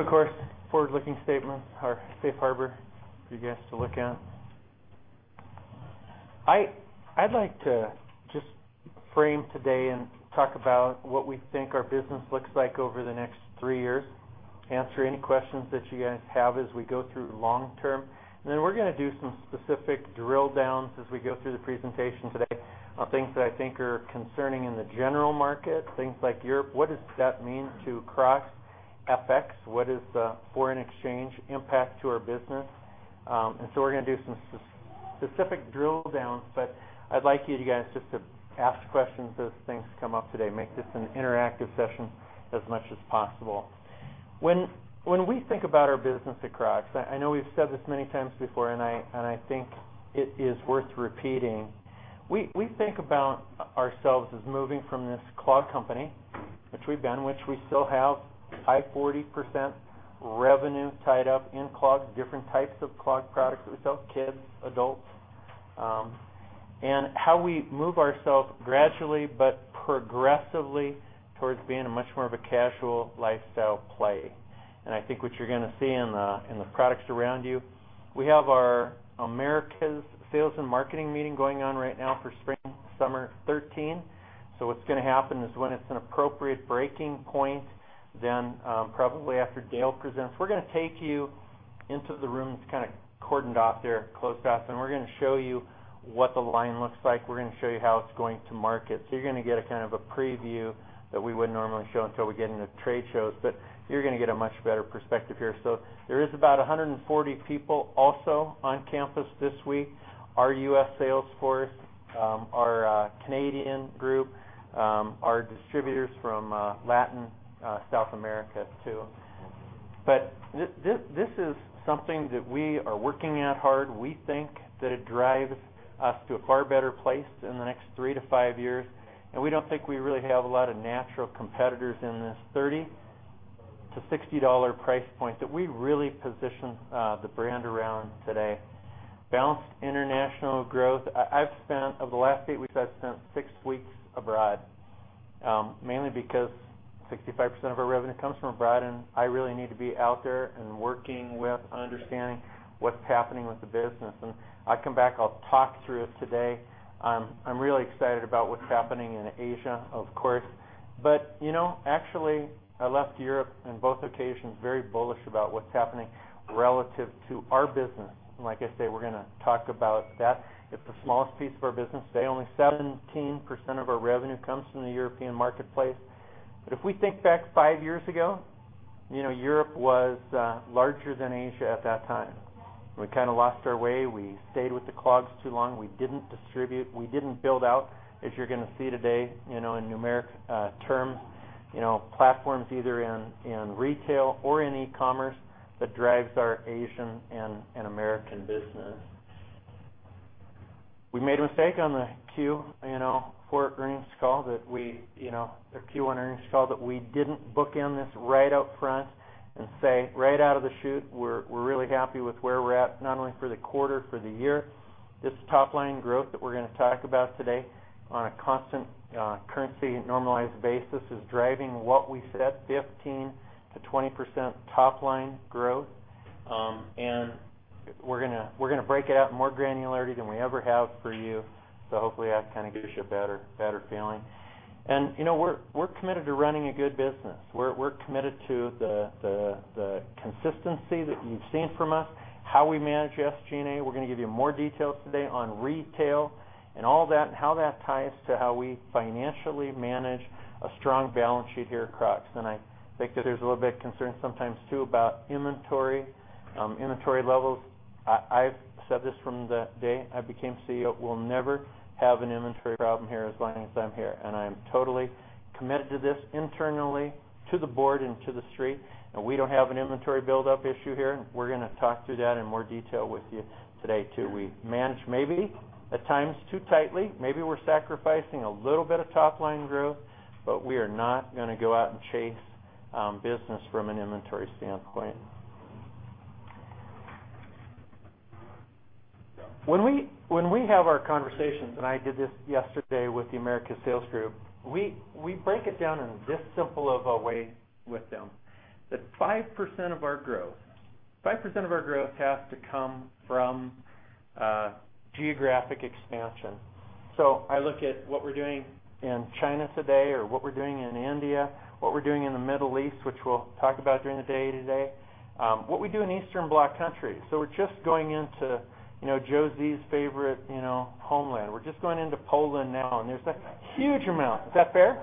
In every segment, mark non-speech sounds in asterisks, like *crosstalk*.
Of course, forward-looking statements are Safe Harbor for you guys to look at. I'd like to just frame today and talk about what we think our business looks like over the next 3 years, answer any questions that you guys have as we go through long-term. We're going to do some specific drill downs as we go through the presentation today on things that I think are concerning in the general market, things like Europe. What does that mean to Crocs FX? What is the foreign exchange impact to our business? We're going to do some specific drill downs, but I'd like you guys just to ask questions as things come up today, make this an interactive session as much as possible. When we think about our business at Crocs, I know we've said this many times before, and I think it is worth repeating. We think about ourselves as moving from this clog company, which we've been, which we still have 40% revenue tied up in clogs, different types of clog products that we sell, kids, adults. How we move ourselves gradually but progressively towards being a much more of a casual lifestyle play. I think what you're going to see in the products around you, we have our Americas sales and marketing meeting going on right now for spring/summer 2013. What's going to happen is when it's an appropriate breaking point, then probably after Dale presents, we're going to take you into the rooms kind of cordoned off there, closed off, and we're going to show you what the line looks like. We're going to show you how it's going to market. You're going to get a preview that we wouldn't normally show until we get into trade shows, but you're going to get a much better perspective here. There is about 140 people also on campus this week. Our U.S. sales force, our Canadian group, our distributors from Latin America, South America, too. This is something that we are working at hard. We think that it drives us to a far better place in the next 3 to 5 years, and we don't think we really have a lot of natural competitors in this $30-$60 price point that we really position the brand around today. Balanced international growth. Of the last 8 weeks, I've spent six weeks abroad, mainly because 65% of our revenue comes from abroad. I really need to be out there and working with understanding what's happening with the business. I come back, I'll talk through it today. I'm really excited about what's happening in Asia, of course. Actually, I left Europe in both occasions very bullish about what's happening relative to our business. Like I say, we're going to talk about that. It's the smallest piece of our business today. Only 17% of our revenue comes from the European marketplace. If we think back five years ago, Europe was larger than Asia at that time. We kind of lost our way. We stayed with the clogs too long. We didn't distribute. We didn't build out, as you're going to see today in numeric terms, platforms either in retail or in e-commerce that drives our Asian and American business. We made a mistake on the Q4 earnings call or Q1 earnings call that we didn't bookend this right up front and say, right out of the chute, we're really happy with where we're at, not only for the quarter, for the year. This top-line growth that we're going to talk about today on a constant currency normalized basis is driving what we set, 15%-20% top line growth. We're going to break it out in more granularity than we ever have for you. Hopefully that kind of gives you a better feeling. We're committed to running a good business. We're committed to the consistency that you've seen from us, how we manage SG&A. We're going to give you more details today on retail and all that and how that ties to how we financially manage a strong balance sheet here at Crocs. I think that there's a little bit of concern sometimes, too, about inventory levels. I've said this from the day I became CEO, we'll never have an inventory problem here as long as I'm here. I am totally committed to this internally, to the board, and to the street. We don't have an inventory buildup issue here. We're going to talk through that in more detail with you today, too. We manage maybe at times too tightly. Maybe we're sacrificing a little bit of top-line growth, but we are not going to go out and chase business from an inventory standpoint. When we have our conversations, and I did this yesterday with the America sales group, we break it down in this simple of a way with them, that 5% of our growth has to come from geographic expansion. I look at what we're doing in China today or what we're doing in India, what we're doing in the Middle East, which we'll talk about during the day today, what we do in Eastern Bloc countries. We're just going into Joe Z's favorite homeland. We're just going into Poland now, and there's a huge amount. Is that fair?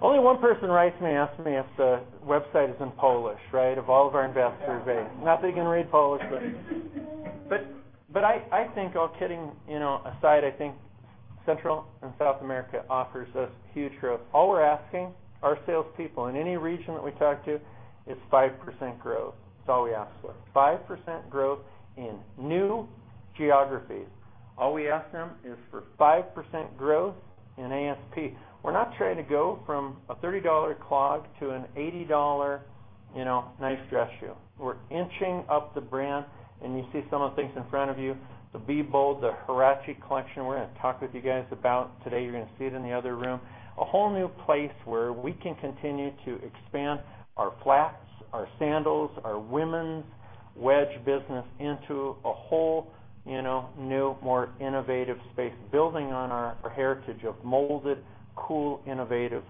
Only one person writes me asking me if the website is in Polish, right, of all of our investors base. Not that you can read Polish but I think all kidding aside, I think Central and South America offers us huge growth. All we're asking our salespeople in any region that we talk to is 5% growth. That's all we ask for. 5% growth in new geographies. All we ask them is for 5% growth in ASP. We're not trying to go from a $30 clog to an $80 nice dress shoe. We're inching up the brand, and you see some of the things in front of you, the Be Bold, the Huarache collection we're going to talk with you guys about today. You're going to see it in the other room. A whole new place where we can continue to expand our flats, our sandals, our women's wedge business into a whole new, more innovative space, building on our heritage of molded, cool, innovative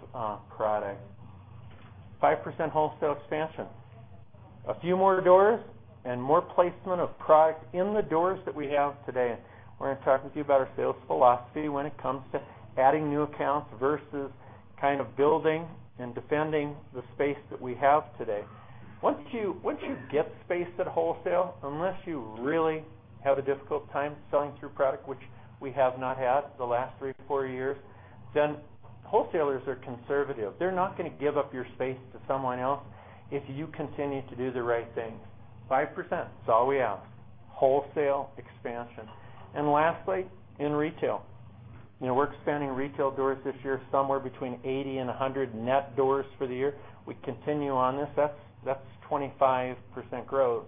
product. 5% wholesale expansion. A few more doors and more placement of product in the doors that we have today. We're going to talk with you about our sales philosophy when it comes to adding new accounts versus building and defending the space that we have today. Once you get space at wholesale, unless you really have a difficult time selling through product, which we have not had the last three to four years, wholesalers are conservative. They're not going to give up your space to someone else if you continue to do the right things. 5%, that's all we ask. Wholesale expansion. Lastly, in retail. We're expanding retail doors this year somewhere between 80 and 100 net doors for the year. We continue on this. That's 25% growth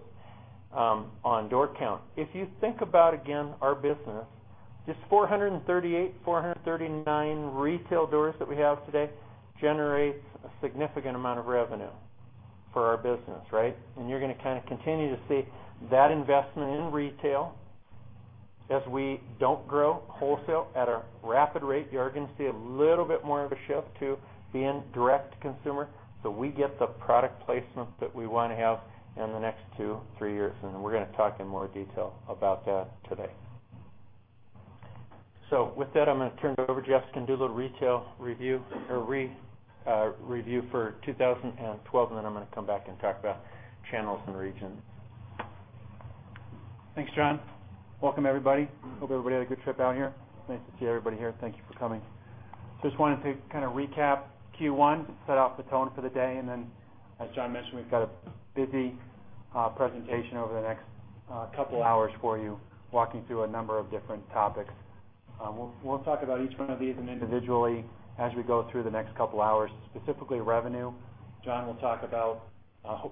on door count. If you think about, again, our business, just 438, 439 retail doors that we have today generates a significant amount of revenue for our business. You're going to continue to see that investment in retail as we don't grow wholesale at a rapid rate. You are going to see a little bit more of a shift to being direct-to-consumer, so we get the product placement that we want to have in the next two, three years. We're going to talk in more detail about that today. With that, I'm going to turn it over. Jeff's going to do a little retail review for 2012. I'm going to come back and talk about channels and regions. Thanks, John. Welcome everybody. Hope everybody had a good trip out here. Nice to see everybody here. Thank you for coming. Just wanted to recap Q1, set off the tone for the day. As John mentioned, we've got a busy presentation over the next couple of hours for you, walking through a number of different topics. We'll talk about each one of these individually as we go through the next couple hours, specifically revenue. John will talk about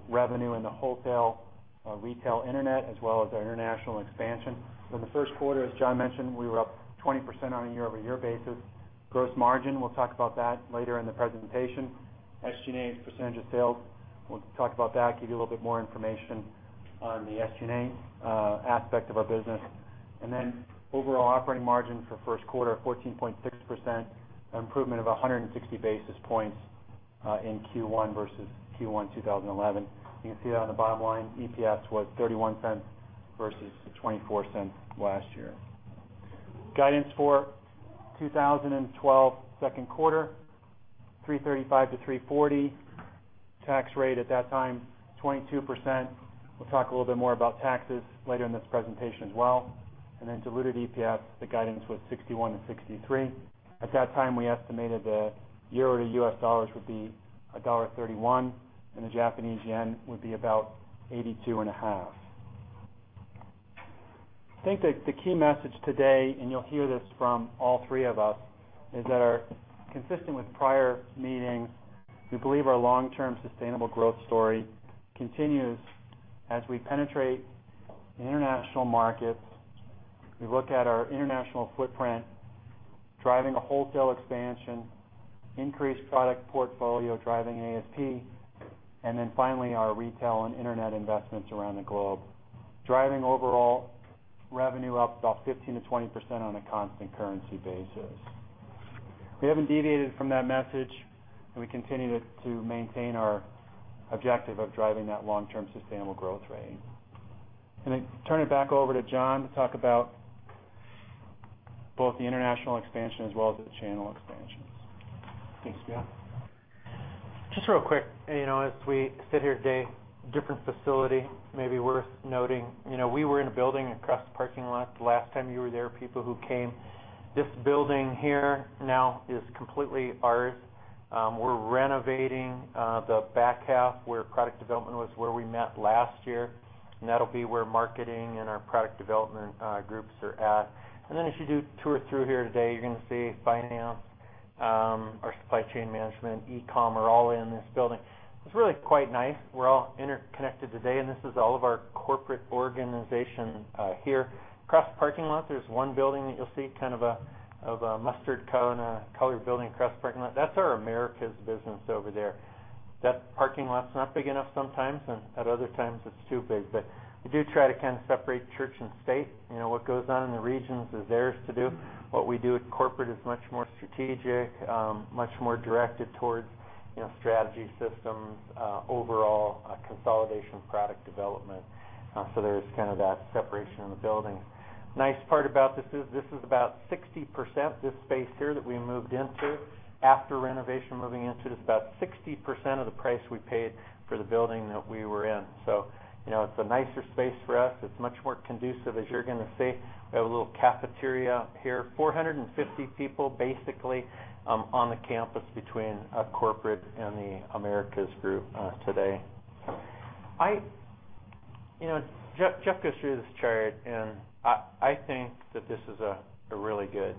revenue in the wholesale, retail, internet, as well as our international expansion. For the first quarter, as John mentioned, we were up 20% on a year-over-year basis. Gross margin, we'll talk about that later in the presentation. SG&A as a percentage of sales, we'll talk about that, give you a little bit more information on the SG&A aspect of our business. Overall operating margin for first quarter of 14.6%, an improvement of 160 basis points in Q1 versus Q1 2011. You can see that on the bottom line. EPS was $0.31 versus $0.24 last year. Guidance for 2012 second quarter, $335-$340. Tax rate at that time, 22%. We'll talk a little bit more about taxes later in this presentation as well. Diluted EPS, the guidance was $0.61-$0.63. At that time, we estimated the euro to U.S. dollars would be $1.31, and the Japanese yen would be about 82.5. I think that the key message today, you'll hear this from all three of us, is that our, consistent with prior meetings, we believe our long-term sustainable growth story continues as we penetrate international markets. We look at our international footprint, driving a wholesale expansion, increased product portfolio driving ASP. Finally, our retail and internet investments around the globe, driving overall revenue up about 15%-20% on a constant currency basis. We haven't deviated from that message. We continue to maintain our objective of driving that long-term sustainable growth rate. I'm going to turn it back over to John to talk about both the international expansion as well as the channel expansions. Thanks, Jeff. Just real quick, as we sit here today, different facility, maybe worth noting. We were in a building across the parking lot the last time you were there, people who came. This building here now is completely ours. We're renovating the back half where product development was, where we met last year. That'll be where marketing and our product development groups are at. As you do tour through here today, you're going to see finance, our supply chain management, e-com are all in this building. It's really quite nice. We're all interconnected today. This is all of our corporate organization here. Across the parking lot, there's one building that you'll see, kind of a mustard-colored building across the parking lot. That's our Americas business over there. That parking lot's not big enough sometimes. At other times it's too big. We do try to separate church and state. What goes on in the regions is theirs to do. What we do at corporate is much more strategic, much more directed towards strategy systems, overall consolidation of product development. There's that separation in the building. Nice part about this is this is about 60%, this space here that we moved into after renovation, moving into this, about 60% of the price we paid for the building that we were in. It's a nicer space for us. It's much more conducive, as you're going to see. We have a little cafeteria here. 450 people basically on the campus between corporate and the Americas group today. Jeff goes through this chart. I think that this is a really good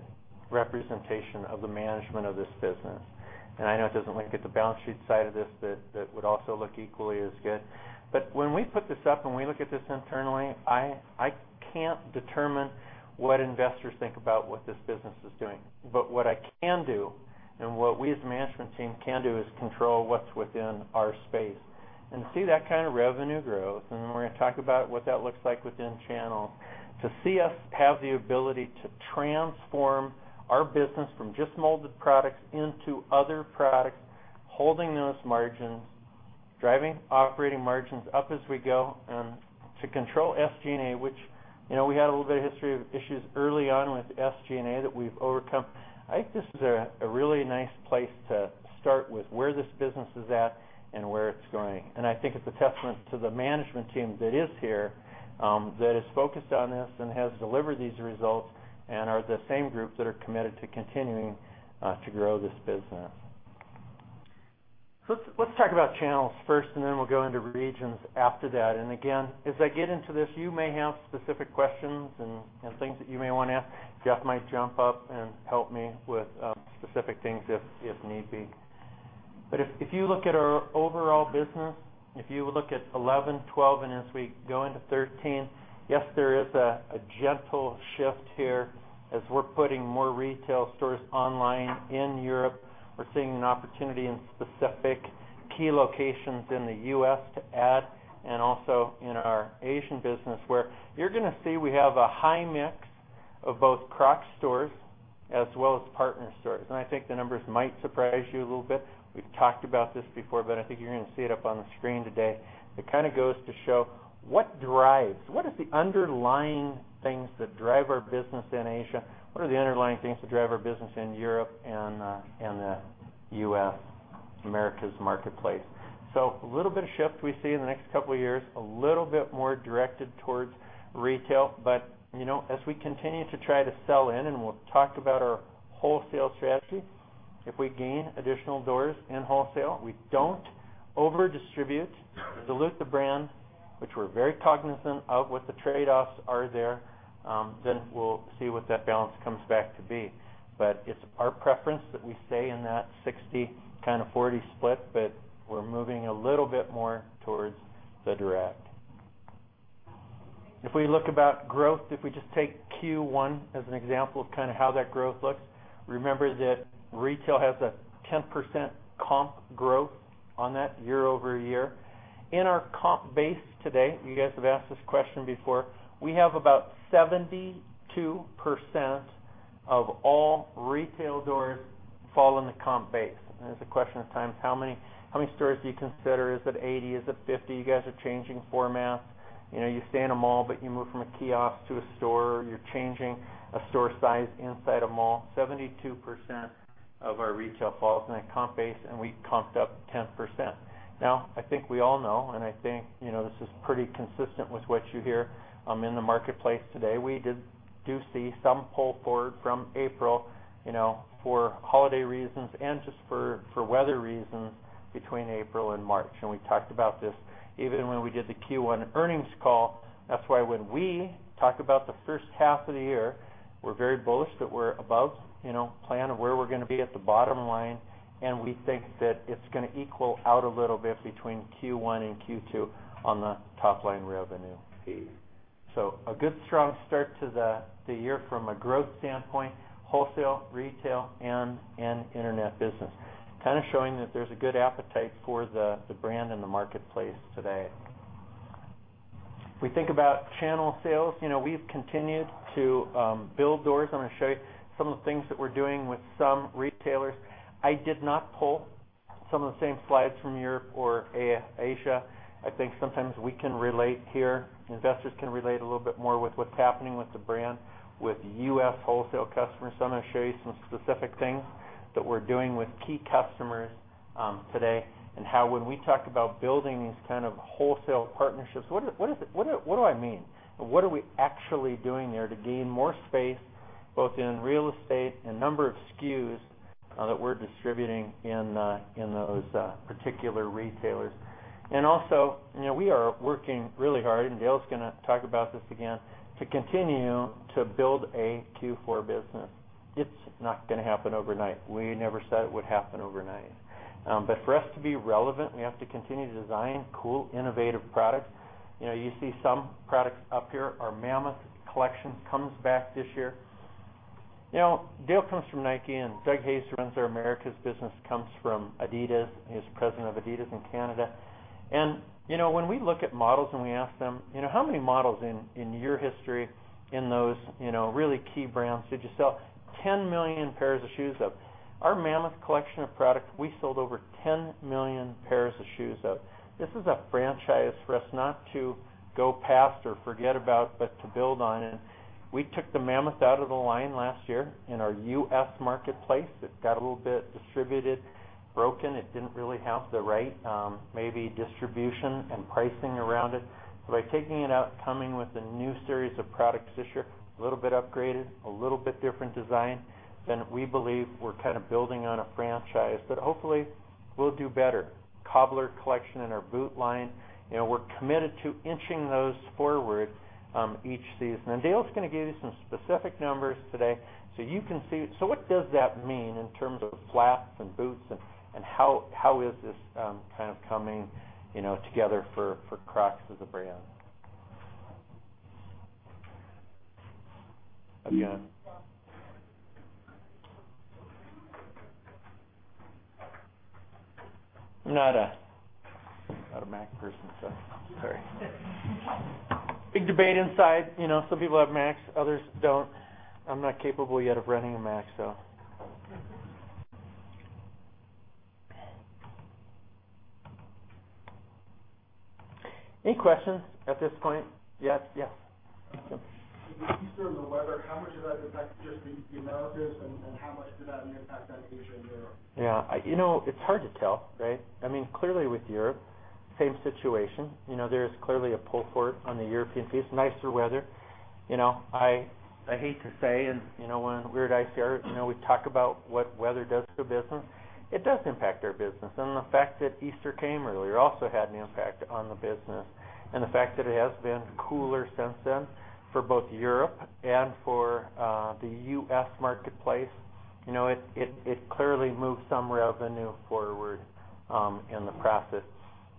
representation of the management of this business. I know it doesn't look at the balance sheet side of this that would also look equally as good. When we put this up and we look at this internally, I can't determine what investors think about what this business is doing. What I can do, and what we as a management team can do, is control what's within our space. See that kind of revenue growth. We're going to talk about what that looks like within channels. To see us have the ability to transform our business from just molded products into other products, holding those margins, driving operating margins up as we go, to control SG&A, which we had a little bit of history of issues early on with SG&A that we've overcome. I think this is a really nice place to start with where this business is at and where it's going. I think it's a testament to the management team that is here, that is focused on this and has delivered these results and are the same group that are committed to continuing to grow this business. Let's talk about channels first, then we'll go into regions after that. Again, as I get into this, you may have specific questions and things that you may want to ask. Jeff might jump up and help me with specific things if need be. If you look at our overall business, if you look at 2011, 2012, and as we go into 2013, yes, there is a gentle shift here as we're putting more retail stores online in Europe. We're seeing an opportunity in specific key locations in the U.S. to add, and also in our Asian business where you're going to see we have a high mix of both Crocs stores as well as partner stores. I think the numbers might surprise you a little bit. We've talked about this before, but I think you're going to see it up on the screen today. It goes to show what drives, what is the underlying things that drive our business in Asia? What are the underlying things that drive our business in Europe and the U.S., Americas marketplace? A little bit of shift we see in the next couple of years, a little bit more directed towards retail. As we continue to try to sell in, and we'll talk about our wholesale strategy, if we gain additional doors in wholesale, we don't over distribute, dilute the brand, which we're very cognizant of what the trade-offs are there, then we'll see what that balance comes back to be. It's our preference that we stay in that 60/40 split, but we're moving a little bit more towards the direct. If we look about growth, if we just take Q1 as an example of how that growth looks, remember that retail has a 10% comp growth on that year-over-year. In our comp base today, you guys have asked this question before, we have about 72% of all retail doors fall in the comp base. There's a question of times, how many stores do you consider? Is it 80? Is it 50? You guys are changing format. You stay in a mall, but you move from a kiosk to a store. You're changing a store size inside a mall. 72% of our retail falls in that comp base, and we comped up 10%. Now, I think we all know, and I think this is pretty consistent with what you hear in the marketplace today, we do see some pull forward from April for holiday reasons and just for weather reasons between April and March. We talked about this even when we did the Q1 earnings call. That's why when we talk about the first half of the year, we're very bullish that we're above plan of where we're going to be at the bottom line, and we think that it's going to equal out a little bit between Q1 and Q2 on the top-line revenue. A good strong start to the year from a growth standpoint, wholesale, retail, and internet business. Kind of showing that there's a good appetite for the brand in the marketplace today. If we think about channel sales, we've continued to build doors. I'm going to show you some of the things that we're doing with some retailers. I did not pull some of the same slides from Europe or Asia. I think sometimes we can relate here. Investors can relate a little bit more with what's happening with the brand with U.S. wholesale customers. I'm going to show you some specific things that we're doing with key customers today and how when we talk about building these kind of wholesale partnerships, what do I mean? What are we actually doing there to gain more space, both in real estate and number of SKUs that we're distributing in those particular retailers. We are working really hard, and Dale's going to talk about this again, to continue to build a Q4 business. It's not going to happen overnight. We never said it would happen overnight. For us to be relevant, we have to continue to design cool, innovative products. You see some products up here. Our Mammoth collection comes back this year. Dale comes from Nike and Doug Hayes, who runs our Americas business, comes from Adidas, he was president of Adidas in Canada. When we look at models and we ask them, "How many models in your history in those really key brands did you sell 10 million pairs of shoes of?" Our Mammoth collection of product, we sold over 10 million pairs of shoes of. This is a franchise for us not to go past or forget about, but to build on. We took the Mammoth out of the line last year in our U.S. marketplace. It got a little bit distributed, broken. It didn't really have the right maybe distribution and pricing around it. By taking it out, coming with a new series of products this year, a little bit upgraded, a little bit different design, then we believe we're building on a franchise that hopefully will do better. Cobbler collection and our boot line, we're committed to inching those forward each season. Dale's going to give you some specific numbers today so you can see. What does that mean in terms of flats and boots and how is this coming together for Crocs as a brand? Again. I'm not a Mac person, so sorry. Big debate inside. Some people have Macs, others don't. I'm not capable yet of running a Mac. Any questions at this point? Yes. With Easter and the weather, how much does that affect just the Americas, and how much did that impact on Asia and Europe? Yeah. It's hard to tell, right? Clearly with Europe, same situation. There's clearly a pull forward on the European piece, nicer weather. I hate to say when we're at ICR, we talk about what weather does to a business. It does impact our business. The fact that Easter came earlier also had an impact on the business, and the fact that it has been cooler since then for both Europe and for the U.S. marketplace. It clearly moved some revenue forward in the process.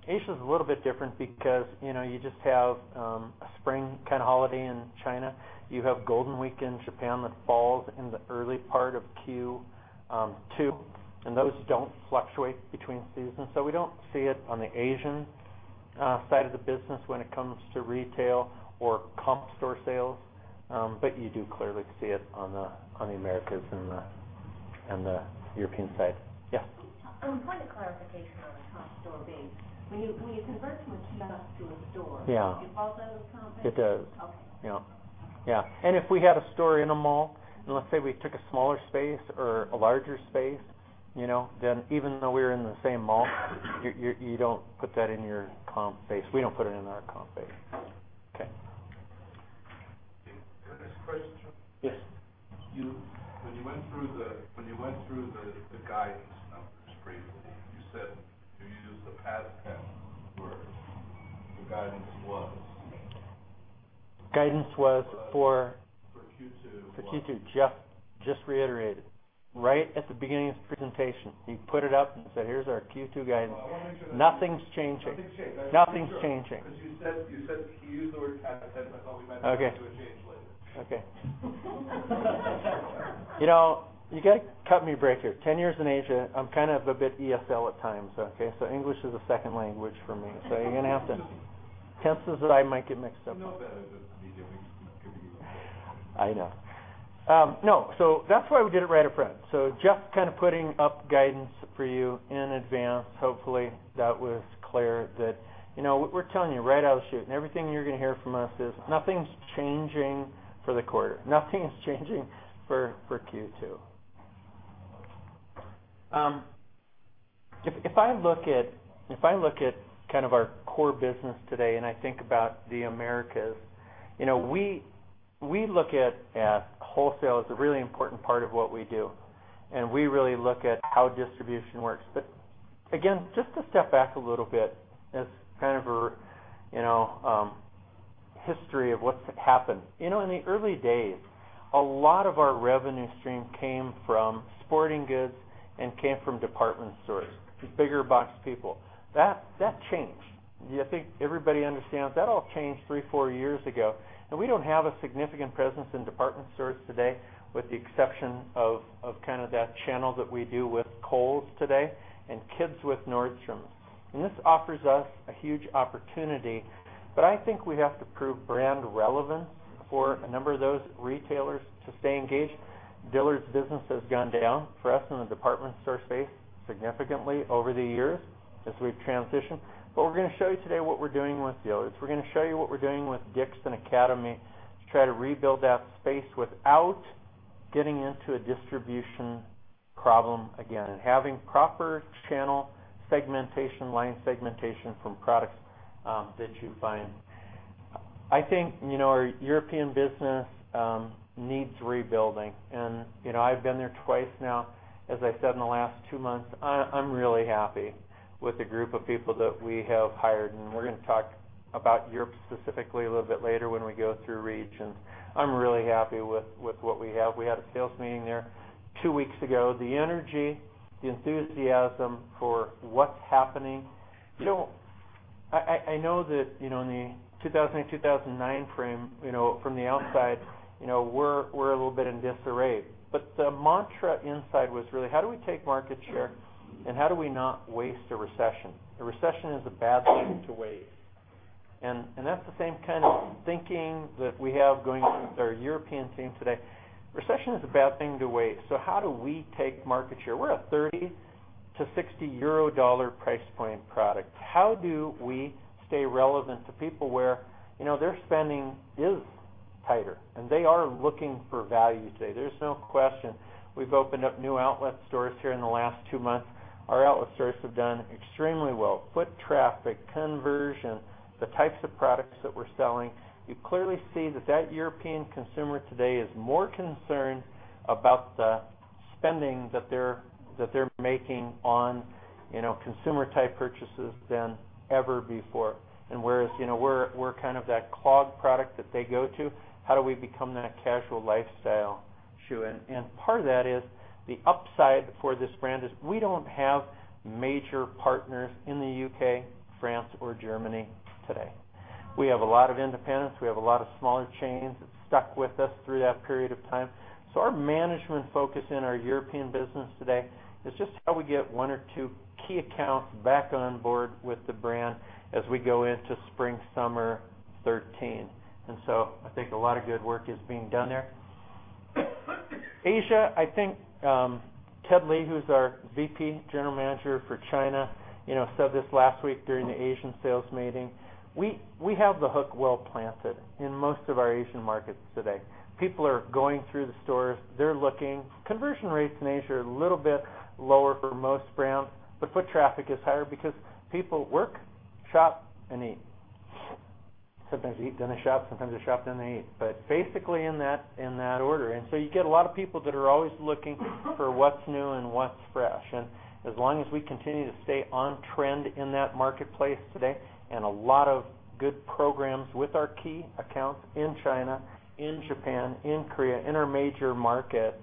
Asia's a little bit different because you just have a spring kind of holiday in China. You have Golden Week in Japan that falls in the early part of Q2, and those don't fluctuate between seasons. We don't see it on the Asian side of the business when it comes to retail or comp store sales. You do clearly see it on the Americas and the European side. Yeah. Point of clarification on the comp store base. When you convert from a TUP to a store- Yeah, do you follow those comps in? It does. Okay. Yeah. If we had a store in a mall, and let's say we took a smaller space or a larger space, then even though we're in the same mall, you don't put that in your comp base. We don't put it in our comp base. Okay. Next question. Yes. When you went through the guidance numbers briefly, you used the past tense where the guidance was. Guidance was for- For Q2 was- For Q2, just reiterated. Right at the beginning of this presentation, we put it up and said, "Here's our Q2 guidance. I want to make sure that. Nothing's changing. Nothing's changed. I just want to be sure. Nothing's changing. You used the word past tense. I thought we might. Okay Doing a change later. Okay. You got to cut me a break here. Ten years in Asia, I'm kind of a bit ESL at times, okay? English is a second language for me. You're going to have to. Tenses that I might get mixed up on. We know about it, the media might not give you a break. That's why we did it right up front. Just kind of putting up guidance for you in advance. Hopefully, that was clear that we're telling you right out of the chute and everything you're going to hear from us is nothing's changing for the quarter. Nothing's changing for Q2. If I look at kind of our core business today and I think about the Americas, we look at wholesale as a really important part of what we do, and we really look at how distribution works. Again, just to step back a little bit as kind of a history of what's happened. In the early days, a lot of our revenue stream came from sporting goods and came from department stores, bigger box people. That changed. I think everybody understands that all changed three, four years ago. We don't have a significant presence in department stores today, with the exception of that channel that we do with Kohl's today and kids with Nordstrom. This offers us a huge opportunity. I think we have to prove brand relevance for a number of those retailers to stay engaged. Dillard's business has gone down for us in the department store space significantly over the years as we've transitioned. We're going to show you today what we're doing with Dillard's. We're going to show you what we're doing with Dick's and Academy to try to rebuild that space without getting into a distribution problem again and having proper channel segmentation, line segmentation from products that you find. I think our European business needs rebuilding. I've been there twice now, as I said, in the last two months. I'm really happy with the group of people that we have hired. We're going to talk about Europe specifically a little bit later when we go through regions. I'm really happy with what we have. We had a sales meeting there two weeks ago. The energy, the enthusiasm for what's happening. I know that in the 2008, 2009 frame, from the outside, we're a little bit in disarray. The mantra inside was really how do we take market share and how do we not waste a recession? A recession is a bad thing to waste. That's the same kind of thinking that we have going with our European team today. Recession is a bad thing to waste. How do we take market share? We're a 30-60 euro dollar price point product. How do we stay relevant to people where their spending is tighter and they are looking for value today? There's no question we've opened up new outlet stores here in the last two months. Our outlet stores have done extremely well. Foot traffic, conversion, the types of products that we're selling. You clearly see that that European consumer today is more concerned about the spending that they're making on consumer-type purchases than ever before. Whereas we're kind of that clog product that they go to, how do we become that casual lifestyle shoe in. Part of that is the upside for this brand is we don't have major partners in the U.K., France, or Germany today. We have a lot of independents. We have a lot of smaller chains that stuck with us through that period of time. Our management focus in our European business today is just how we get one or two key accounts back on board with the brand as we go into spring, summer 2013. I think a lot of good work is being done there. Asia, I think Ted Lee, who's our VP General Manager for China, said this last week during the Asian sales meeting, we have the hook well planted in most of our Asian markets today. People are going through the stores, they're looking. Conversion rates in Asia are a little bit lower for most brands, but foot traffic is higher because people work, shop, and eat. Sometimes eat, then they shop, sometimes they shop, then they eat. Basically in that order. You get a lot of people that are always looking for what's new and what's fresh. As long as we continue to stay on trend in that marketplace today and a lot of good programs with our key accounts in China, in Japan, in Korea, in our major market,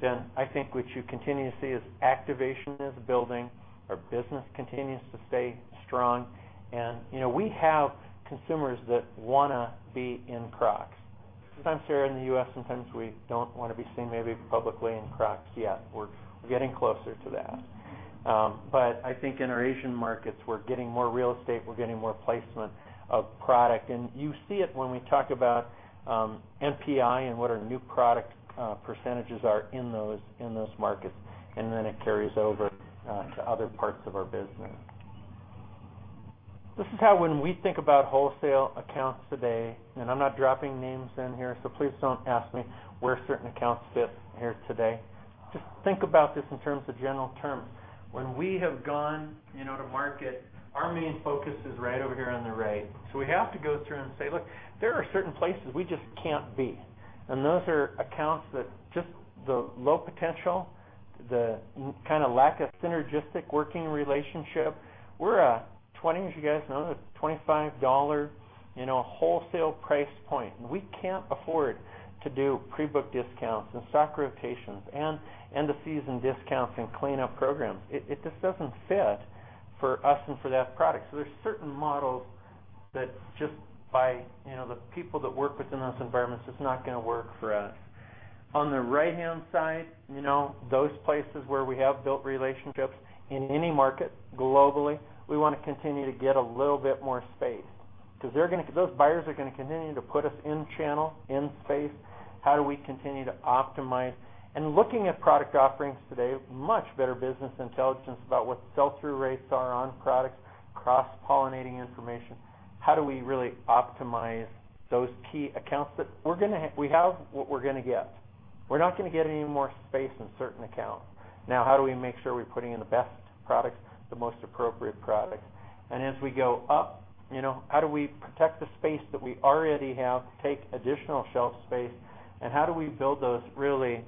then I think what you continue to see is activation is building, our business continues to stay strong. We have consumers that want to be in Crocs. Sometimes here in the U.S., sometimes we don't want to be seen maybe publicly in Crocs yet. We're getting closer to that. I think in our Asian markets, we're getting more real estate, we're getting more placement of product. You see it when we talk about NPI and what our new product % are in those markets. It carries over to other parts of our business. This is how when we think about wholesale accounts today, I'm not dropping names in here, please don't ask me where certain accounts fit here today. Just think about this in terms of general terms. When we have gone to market, our main focus is right over here on the right. We have to go through and say, look, there are certain places we just can't be. Those are accounts that just the low potential, the lack of synergistic working relationship. We're a 20, as you guys know, $25 wholesale price point, and we can't afford to do pre-book discounts and stock rotations and end-of-season discounts and cleanup programs. It just doesn't fit for us and for that product. There's certain models that just by the people that work within those environments, it's not going to work for us. On the right-hand side, those places where we have built relationships in any market globally, we want to continue to get a little bit more space because those buyers are going to continue to put us in channel, in space. How do we continue to optimize? Looking at product offerings today, much better business intelligence about what sell-through rates are on products, cross-pollinating information. How do we really optimize those key accounts that we have what we're going to get. We're not going to get any more space in certain accounts. Now, how do we make sure we're putting in the best products, the most appropriate products? As we go up, how do we protect the space that we already have, take additional shelf space, and how do we build those really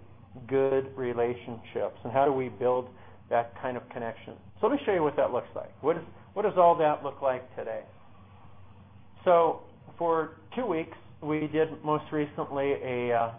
good relationships, and how do we build that kind of connection? Let me show you what that looks like. What does all that look like today? For two weeks, we did most recently a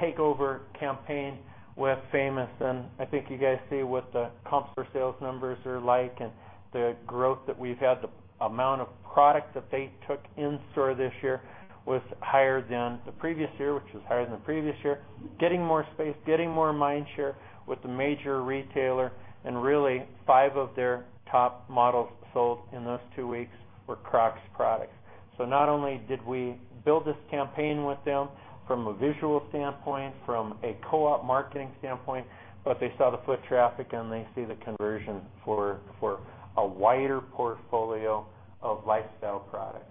takeover campaign with Famous Footwear, and I think you guys see what the comp store sales numbers are like and the growth that we've had, the amount of product that they took in store this year was higher than the previous year, which was higher than the previous year. Getting more space, getting more mind share with the major retailer, and really five of their top models sold in those two weeks were Crocs products. Not only did we build this campaign with them from a visual standpoint, from a co-op marketing standpoint, but they saw the foot traffic and they see the conversion for a wider portfolio of lifestyle products.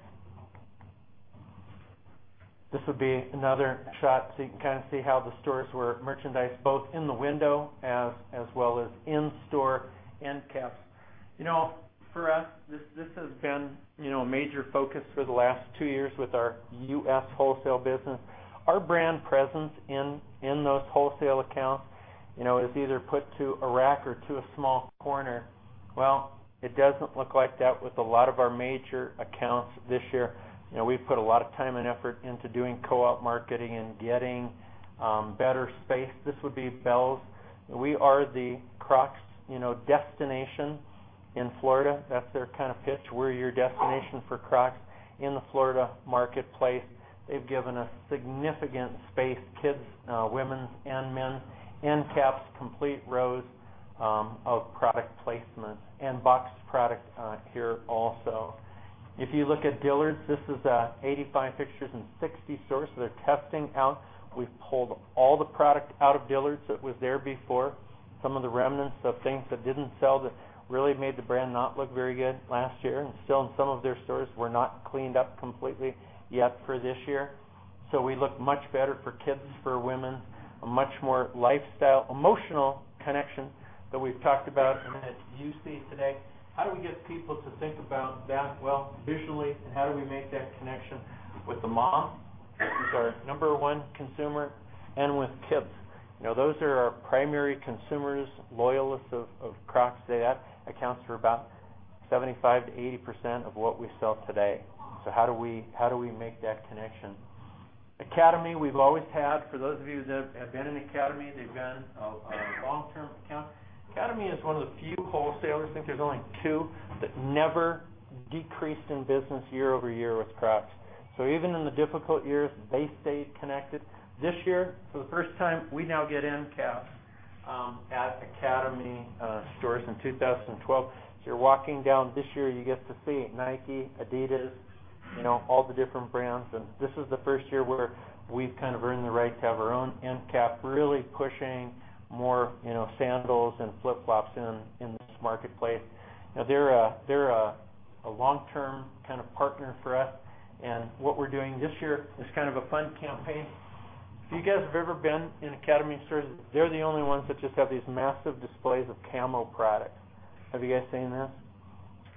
This would be another shot you can kind of see how the stores were merchandised both in the window as well as in-store end caps. For us, this has been a major focus for the last two years with our U.S. wholesale business. Our brand presence in those wholesale accounts is either put to a rack or to a small corner. It doesn't look like that with a lot of our major accounts this year. We've put a lot of time and effort into doing co-op marketing and getting better space. This would be Belk. We are the Crocs destination in Florida. That's their pitch. We're your destination for Crocs in the Florida marketplace. They've given us significant space, kids, women's, and men's, end caps, complete rows of product placement, and boxed product here also. If you look at Dillard's, this is 85 fixtures in 60 stores that are testing out. We've pulled all the product out of Dillard's that was there before. Some of the remnants of things that didn't sell that really made the brand not look very good last year, and still in some of their stores were not cleaned up completely yet for this year. We look much better for kids, for women, a much more lifestyle, emotional connection that we've talked about and that you see today. How do we get people to think about that? Visually, and how do we make that connection with the mom, who's our number 1 consumer, and with kids? Those are our primary consumers, loyalists of Crocs today. That accounts for about 75%-80% of what we sell today. How do we make that connection? Academy, we've always had, for those of you that have been in Academy, they've been a long-term account. Academy is one of the few wholesalers, I think there's only two, that never decreased in business year-over-year with Crocs. Even in the difficult years, they stayed connected. This year, for the first time, we now get end caps at Academy stores in 2012. You're walking down this year, you get to see Nike, Adidas, all the different brands. This is the first year where we've earned the right to have our own end cap, really pushing more sandals and flip-flops in this marketplace. They're a long-term kind of partner for us, and what we're doing this year is kind of a fun campaign. If you guys have ever been in Academy stores, they're the only ones that just have these massive displays of camo products. Have you guys seen this?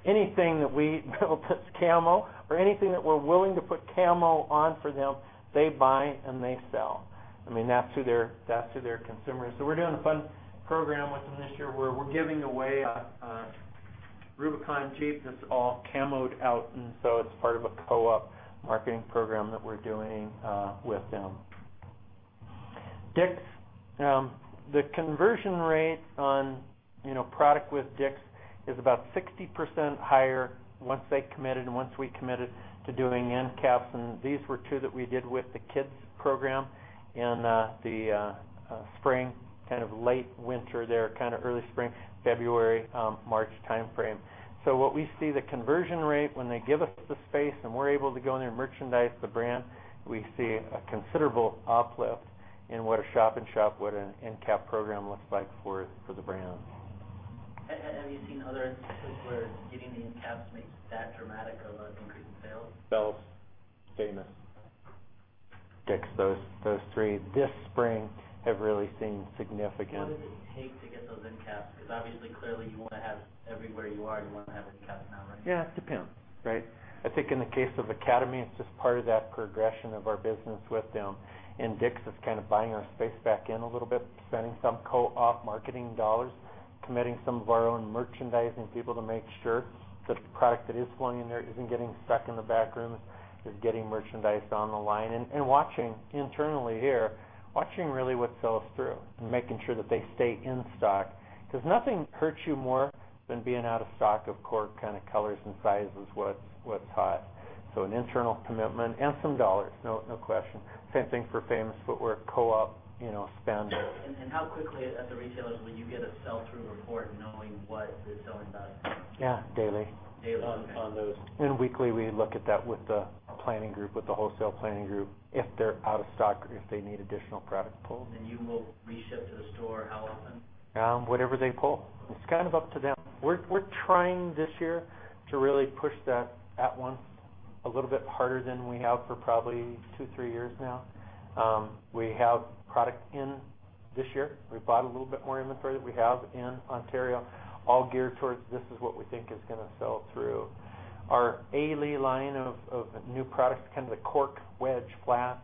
Anything that we put camo or anything that we're willing to put camo on for them, they buy and they sell. That's who their consumer is. We're doing a fun program with them this year where we're giving away a Rubicon Jeep that's all camoed out, it's part of a co-op marketing program that we're doing with them. Dick's, the conversion rate on product with Dick's is about 60% higher once they committed and once we committed to doing end caps, and these were two that we did with the kids program in the spring, kind of late winter there, early spring, February, March timeframe. What we see the conversion rate when they give us the space and we're able to go in there and merchandise the brand, we see a considerable uplift in what a shop in shop, what an end cap program looks like for the brand. Have you seen other instances where getting the end caps makes that dramatic of an increase in sales? Bealls, Famous, Dick's, those three this spring have really seen significant. What does it take to get those end caps? Obviously, clearly you want to have everywhere you are, you want to have an end cap now, right? Yeah, it depends, right? I think in the case of Academy, it's just part of that progression of our business with them. Dick's is kind of buying our space back in a little bit, spending some co-op marketing dollars, committing some of our own merchandising people to make sure that the product that is flowing in there isn't getting stuck in the back rooms, is getting merchandised on the line. Watching internally here, watching really what sells through and making sure that they stay in stock. Nothing hurts you more than being out of stock of core kind of colors and sizes, what's hot. An internal commitment and some dollars. No question. Same thing for Famous Footwear co-op spend. How quickly at the retailers will you get a sell-through report knowing what is selling best? Yeah, daily. Daily. Okay. On those. Weekly, we look at that with the planning group, with the wholesale planning group, if they're out of stock or if they need additional product pulled. You will reship to the store how often? Whatever they pull. It's kind of up to them. We're trying this year to really push that at once a little bit harder than we have for probably two, three years now. We have product in this year. We've bought a little bit more inventory that we have in Ontario, all geared towards this is what we think is going to sell through. Our A-Leigh line of new products, kind of the cork wedge flat.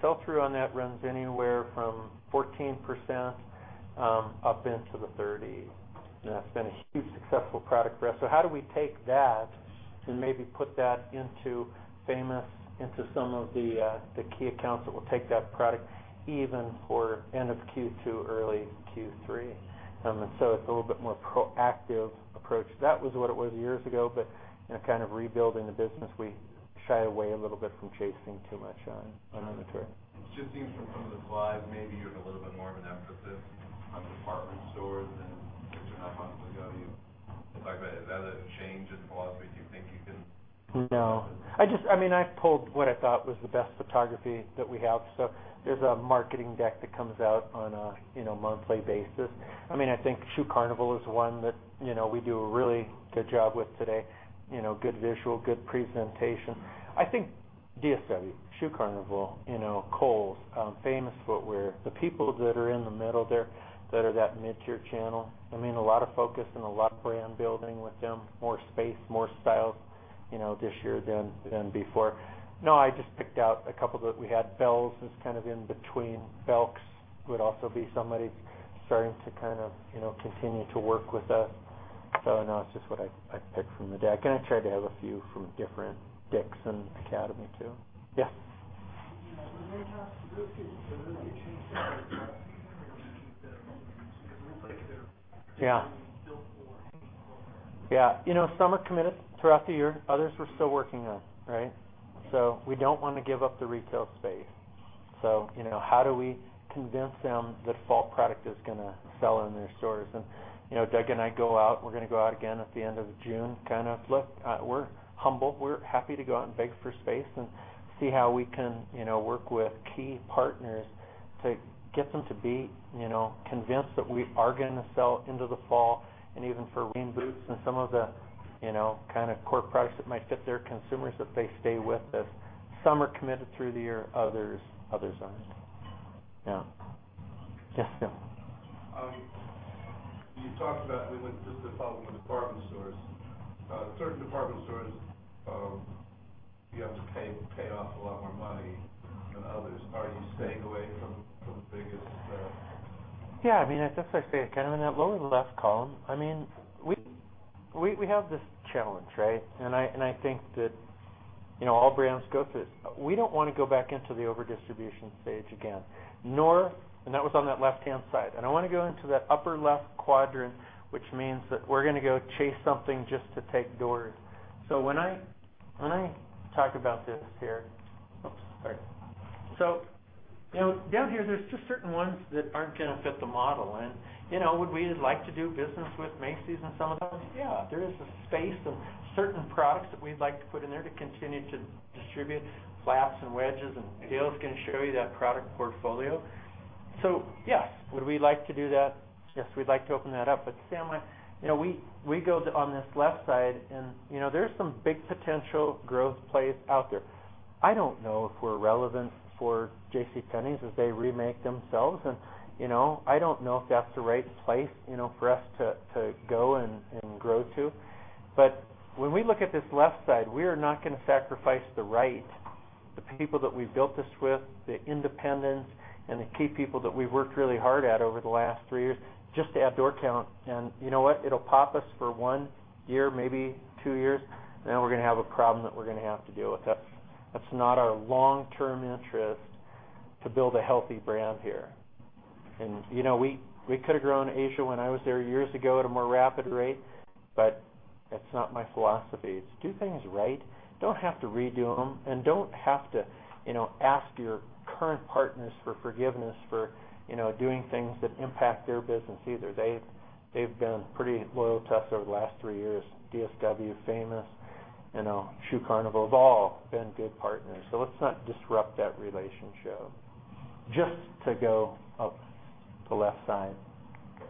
Sell-through on that runs anywhere from 14% up into the 30, and that's been a huge successful product for us. How do we take that and maybe put that into Famous Footwear, into some of the key accounts that will take that product even for end of Q2, early Q3? It's a little bit more proactive approach. That was what it was years ago, but kind of rebuilding the business, we shied away a little bit from chasing too much on inventory. It just seems from some of the slides, maybe you have a little bit more of an emphasis on department stores than perhaps in the past. You talked about, is that a change in philosophy? Do you think you can No. I pulled what I thought was the best photography that we have. There's a marketing deck that comes out on a monthly basis. I think Shoe Carnival is one that we do a really good job with today. Good visual, good presentation. I think DSW, Shoe Carnival, Kohl's, Famous Footwear, the people that are in the middle there, that are that mid-tier channel, a lot of focus and a lot of brand building with them, more space, more styles this year than before. No, I just picked out a couple that we had. Bealls is kind of in between. Belk would also be somebody starting to kind of continue to work with us. No, it's just what I picked from the deck, and I tried to have a few from different Dick's and Academy, too. Yeah. For the end caps, do those get changed out every season or do you keep them all year? Because it looks like they're Yeah going to be built for fall/winter. Yeah. Some are committed throughout the year. Others we're still working on, right? We don't want to give up the retail space. How do we convince them that fall product is going to sell in their stores? Doug and I go out, we're going to go out again at the end of June, kind of look. We're humble. We're happy to go out and beg for space and see how we can work with key partners to get them to be convinced that we are going to sell into the fall and even for rain boots and some of the kind of core products that might fit their consumers if they stay with us. Some are committed through the year, others aren't. Yeah. Yes, Tim. You talked about, we went just to follow up on department stores. Certain department stores You have to pay off a lot more money than others. Are you staying away from the biggest- Just like I say, in that lower left column, we have this challenge, right? I think that all brands go through it. We don't want to go back into the over-distribution stage again. Nor, that was on that left-hand side. I don't want to go into that upper left quadrant, which means that we're going to go chase something just to take doors. When I talk about this here. Oops, sorry. Down here, there's just certain ones that aren't going to fit the model and would we like to do business with Macy's and some of those? Yeah. There is a space of certain products that we'd like to put in there to continue to distribute flats and wedges and Dale's going to show you that product portfolio. Yes. Would we like to do that? Yes, we'd like to open that up. Somehow, we go on this left side and there's some big potential growth plays out there. I don't know if we're relevant for JCPenney as they remake themselves, and I don't know if that's the right place for us to go and grow to. When we look at this left side, we are not going to sacrifice the right, the people that we built this with, the independents and the key people that we've worked really hard at over the last three years just to add door count. You know what? It'll pop us for one year, maybe two years, then we're going to have a problem that we're going to have to deal with. That's not our long-term interest to build a healthy brand here. We could have grown Asia when I was there years ago at a more rapid rate, but that's not my philosophy. It's do things right. Don't have to redo them and don't have to ask your current partners for forgiveness for doing things that impact their business either. They've been pretty loyal to us over the last three years. DSW, Famous Footwear, Shoe Carnival have all been good partners, let's not disrupt that relationship just to go up the left side. Okay.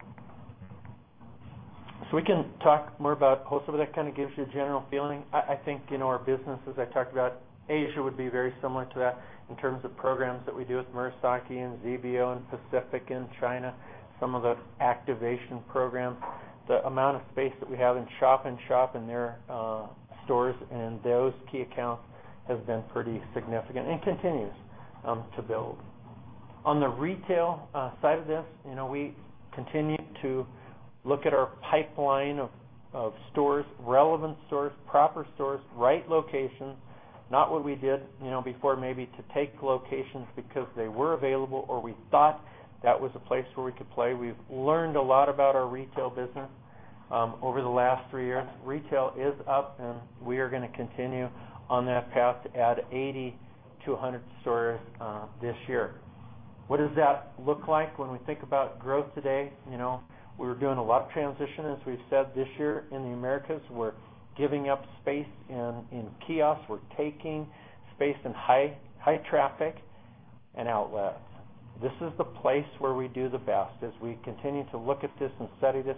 All right. Hopefully, some of that kind of gives you a general feeling. I think our business, as I talked about, Asia would be very similar to that in terms of programs that we do with Murasaki Sports and ZBO and Pacific in China, some of the activation programs. The amount of space that we have in shop and their stores and those key accounts has been pretty significant and continues to build. On the retail side of this, we continue to look at our pipeline of stores, relevant stores, proper stores, right locations, not what we did before maybe to take locations because they were available or we thought that was a place where we could play. We've learned a lot about our retail business over the last three years. Retail is up. We are going to continue on that path to add 80-100 stores this year. What does that look like when we think about growth today? We're doing a lot of transition, as we've said this year in the Americas. We're giving up space in kiosks. We're taking space in high traffic and outlets. This is the place where we do the best as we continue to look at this and study this.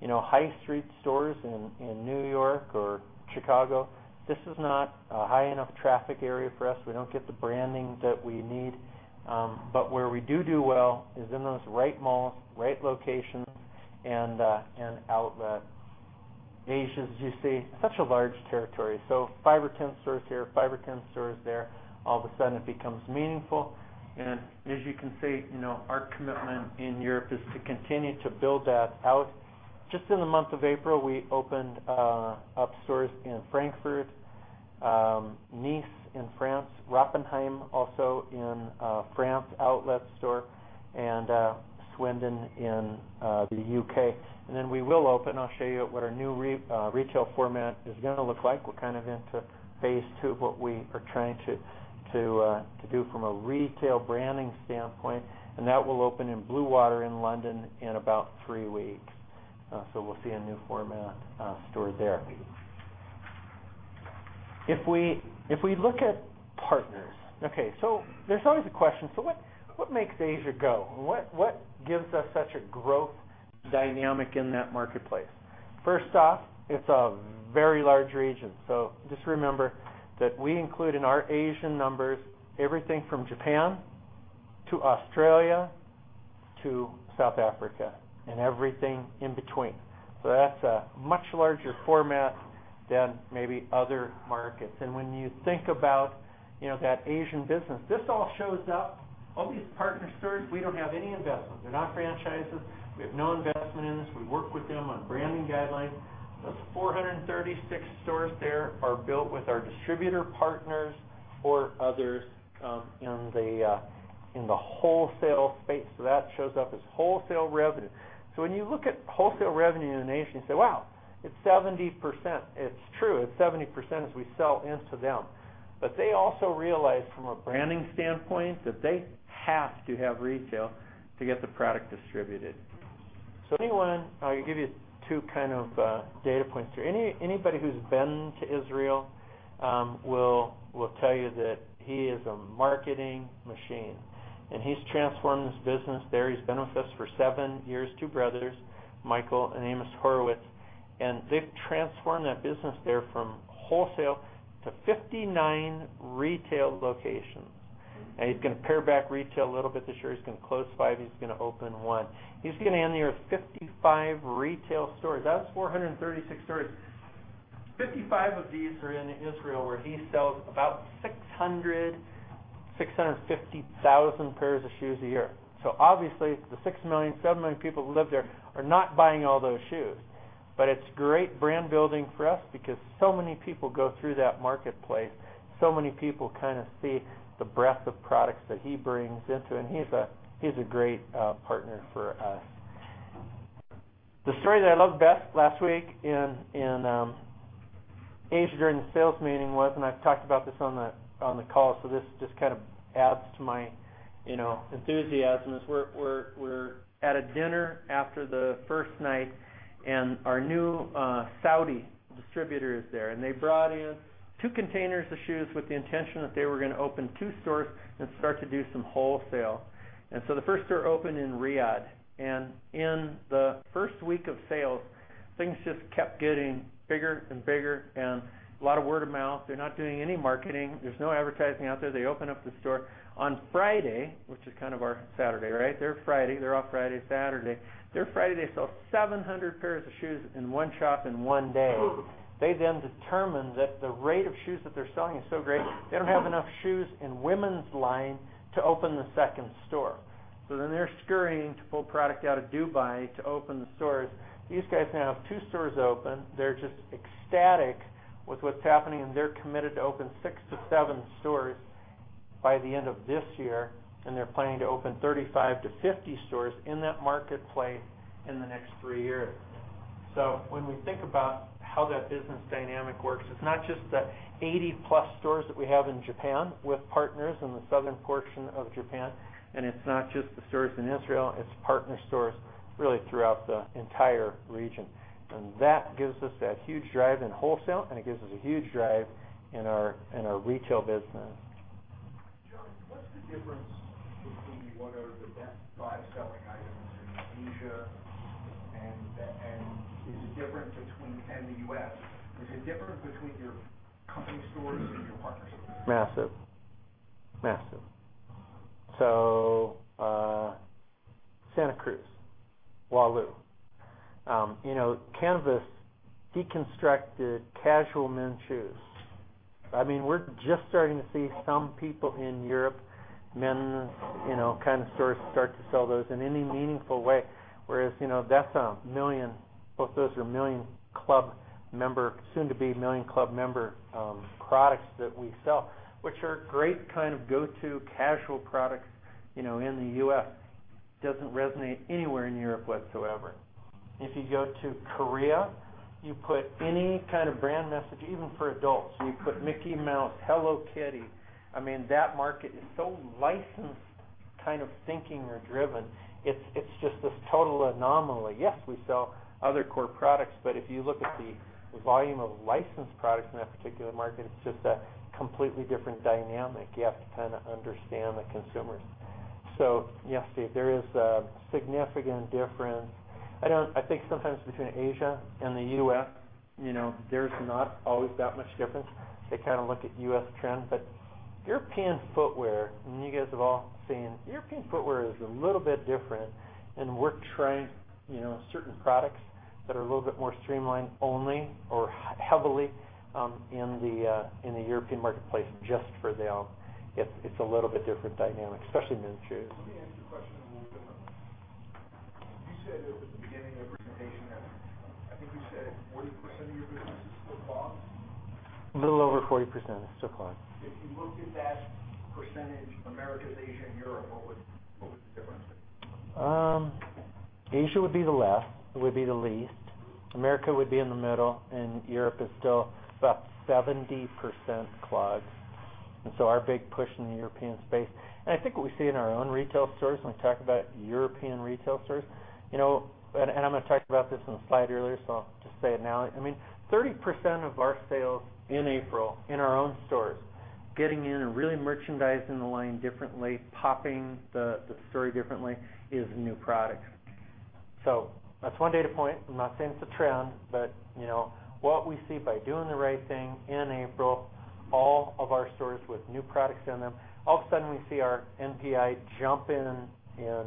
High street stores in N.Y. or Chicago, this is not a high enough traffic area for us. We don't get the branding that we need. Where we do well is in those right malls, right locations and outlets. Asia, as you see, such a large territory. Five or 10 stores here, five or 10 stores there, all of a sudden it becomes meaningful. As you can see, our commitment in Europe is to continue to build that out. Just in the month of April, we opened up stores in Frankfurt, Nice in France, Roppenheim, also in France, outlet store, and Swindon in the U.K. We will open, I'll show you what our new retail format is going to look like. We're into phase 2 of what we are trying to do from a retail branding standpoint, and that will open in Bluewater in London in about three weeks. We'll see a new format store there. If we look at partners. Okay. There's always a question, what makes Asia go? What gives us such a growth dynamic in that marketplace? First off, it's a very large region. Just remember that we include in our Asian numbers everything from Japan to Australia to South Africa and everything in between. That's a much larger format than maybe other markets. When you think about that Asian business, this all shows up, all these partner stores, we don't have any investment. They're not franchises. We have no investment in this. We work with them on branding guidelines. Those 436 stores there are built with our distributor partners or others in the wholesale space. That shows up as wholesale revenue. When you look at wholesale revenue in Asia and you say, "Wow, it's 70%," it's true. It's 70% as we sell into them. They also realize from a branding standpoint that they have to have retail to get the product distributed. I'll give you two data points here. Anybody who's been to Israel will tell you that he is a marketing machine and he's transformed this business there. He's been with us for seven years, two brothers, Michael and Amos Horowitz. They've transformed that business there from wholesale to 59 retail locations. He's going to pare back retail a little bit this year. He's going to close five, he's going to open one. He's going to end the year with 55 retail stores. That's 436 stores. 55 of these are in Israel, where he sells about 600,000, 650,000 pairs of shoes a year. Obviously, the six million, seven million people who live there are not buying all those shoes. It's great brand building for us because so many people go through that marketplace, so many people see the breadth of products that he brings into it, and he's a great partner for us. The story that I loved best last week in Asia during the sales meeting was, I've talked about this on the call, this just adds to my enthusiasm, is we're at a dinner after the first night. Our new Saudi distributor is there, and they brought in two containers of shoes with the intention that they were going to open two stores and start to do some wholesale. The first store opened in Riyadh. In the first week of sales, things just kept getting bigger and bigger, and a lot of word of mouth. They're not doing any marketing. There's no advertising out there. They open up the store on Friday, which is kind of our Saturday, right? Their Friday. They're off Friday, Saturday. Their Friday, they sold 700 pairs of shoes in one shop in one day. They determined that the rate of shoes that they're selling is so great, they don't have enough shoes in women's line to open the second store. They're scurrying to pull product out of Dubai to open the stores. These guys now have two stores open. They're just ecstatic with what's happening, and they're committed to open six to seven stores by the end of this year, and they're planning to open 35 to 50 stores in that marketplace in the next three years. When we think about how that business dynamic works, it's not just the 80-plus stores that we have in Japan with partners in the southern portion of Japan. It's not just the stores in Israel, it's partner stores really throughout the entire region. That gives us that huge drive in wholesale, and it gives us a huge drive in our retail business. John, what's the difference between what are the best five selling items in Asia and the U.S.? Is it different between your company stores and your partner stores? Massive. Massive. Santa Cruz, Walu, canvas deconstructed casual men's shoes. We're just starting to see some people in Europe, men kind of stores start to sell those in any meaningful way. Whereas both those are soon-to-be million club member products that we sell, which are great kind of go-to casual products in the U.S. Doesn't resonate anywhere in Europe whatsoever. If you go to Korea, you put any kind of brand message, even for adults, you put Mickey Mouse, Hello Kitty, that market is so licensed kind of thinking or driven. It's just this total anomaly. Yes, we sell other core products, but if you look at the volume of licensed products in that particular market, it's just a completely different dynamic. You have to kind of understand the consumers. Yes, Steve, there is a significant difference. I think sometimes between Asia and the U.S., there's not always that much difference. They kind of look at U.S. trends. European footwear, and you guys have all seen, European footwear is a little bit different, and we're trying certain products that are a little bit more streamlined only or heavily in the European marketplace just for them. It's a little bit different dynamic, especially in men's shoes. Let me ask you a question a little differently. You said at the beginning of your presentation, I think you said 40% of your business is still clogs? A little over 40% is still clogs. If you looked at that percentage, Americas, Asia, and Europe, what would the difference be? Asia would be the least. America would be in the middle, Europe is still about 70% clogs. Our big push in the European space. I think what we see in our own retail stores, when we talk about European retail stores, I'm going to talk about this in a slide earlier, I'll just say it now. 30% of our sales in April in our own stores, getting in and really merchandising the line differently, popping the story differently is new products. That's one data point. I'm not saying it's a trend, but what we see by doing the right thing in April, all of our stores with new products in them, all of a sudden we see our NPI jump in in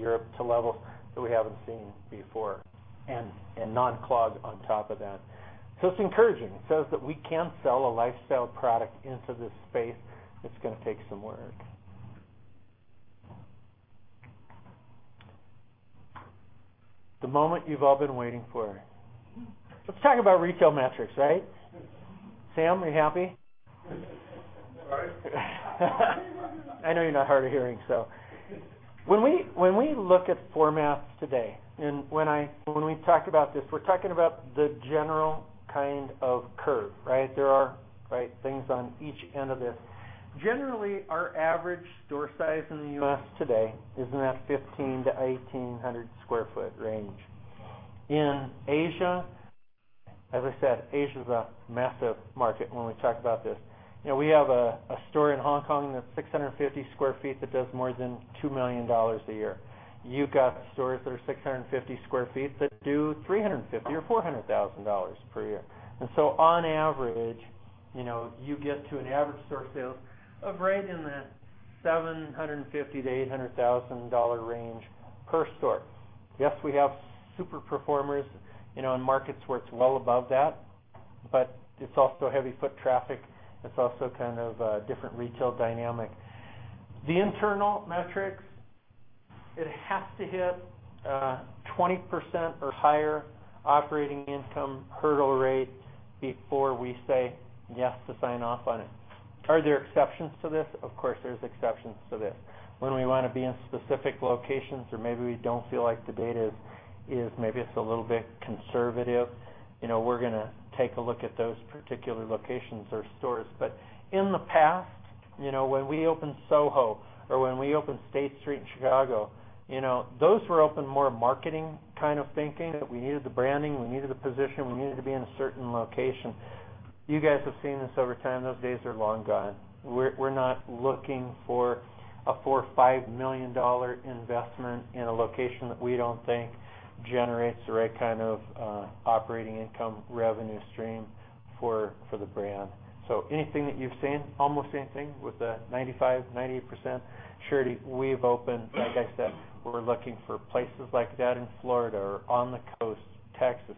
Europe to levels that we haven't seen before and non-clog on top of that. It's encouraging. It says that we can sell a lifestyle product into this space. It's going to take some work. The moment you've all been waiting for. Let's talk about retail metrics, right? Sam, are you happy? Sorry. I know you're not hard of hearing. When we look at formats today, when we talked about this, we're talking about the general kind of curve, right? There are things on each end of this. Generally, our average store size in the U.S. today is in that 1,500-1,800 sq ft range. In Asia, as I said, Asia's a massive market when we talk about this. We have a store in Hong Kong that's 650 sq ft that does more than $2 million a year. You've got stores that are 650 sq ft that do $350,000 or $400,000 per year. On average, you get to an average store sales of right in that $750,000-$800,000 range per store. Yes, we have super performers in markets where it's well above that, it's also heavy foot traffic. It's also kind of a different retail dynamic. The internal metrics, it has to hit a 20% or higher operating income hurdle rate before we say yes to sign off on it. Are there exceptions to this? Of course, there's exceptions to this. When we want to be in specific locations, or maybe we don't feel like the data is maybe just a little bit conservative, we're going to take a look at those particular locations or stores. In the past, when we opened SoHo or when we opened State Street in Chicago, those were opened more marketing kind of thinking, that we needed the branding, we needed the position, we needed to be in a certain location. You guys have seen this over time. Those days are long gone. We're not looking for a $4 or $5 million investment in a location that we don't think generates the right kind of operating income revenue stream for the brand. Anything that you've seen, almost anything with a 95%, 98% surety, we've opened, like I said, we're looking for places like that in Florida or on the coast, Texas,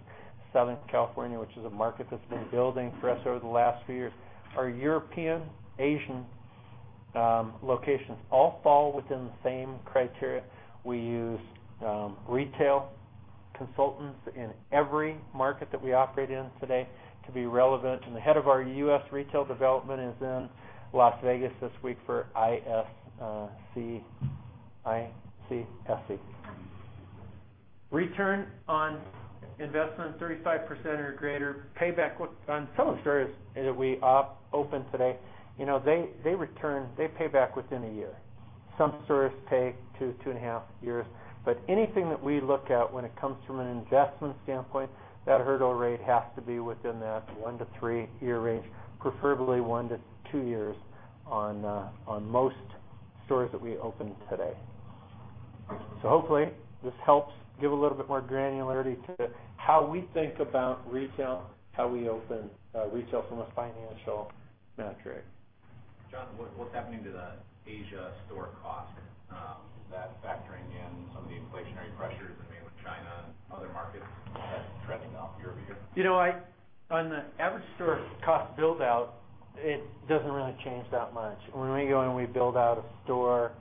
Southern California, which is a market that's been building for us over the last few years. Our European, Asian locations all fall within the same criteria. We use retail consultants in every market that we operate in today to be relevant. The head of our U.S. retail development is in Las Vegas this week for ICSC. Return on investment, 35% or greater. Payback on some stores that we open today, they pay back within a year. Some stores take two and a half years. Anything that we look at when it comes from an investment standpoint, that hurdle rate has to be within that one- to three-year range, preferably one to two years on most stores that we open today. Hopefully this helps give a little bit more granularity to how we think about retail, how we open retail from a financial metric. John, what's happening to the Asia store cost? Is that factoring in some of the inflationary pressures in mainland China and other markets that's trending up year-over-year? On the average store cost build-out, it doesn't really change that much. When we go in and we build out a store,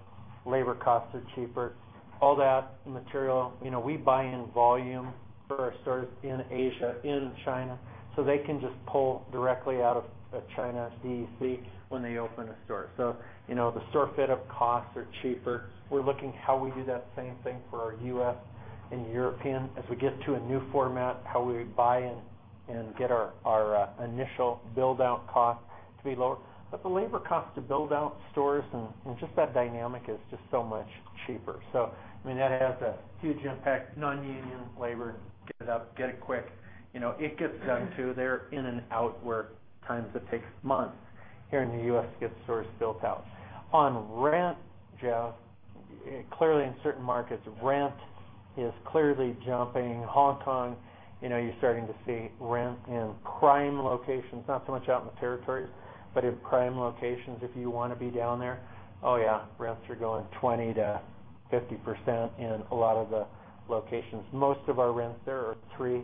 labor costs are cheaper, all that material. We buy in volume for our stores in Asia, in China, so they can just pull directly out of a China DC when they open a store. The store fit-up costs are cheaper. We're looking how we do that same thing for our U.S. and European as we get to a new format, how we buy and get our initial build-out cost to be lower. The labor cost to build out stores and just that dynamic is just so much cheaper. That has a huge impact. Non-union labor, get it up, get it quick. It gets done, too. They're in and out where at times it takes months here in the U.S. to get stores built out. On rent, Jeff, clearly in certain markets, rent is clearly jumping. Hong Kong, you're starting to see rent in prime locations, not so much out in the territories, but in prime locations if you want to be down there, oh yeah, rents are going 20%-50% in a lot of the locations. Most of our rents there are 3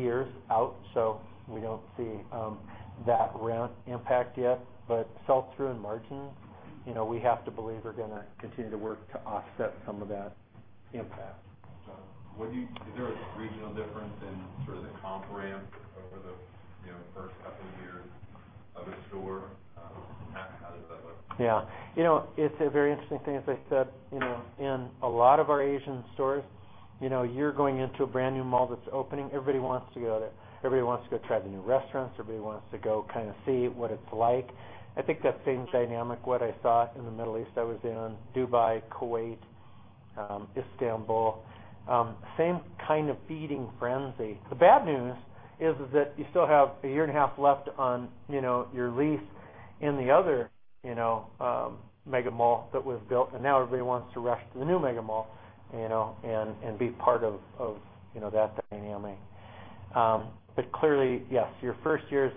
years out, so we don't see that rent impact yet. Sell-through and margin, we have to believe are going to continue to work to offset some of that impact. John, is there a regional difference in sort of the comp ramp over the first couple years of a store? How does that look? Yeah. It's a very interesting thing. As I said, in a lot of our Asian stores, you're going into a brand new mall that's opening. Everybody wants to go there. Everybody wants to go try the new restaurants. Everybody wants to go see what it's like. I think that same dynamic, what I saw in the Middle East, I was in Dubai, Kuwait, Istanbul, same kind of feeding frenzy. The bad news is that you still have a year and a half left on your lease in the other mega mall that was built. Now everybody wants to rush to the new mega mall and be part of that dynamic. Clearly, yes, your first years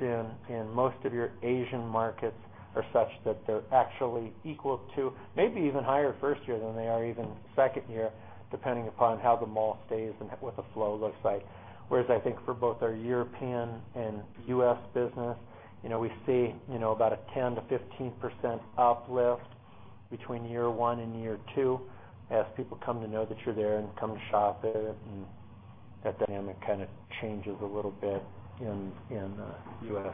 in most of your Asian markets are such that they're actually equal to maybe even higher first year than they are even second year, depending upon how the mall stays and what the flow looks like. Whereas I think for both our European and U.S. business, we see about a 10%-15% uplift between year one and year two as people come to know that you're there and come to shop it. That dynamic kind of changes a little bit in the U.S.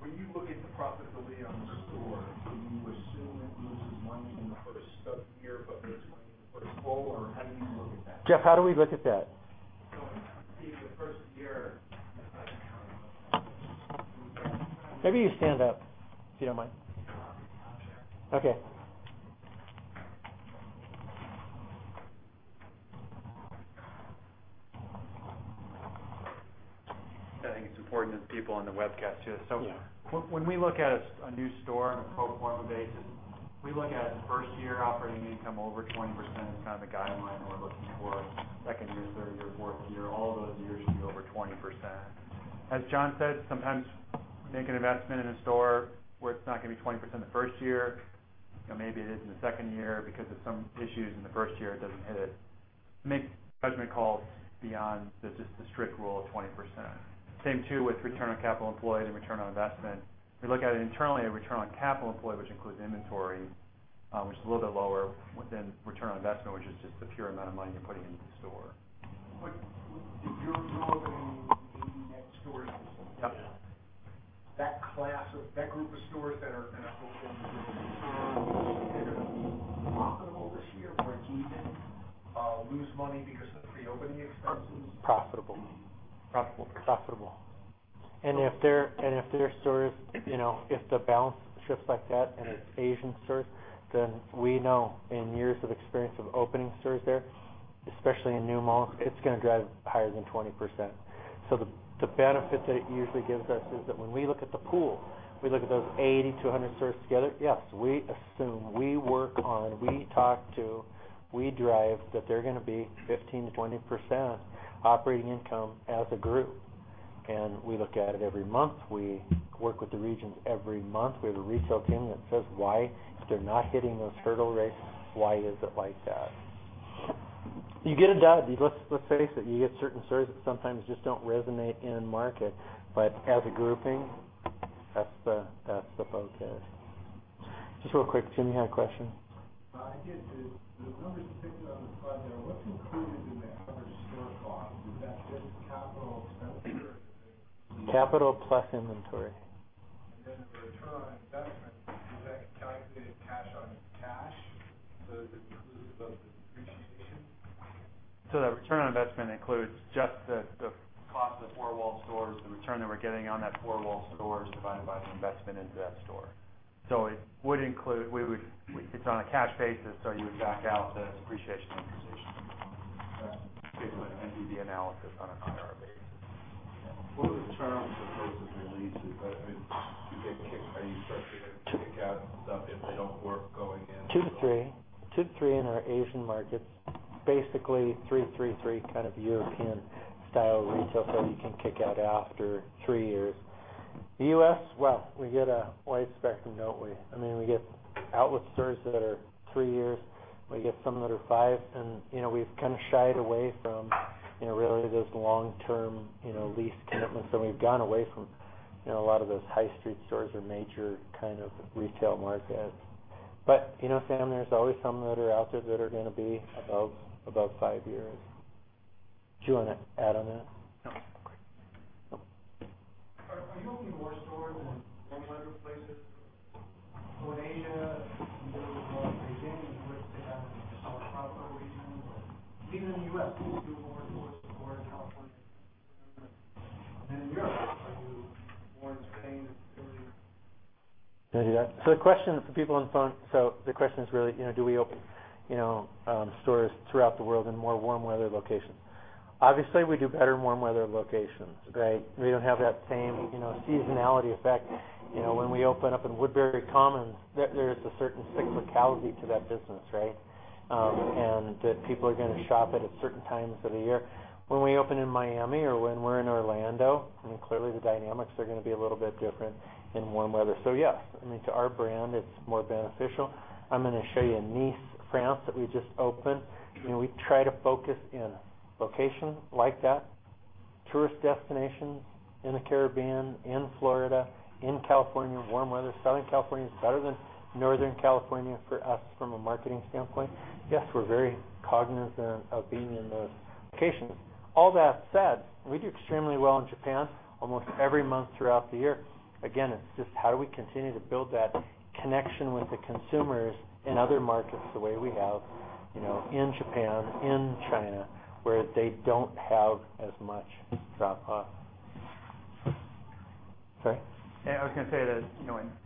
When you look at the profitability on the store, do you assume it loses money in the first seven years of it going into the first full, or how do you look at that? Jeff, how do we look at that? It would be the first year. Maybe you stand up, if you don't mind. I'm there. Okay. I think it's important to the people on the webcast, too. Yeah. When we look at a new store on a pro forma basis, we look at first year operating income over 20% as kind of the guideline we're looking for. Second year, third year, fourth year, all those years should be over 20%. As John said, sometimes Make an investment in a store where it's not going to be 20% the first year, maybe it is in the second year. Because of some issues in the first year, it doesn't hit it. Make judgment calls beyond the strict rule of 20%. Same too with return on capital employed and return on investment. We look at it internally at return on capital employed, which includes inventory, which is a little bit lower than return on investment, which is just the pure amount of money you're putting into the store. You're opening 80 net stores this year. Yeah. That group of stores that are going to open this year, they're going to be profitable this year or even lose money because of the reopening expenses? Profitable. Profitable. Profitable. If the balance shifts like that and it's Asian stores, we know in years of experience of opening stores there, especially in new malls, it's going to drive higher than 20%. The benefit that it usually gives us is that when we look at the pool, we look at those 80 to 100 stores together. Yes, we assume, we work on, we talk to, we derive that they're going to be 15%-20% operating income as a group. We look at it every month. We work with the regions every month. We have a retail team that says, "If they're not hitting those hurdle rates, why is it like that?" You get it done. Let's face it, you get certain stores that sometimes just don't resonate in-market. As a grouping, that's the focus. Just real quick, Jim, you had a question. I did. The numbers depicted on the slide there, what's included in the average store cost? Is that just capital expenditure? Capital plus inventory. The return on investment, is that calculated cash on cash, so is it inclusive of the depreciation? That return on investment includes just the cost of the four-wall stores, the return that we're getting on that four-wall store, divided by the investment into that store. It's on a cash basis, so you would back out the depreciation amortization. Okay. We do the analysis on an IRR basis. What are the terms of those leases? Are you subject to kick out stuff if they don't work going in? Two to three in our Asian markets. Basically, three-three-three kind of European-style retail store you can kick out after three years. The U.S., well, we get a wide spectrum, don't we? We get outlet stores that are three years. We get some that are five, and we've kind of shied away from really those long-term lease commitments, and we've gone away from a lot of those high street stores or major kind of retail markets. Sam, there's always some that are out there that are going to be above five years. Do you want to add on that? No. Are you opening more stores in warmer places? In Asia, you do more in Beijing as opposed to the south tropical regions, or even in the U.S., do you do more stores, of course, in California than in Europe? Are you more in Spain than Italy? Can I do that? The question for people on the phone, the question is really, do we open stores throughout the world in more warm weather locations? Obviously, we do better in warm weather locations. We don't have that same seasonality effect. When we open up in Woodbury Commons, there's a certain cyclicality to that business. People are going to shop at a certain times of the year. When we open in Miami or when we're in Orlando, clearly the dynamics are going to be a little bit different in warm weather. Yes, to our brand, it's more beneficial. I'm going to show you Nice, France, that we just opened. We try to focus in locations like that, tourist destinations in the Caribbean, in Florida, in California, warm weather. Southern California is better than Northern California for us from a marketing standpoint. Yes, we're very cognizant of being in those locations. All that said, we do extremely well in Japan almost every month throughout the year. It's just how do we continue to build that connection with the consumers in other markets the way we have in Japan, in China, where they don't have as much drop-off. Sorry. I was going to say that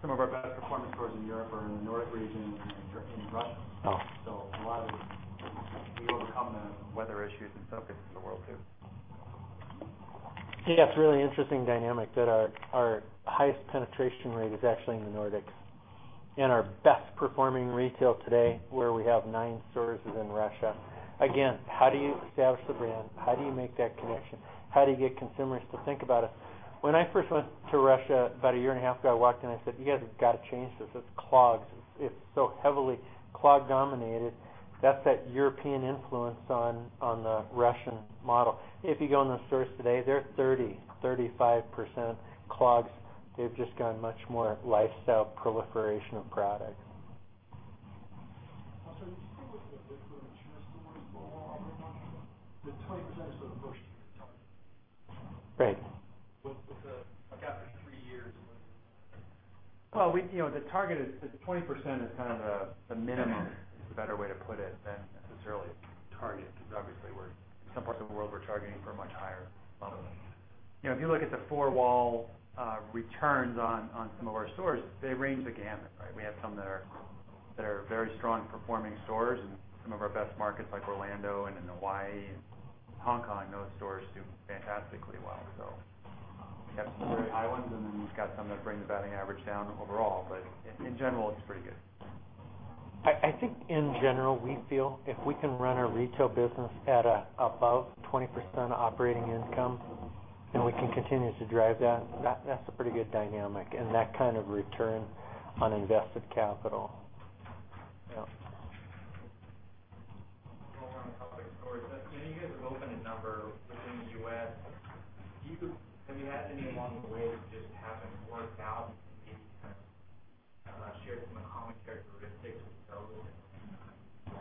some of our best performing stores in Europe are in the Nordic region and in Russia. Oh. A lot of it, we overcome the weather issues in some cases of the world, too. It's a really interesting dynamic that our highest penetration rate is actually in the Nordics, and our best-performing retail today, where we have nine stores, is in Russia. Again, how do you establish the brand? How do you make that connection? How do you get consumers to think about us? When I first went to Russia about a year and a half ago, I walked in, I said, "You guys have got to change this. It's clogs." It's so heavily clog-dominated. That's that European influence on the Russian model. If you go in those stores today, they're 30%-35% clogs. They've just gotten much more lifestyle proliferation of products. Can you say what the break-even in terms of stores overall would be? The 20% is for the first year target. Right. After three years, what is it? Well, the target is the 20% is kind of the minimum, is a better way to put it than necessarily a target, because obviously, in some parts of the world, we're targeting for a much higher level. If you look at the four-wall returns on some of our stores, they range the gamut. We have some that are very strong-performing stores in some of our best markets like Orlando and in Hawaii and Hong Kong. Those stores do fantastically well. We have some very high ones, and then we've got some that bring the batting average down overall. In general, it's pretty good. I think in general, we feel if we can run our retail business at above 20% operating income, and we can continue to drive that's a pretty good dynamic and that kind of return on invested capital. Yeah. Well, on the topic of stores, you guys have opened a number within the U.S. Have you had any along the way that just haven't worked out, maybe you can share some common characteristics of those and why?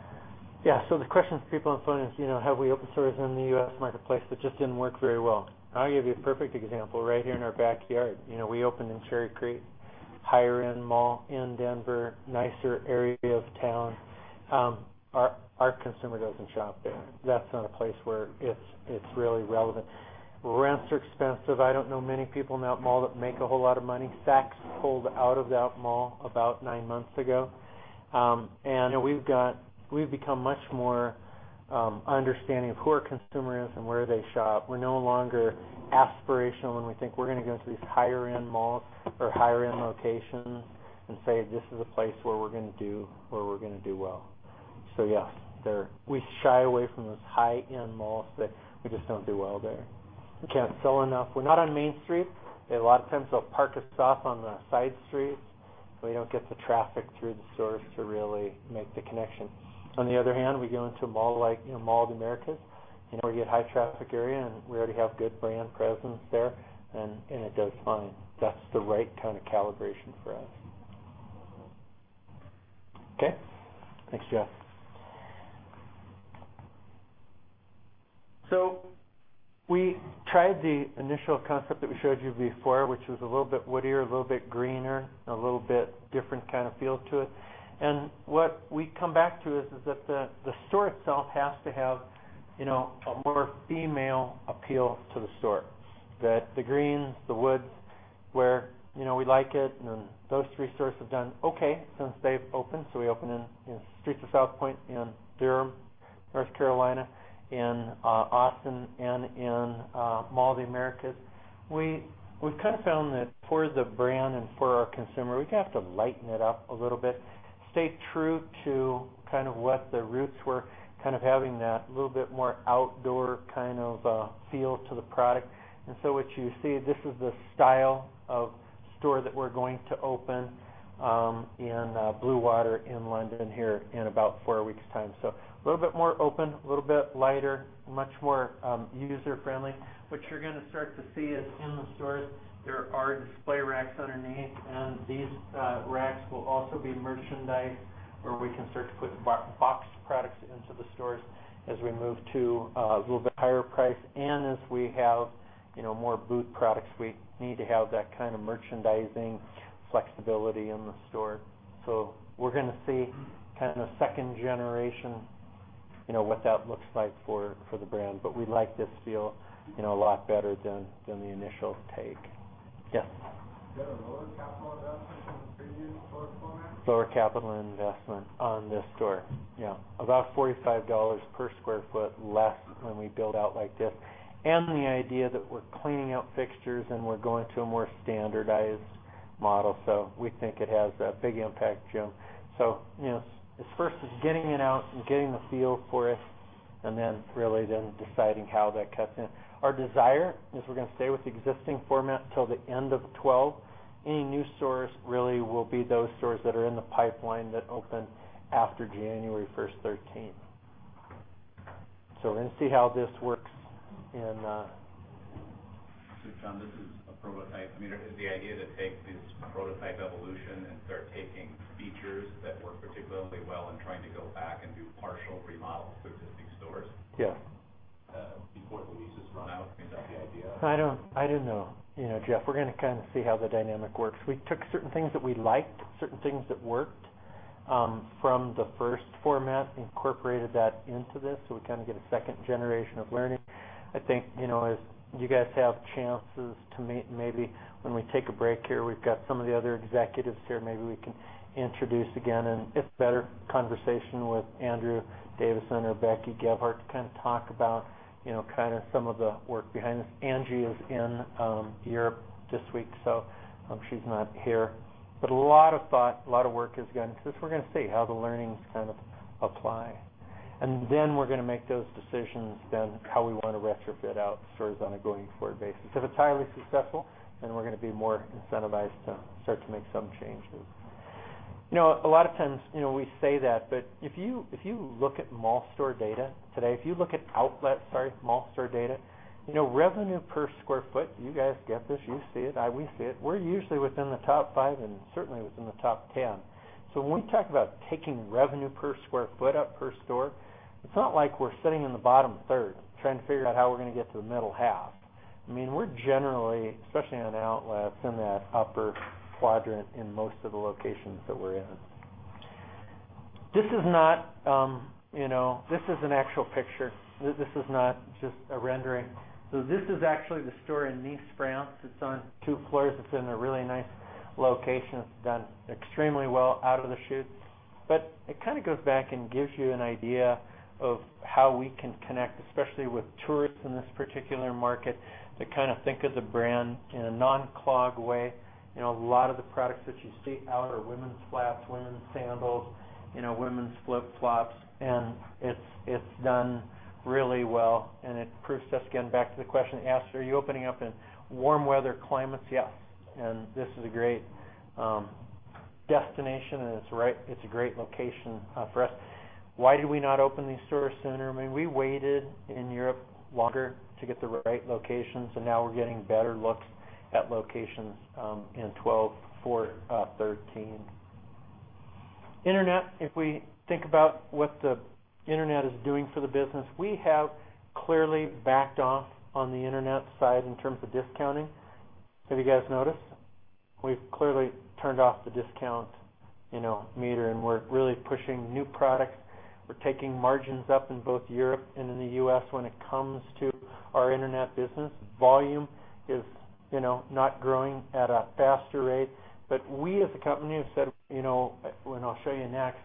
Yeah. The question from people on the phone is, have we opened stores in the U.S. marketplace that just didn't work very well? I'll give you a perfect example right here in our backyard. We opened in Cherry Creek, higher-end mall in Denver, nicer area of town. Our consumer doesn't shop there. That's not a place where it's really relevant. Rents are expensive. I don't know many people in that mall that make a whole lot of money. Saks pulled out of that mall about nine months ago. We've become much more understanding of who our consumer is and where they shop. We're no longer aspirational when we think we're going to go into these higher-end malls or higher-end locations and say, "This is a place where we're going to do well." Yes, we shy away from those high-end malls that we just don't do well there. We can't sell enough. We're not on Main Street. A lot of times they'll park us off on the side streets, so we don't get the traffic through the stores to really make the connection. On the other hand, we go into a mall like Mall of America, where you get high traffic area, and we already have good brand presence there, and it does fine. That's the right kind of calibration for us. Okay? Thanks, Jeff. We tried the initial concept that we showed you before, which was a little bit woodier, a little bit greener, a little bit different kind of feel to it. What we come back to is that the store itself has to have a more female appeal to the store. That the greens, the woods, where we like it, and those three stores have done okay since they've opened. We opened in The Streets at Southpoint in Durham, North Carolina, in Austin, and in Mall of America. We've found that for the brand and for our consumer, we have to lighten it up a little bit, stay true to what the roots were, having that little bit more outdoor feel to the product. What you see, this is the style of store that we're going to open in Bluewater in London here in about four weeks' time. A little bit more open, a little bit lighter, much more user-friendly. What you're going to start to see is in the stores, there are display racks underneath, and these racks will also be merchandised where we can start to put box products into the stores as we move to a little bit higher price. As we have more boot products, we need to have that kind of merchandising flexibility in the store. We're going to see the second generation, what that looks like for the brand. We like this feel a lot better than the initial take. Yes. Is that a lower capital investment than the previous store format? Lower capital investment on this store. Yeah. About $45 per square foot less when we build out like this. The idea that we're cleaning out fixtures and we're going to a more standardized model. We think it has a big impact, Jim. It's first just getting it out and getting the feel for it and then really then deciding how that cuts in. Our desire is we're going to stay with the existing format till the end of 2012. Any new stores really will be those stores that are in the pipeline that open after January 1st, 2013. We're going to see how this works in- John, this is a prototype. Is the idea to take this prototype evolution and start taking features that work particularly well and trying to go back and do partial remodels for existing stores- Yeah before the leases run out? Is that the idea? I don't know. Jeff, we're going to see how the dynamic works. We took certain things that we liked, certain things that worked from the first format, incorporated that into this, so we get a second generation of learning. I think, as you guys have chances to meet, maybe when we take a break here, we've got some of the other executives here, maybe we can introduce again and get better conversation with Andrew Davidson or Becky Gebhardt to talk about some of the work behind this. Angie is in Europe this week, so she's not here. A lot of thought, a lot of work has gone into this. We're going to see how the learnings apply. We're going to make those decisions then how we want to retrofit out stores on a going-forward basis. If it's highly successful, we're going to be more incentivized to start to make some changes. A lot of times, we say that, if you look at mall store data today, if you look at outlet, sorry, mall store data, revenue per square foot, you guys get this, you see it, we see it. We're usually within the top five and certainly within the top 10. When we talk about taking revenue per square foot up per store, it's not like we're sitting in the bottom third trying to figure out how we're going to get to the middle half. We're generally, especially on outlets, in that upper quadrant in most of the locations that we're in. This is an actual picture. This is not just a rendering. This is actually the store in Nice, France. It's on two floors. It's in a really nice location. It's done extremely well out of the chute. It goes back and gives you an idea of how we can connect, especially with tourists in this particular market, that think of the brand in a non-clog way. A lot of the products that you see out are women's flats, women's sandals, women's flip-flops, and it's done really well. It proves to us, again, back to the question asked, are you opening up in warm weather climates? Yes. This is a great destination and it's a great location for us. Why do we not open these stores sooner? We waited in Europe longer to get the right locations, and now we're getting better looks at locations in 2012 for 2013. Internet. If we think about what the internet is doing for the business, we have clearly backed off on the internet side in terms of discounting. Have you guys noticed? We've clearly turned off the discount meter and we're really pushing new products. We're taking margins up in both Europe and in the U.S. when it comes to our internet business. Volume is not growing at a faster rate. We, as a company, have said, and I'll show you next,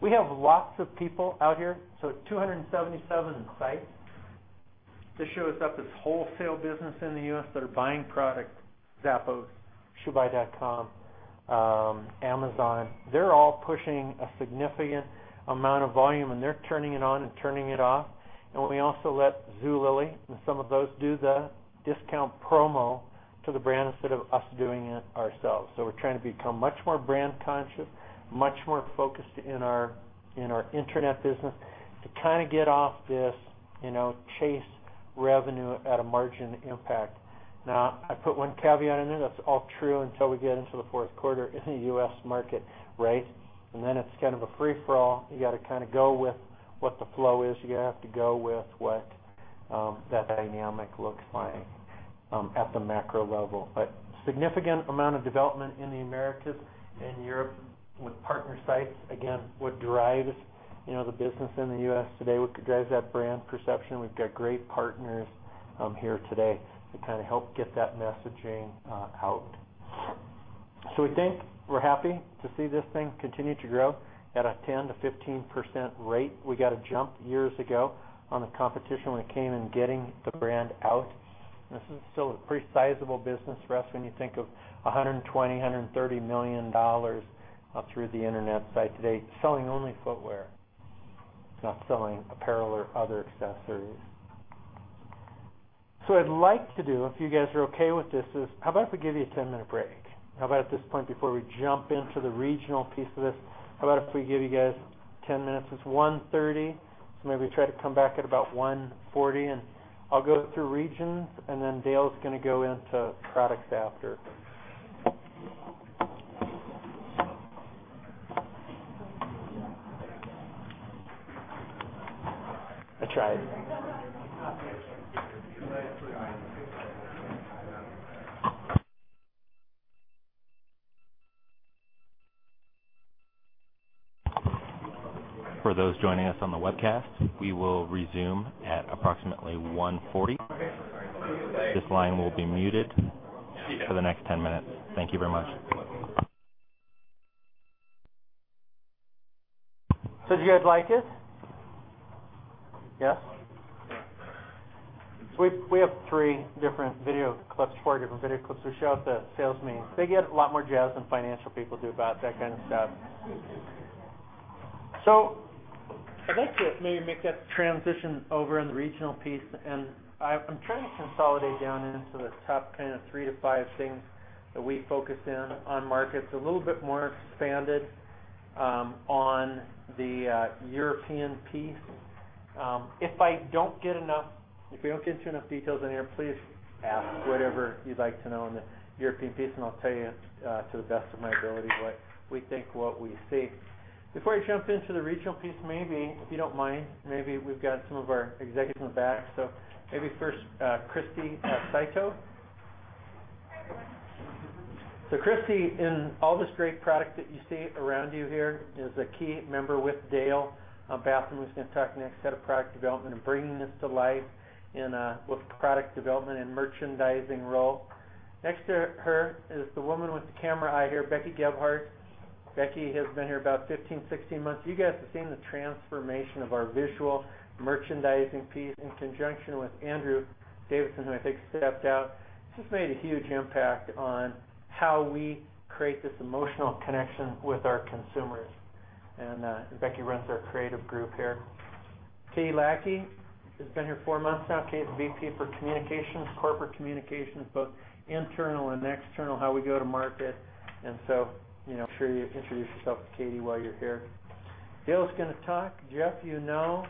we have lots of people out here. 277 sites. This shows up as wholesale business in the U.S. that are buying product. Zappos, Shoebuy.com, Amazon, they're all pushing a significant amount of volume, and they're turning it on and turning it off. We also let Zulily and some of those do the discount promo to the brand instead of us doing it ourselves. We're trying to become much more brand conscious, much more focused in our internet business to kind of get off this chase revenue at a margin impact. Now I put one caveat in there. That's all true until we get into the fourth quarter in the U.S. market. Right? Then it's kind of a free-for-all. You got to kind of go with what the flow is. You have to go with what that dynamic looks like at the macro level. Significant amount of development in the Americas and Europe with partner sites. Again, what drives the business in the U.S. today, what drives that brand perception, we've got great partners here today to kind of help get that messaging out. We think we're happy to see this thing continue to grow at a 10%-15% rate. We got a jump years ago on the competition when it came in getting the brand out. This is still a pretty sizable business for us when you think of $120 million, $130 million through the internet site today, selling only footwear. It's not selling apparel or other accessories. What I'd like to do, if you guys are okay with this, is how about if we give you a 10-minute break? How about at this point, before we jump into the regional piece of this, how about if we give you guys 10 minutes? It's 1:30 P.M., maybe try to come back at about 1:40 P.M., and I'll go through regions, and then Dale's going to go into products after. I tried. For those joining us on the webcast, we will resume at approximately 1:40 P.M. This line will be muted for the next 10 minutes. Thank you very much. Did you guys like it? Yes? We have three different video clips, four different video clips. We show at the sales meetings. They get a lot more jazzed than financial people do about that kind of stuff. I'd like to maybe make that transition over in the regional piece, and I'm trying to consolidate down into the top kind of 3 to 5 things that we focus in on markets. A little bit more expanded on the European piece. If we don't get you enough details in here, please ask whatever you'd like to know on the European piece and I'll tell you to the best of my ability what we think, what we see. Before I jump into the regional piece, maybe if you don't mind, maybe we've got some of our executives in the back. Maybe first, Christy Saito. Hi, everyone. Christy, in all this great product that you see around you here, is a key member with Dale Bathum, who's going to talk next, head of product development, and bringing this to life with product development and merchandising role. Next to her is the woman with the camera eye here, Becky Gebhardt. Becky has been here about 15, 16 months. You guys have seen the transformation of our visual merchandising piece in conjunction with Andrew Davidson, who I think stepped out. She's made a huge impact on how we create this emotional connection with our consumers. Becky runs our creative group here. Katy Lachky has been here four months now. Katy's VP for communications, corporate communications, both internal and external, how we go to market. Make sure you introduce yourself to Katy while you're here. Dale's going to talk. Jeff, you know,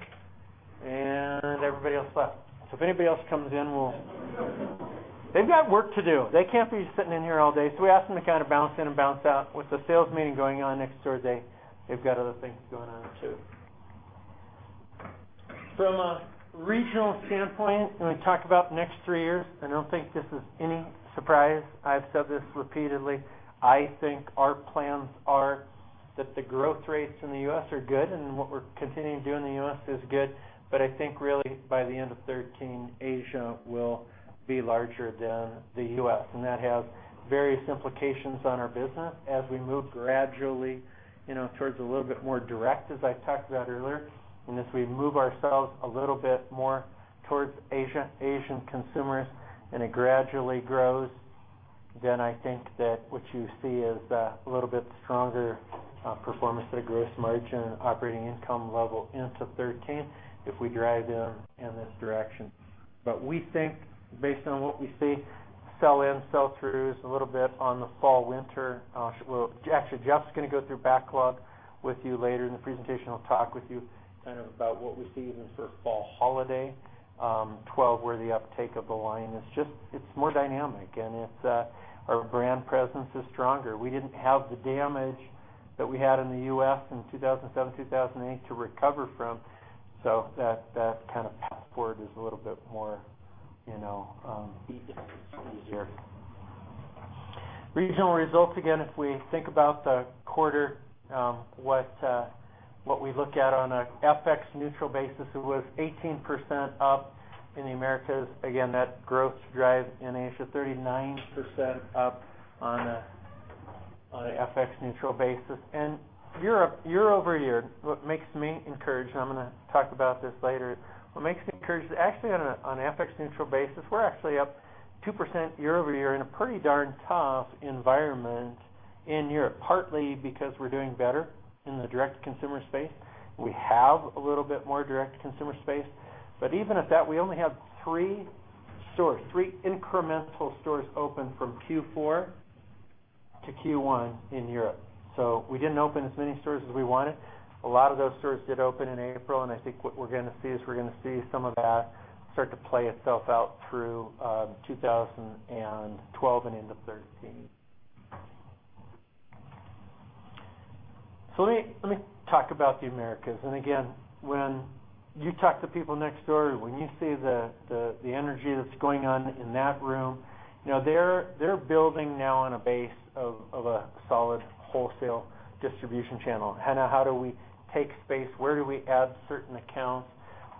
and everybody else left. If anybody else comes in, they've got work to do. They can't be sitting in here all day. We ask them to kind of bounce in and bounce out. With the sales meeting going on next door, they've got other things going on, too. From a regional standpoint, when we talk about the next three years, I don't think this is any surprise. I've said this repeatedly. I think our plans are that the growth rates in the U.S. are good, and what we're continuing to do in the U.S. is good. I think really by the end of 2013, Asia will be larger than the U.S., and that has various implications on our business as we move gradually towards a little bit more direct, as I talked about earlier. As we move ourselves a little bit more towards Asia, Asian consumers, it gradually grows. I think that what you see is a little bit stronger performance at a gross margin and operating income level into 2013 if we drive them in this direction. We think based on what we see, sell-in, sell-throughs a little bit on the fall/winter. Well, actually, Jeff's going to go through backlog with you later in the presentation. He'll talk with you about what we see even for fall holiday 2012, where the uptake of the line is just more dynamic, and our brand presence is stronger. We didn't have the damage that we had in the U.S. in 2007, 2008 to recover from, so that path forward is a little bit more easier. Regional results, again, if we think about the quarter, what we look at on a FX-neutral basis, it was 18% up in the Americas. Again, that growth drive in Asia, 39% up on a FX-neutral basis. Year-over-year, what makes me encouraged, and I'm going to talk about this later, what makes me encouraged, actually, on a FX-neutral basis, we're actually up 2% year-over-year in a pretty darn tough environment in Europe, partly because we're doing better in the direct-to-consumer space. We have a little bit more direct-to-consumer space. Even at that, we only have three stores, three incremental stores open from Q4 to Q1 in Europe. We didn't open as many stores as we wanted. A lot of those stores did open in April, I think what we're going to see is we're going to see some of that start to play itself out through 2012 and into 2013. Let me talk about the Americas. Again, when you talk to people next door, when you see the energy that's going on in that room, they're building now on a base of a solid wholesale distribution channel. How do we take space? Where do we add certain accounts?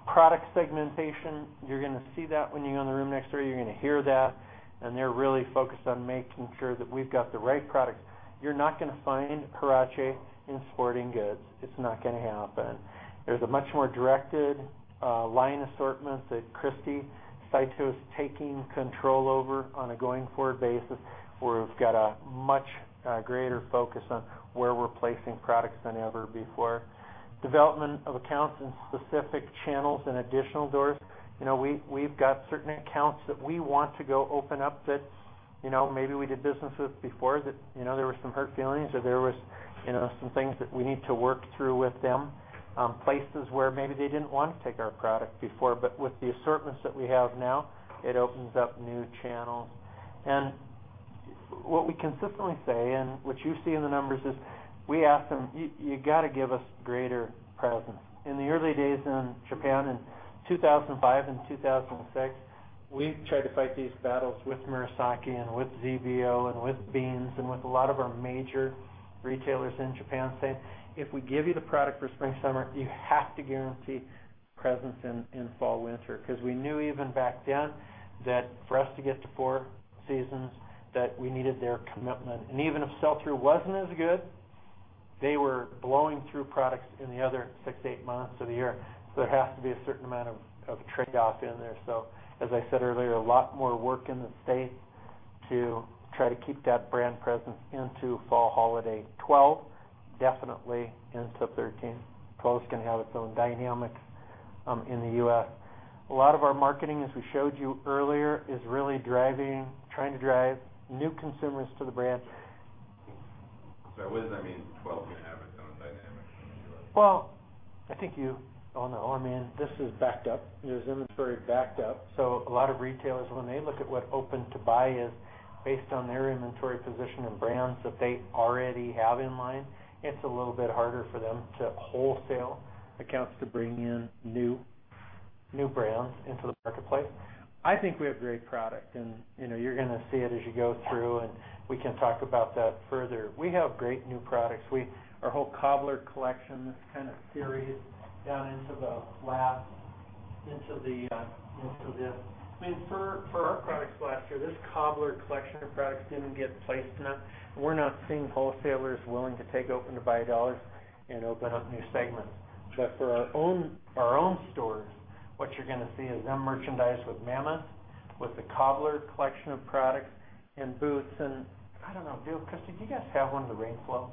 Product segmentation, you're going to see that when you go in the room next door. You're going to hear that, and they're really focused on making sure that we've got the right products. You're not going to find Huarache in sporting goods. It's not going to happen. There's a much more directed line assortment that Christy Saito is taking control over on a going-forward basis, where we've got a much greater focus on where we're placing products than ever before. Development of accounts in specific channels and additional doors. We've got certain accounts that we want to go open up that maybe we did business with before, that there were some hurt feelings or there was some things that we need to work through with them, places where maybe they didn't want to take our product before. With the assortments that we have now, it opens up new channels. What we consistently say and what you see in the numbers is we ask them, "You got to give us greater presence." In the early days in Japan in 2005 and 2006, we tried to fight these battles with Murasaki and with ZBO and with BEAMS and with a lot of our major retailers in Japan, saying, "If we give you the product for spring/summer, you have to guarantee presence in fall/winter." Because we knew even back then that for us to get to four seasons, that we needed their commitment. Even if sell-through wasn't as good, they were blowing through products in the other six to eight months of the year. There has to be a certain amount of trade-off in there. As I said earlier, a lot more work in the state to try to keep that brand presence into fall holiday 2012, definitely into 2013. 2012's going to have its own dynamics in the U.S. A lot of our marketing, as we showed you earlier, is really trying to drive new consumers to the brand. Sorry, what does that mean, 2012's going to have its own dynamics in the U.S.? Well, I think you all know what I mean. This is backed up. There's inventory backed up. A lot of retailers, when they look at what open-to-buy is based on their inventory position and brands that they already have in line, it's a little bit harder for them to wholesale accounts to bring in new brands into the marketplace. I think we have great product, and you're going to see it as you go through, and we can talk about that further. We have great new products. Our whole Cobbler collection, this kind of series down into the last, into this. I mean, for our products last year, this Cobbler collection of products didn't get placed enough. We're not seeing wholesalers willing to take open-to-buy dollars and open up new segments. For our own stores, what you're going to see is them merchandised with Mammoth, with the Cobbler collection of products and boots and I don't know. Christy, do you guys have one of the RainFloe?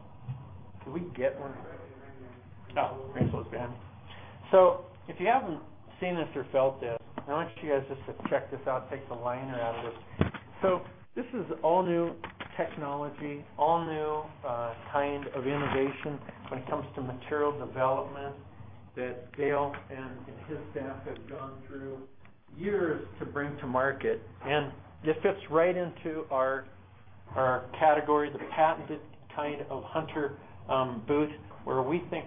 Did we get one? I think the RainFloe is behind. Oh, RainFloe's behind. If you haven't seen this or felt this, I want you guys just to check this out, take the liner out of this. This is all-new technology, all-new kind of innovation when it comes to material development that Dale and his staff have gone through years to bring to market. It fits right into our category, the patented kind of hunter boot, where we think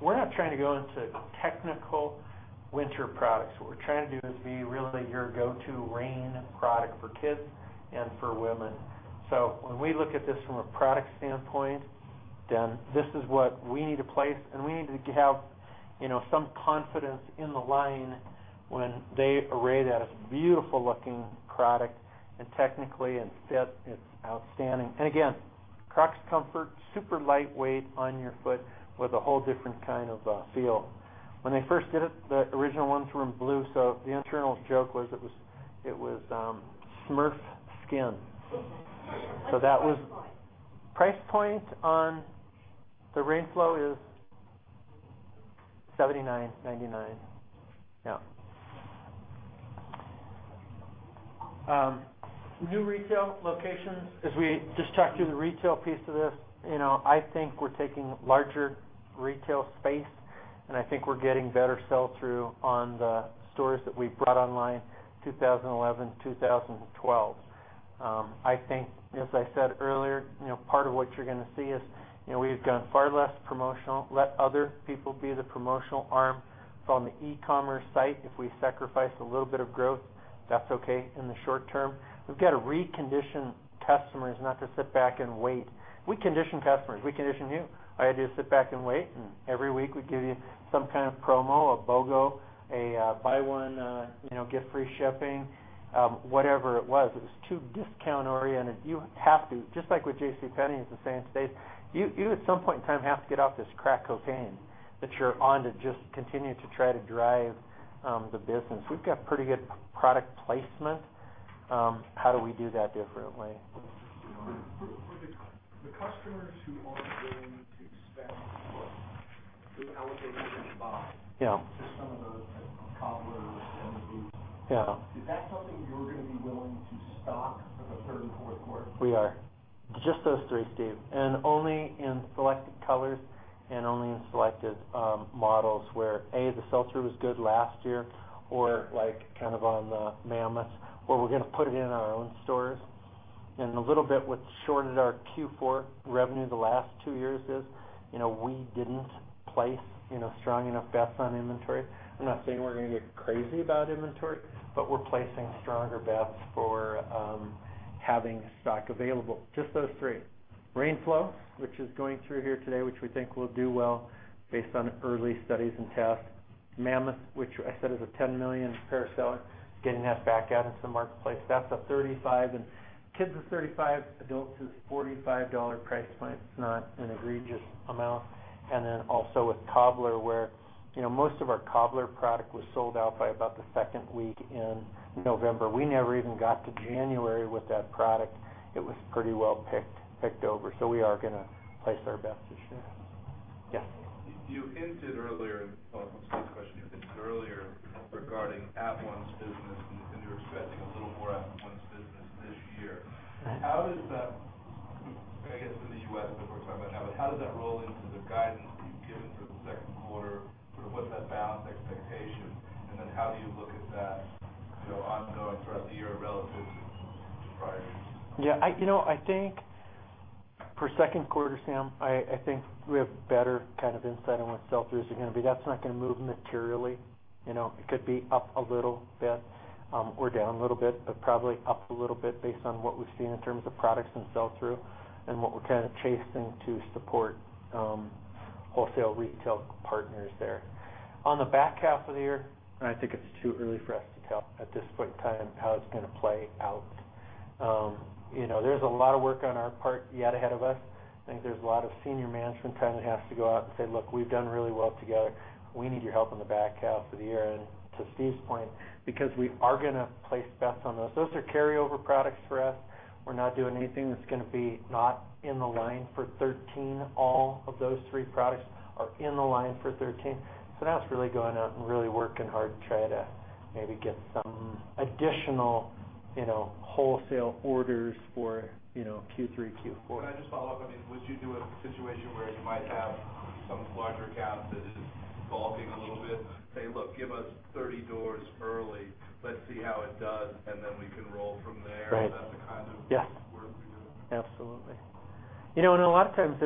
we're not trying to go into technical winter products. What we're trying to do is be really your go-to rain product for kids and for women. When we look at this from a product standpoint, this is what we need to place. We need to have some confidence in the line when they array that. It's a beautiful-looking product and technically and fit, it's outstanding. Again, CrocsComfort, super lightweight on your foot with a whole different kind of feel. When they first did it, the original ones were in blue, the internal joke was it was Smurf skin. What's the price point? Price point on the RainFloe is $79.99. Yeah. New retail locations, as we just talked through the retail piece of this, I think we're taking larger retail space, and I think we're getting better sell-through on the stores that we brought online 2011, 2012. I think, as I said earlier, part of what you're going to see is we've gone far less promotional, let other people be the promotional arm from the e-commerce site. If we sacrifice a little bit of growth, that's okay in the short term. We've got to recondition customers not to sit back and wait. We condition customers. We condition you. All you had to do is sit back and wait, every week, we give you some kind of promo, a BOGO, a buy one, get free shipping, whatever it was. It was too discount oriented. You have to, just like with JCPenney, it's the same space. You at some point in time have to get off this crack cocaine that you're on to just continue to try to drive the business. We've got pretty good product placement. How do we do that differently? For the customers who are willing to spend, the allocation they buy. Yeah to some of those like Cobblers and the boots. Yeah. Is that something you're going to be willing to stock for the third and fourth quarter? We are. Just those three, Steve, and only in selected colors and only in selected models where, A, the sell-through was good last year, or like on the Mammoth, where we're going to put it in our own stores. A little bit what's shorted our Q4 revenue the last two years is we didn't place strong enough bets on inventory. I'm not saying we're going to get crazy about inventory, but we're placing stronger bets for having stock available. Just those three. RainFloe, which is going through here today, which we think will do well based on early studies and tests. Mammoth, which I said is a 10 million-pair seller, getting that back out into the marketplace. That's a $35 in kids, it's $35, adults it's $45 price point. It's not an egregious amount. Then also with Cobbler, where most of our Cobbler product was sold out by about the second week in November. We never even got to January with that product. It was pretty well picked over. We are going to place our bets this year. Yes. You hinted earlier, well, it's not a question, you hinted earlier regarding at once business and you're expecting a little more at once business this year. Right. How does that I guess in the U.S. is what we're talking about now, how does that roll into the guidance you've given for the second quarter? What's that balance expectation, how do you look at that ongoing throughout the year relative to prior years? Yeah, I think for second quarter, Sam, I think we have better kind of insight on what sell-throughs are going to be. That's not going to move materially. It could be up a little bit or down a little bit, probably up a little bit based on what we've seen in terms of products and sell-through and what we're kind of chasing to support wholesale retail partners there. On the back half of the year, I think it's too early for us to tell at this point in time how it's going to play out. There's a lot of work on our part yet ahead of us. I think there's a lot of senior management kind of has to go out and say, "Look, we've done really well together. We need your help in the back half of the year." To Steve's point, because we are going to place bets on those. Those are carryover products for us. We're not doing anything that's going to be not in the line for 2013. All of those three products are in the line for 2013. Now it's really going out and really working hard to try to maybe get some additional wholesale orders for Q3, Q4. Can I just follow up on these? Would you do a situation where you might have some larger account that is balking a little bit? Say, "Look, give us 30 doors early. Let's see how it does, and then we can roll from there. Right. Is that the kind of- Yeah work you're doing? Absolutely. A lot of times,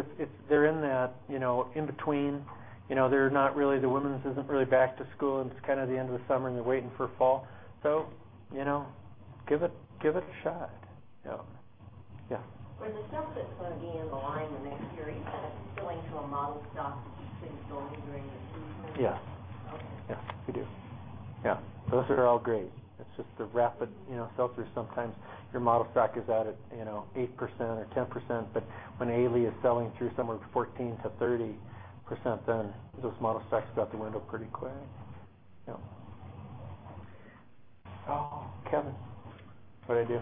they're in that in between. The women's isn't really back to school, and it's kind of the end of the summer, and they're waiting for fall. Give it a shot. Yeah. When the stuff that's going to be in the line the next period, is that going to a model stock that just sits only during the seasonal? Yeah. Okay. Yeah. We do. Yeah. Those are all great. It's just the rapid sell-through sometimes your model stock is at 8% or 10%, but when A-Leigh is selling through somewhere 14%-30%, then those model stocks are out the window pretty quick. Yeah. Oh, Kevin. What'd I do?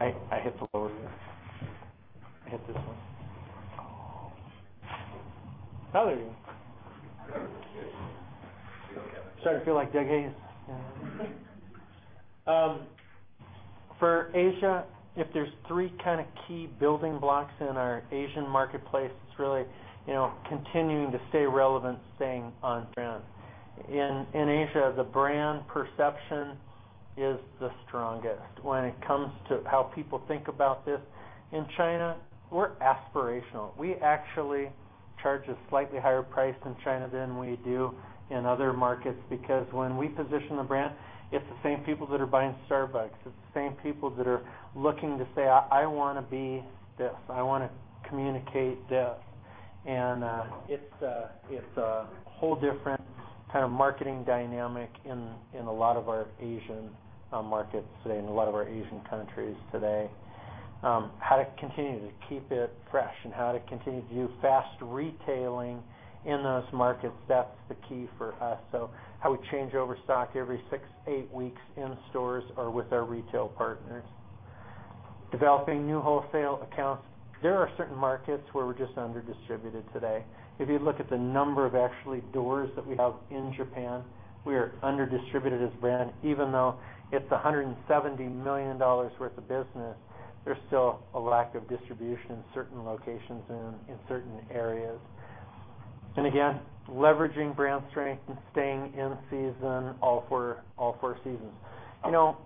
I hit the lower one. I hit this one. Oh, there we go. See you, Kevin. Starting to feel like Doug Hayes. For Asia, if there's three kind of key building blocks in our Asian marketplace, it's really continuing to stay relevant, staying on brand. In Asia, the brand perception is the strongest when it comes to how people think about this. In China, we're aspirational. We actually charge a slightly higher price in China than we do in other markets because when we position the brand, it's the same people that are buying Starbucks. It's the same people that are looking to say, "I want to be this. I want to communicate this." It's a whole different kind of marketing dynamic in a lot of our Asian markets today, in a lot of our Asian countries today. How to continue to keep it fresh and how to continue to do fast retailing in those markets, that's the key for us. How we change over stock every six, eight weeks in stores or with our retail partners. Developing new wholesale accounts. There are certain markets where we're just under-distributed today. If you look at the number of actually doors that we have in Japan, we are under-distributed as a brand, even though it's $170 million worth of business, there's still a lack of distribution in certain locations and in certain areas. Again, leveraging brand strength and staying in season all four seasons.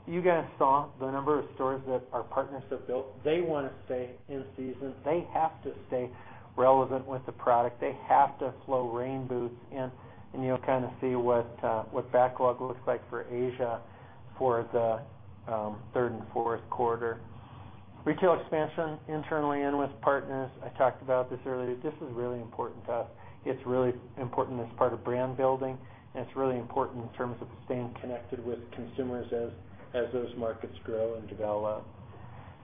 You guys saw the number of stores that our partners have built. They want to stay in season. They have to stay relevant with the product. They have to flow rain boots in, and you'll kind of see what backlog looks like for Asia for the third and fourth quarter. Retail expansion internally and with partners. I talked about this earlier. This is really important to us. It's really important as part of brand building, it's really important in terms of staying connected with consumers as those markets grow and develop.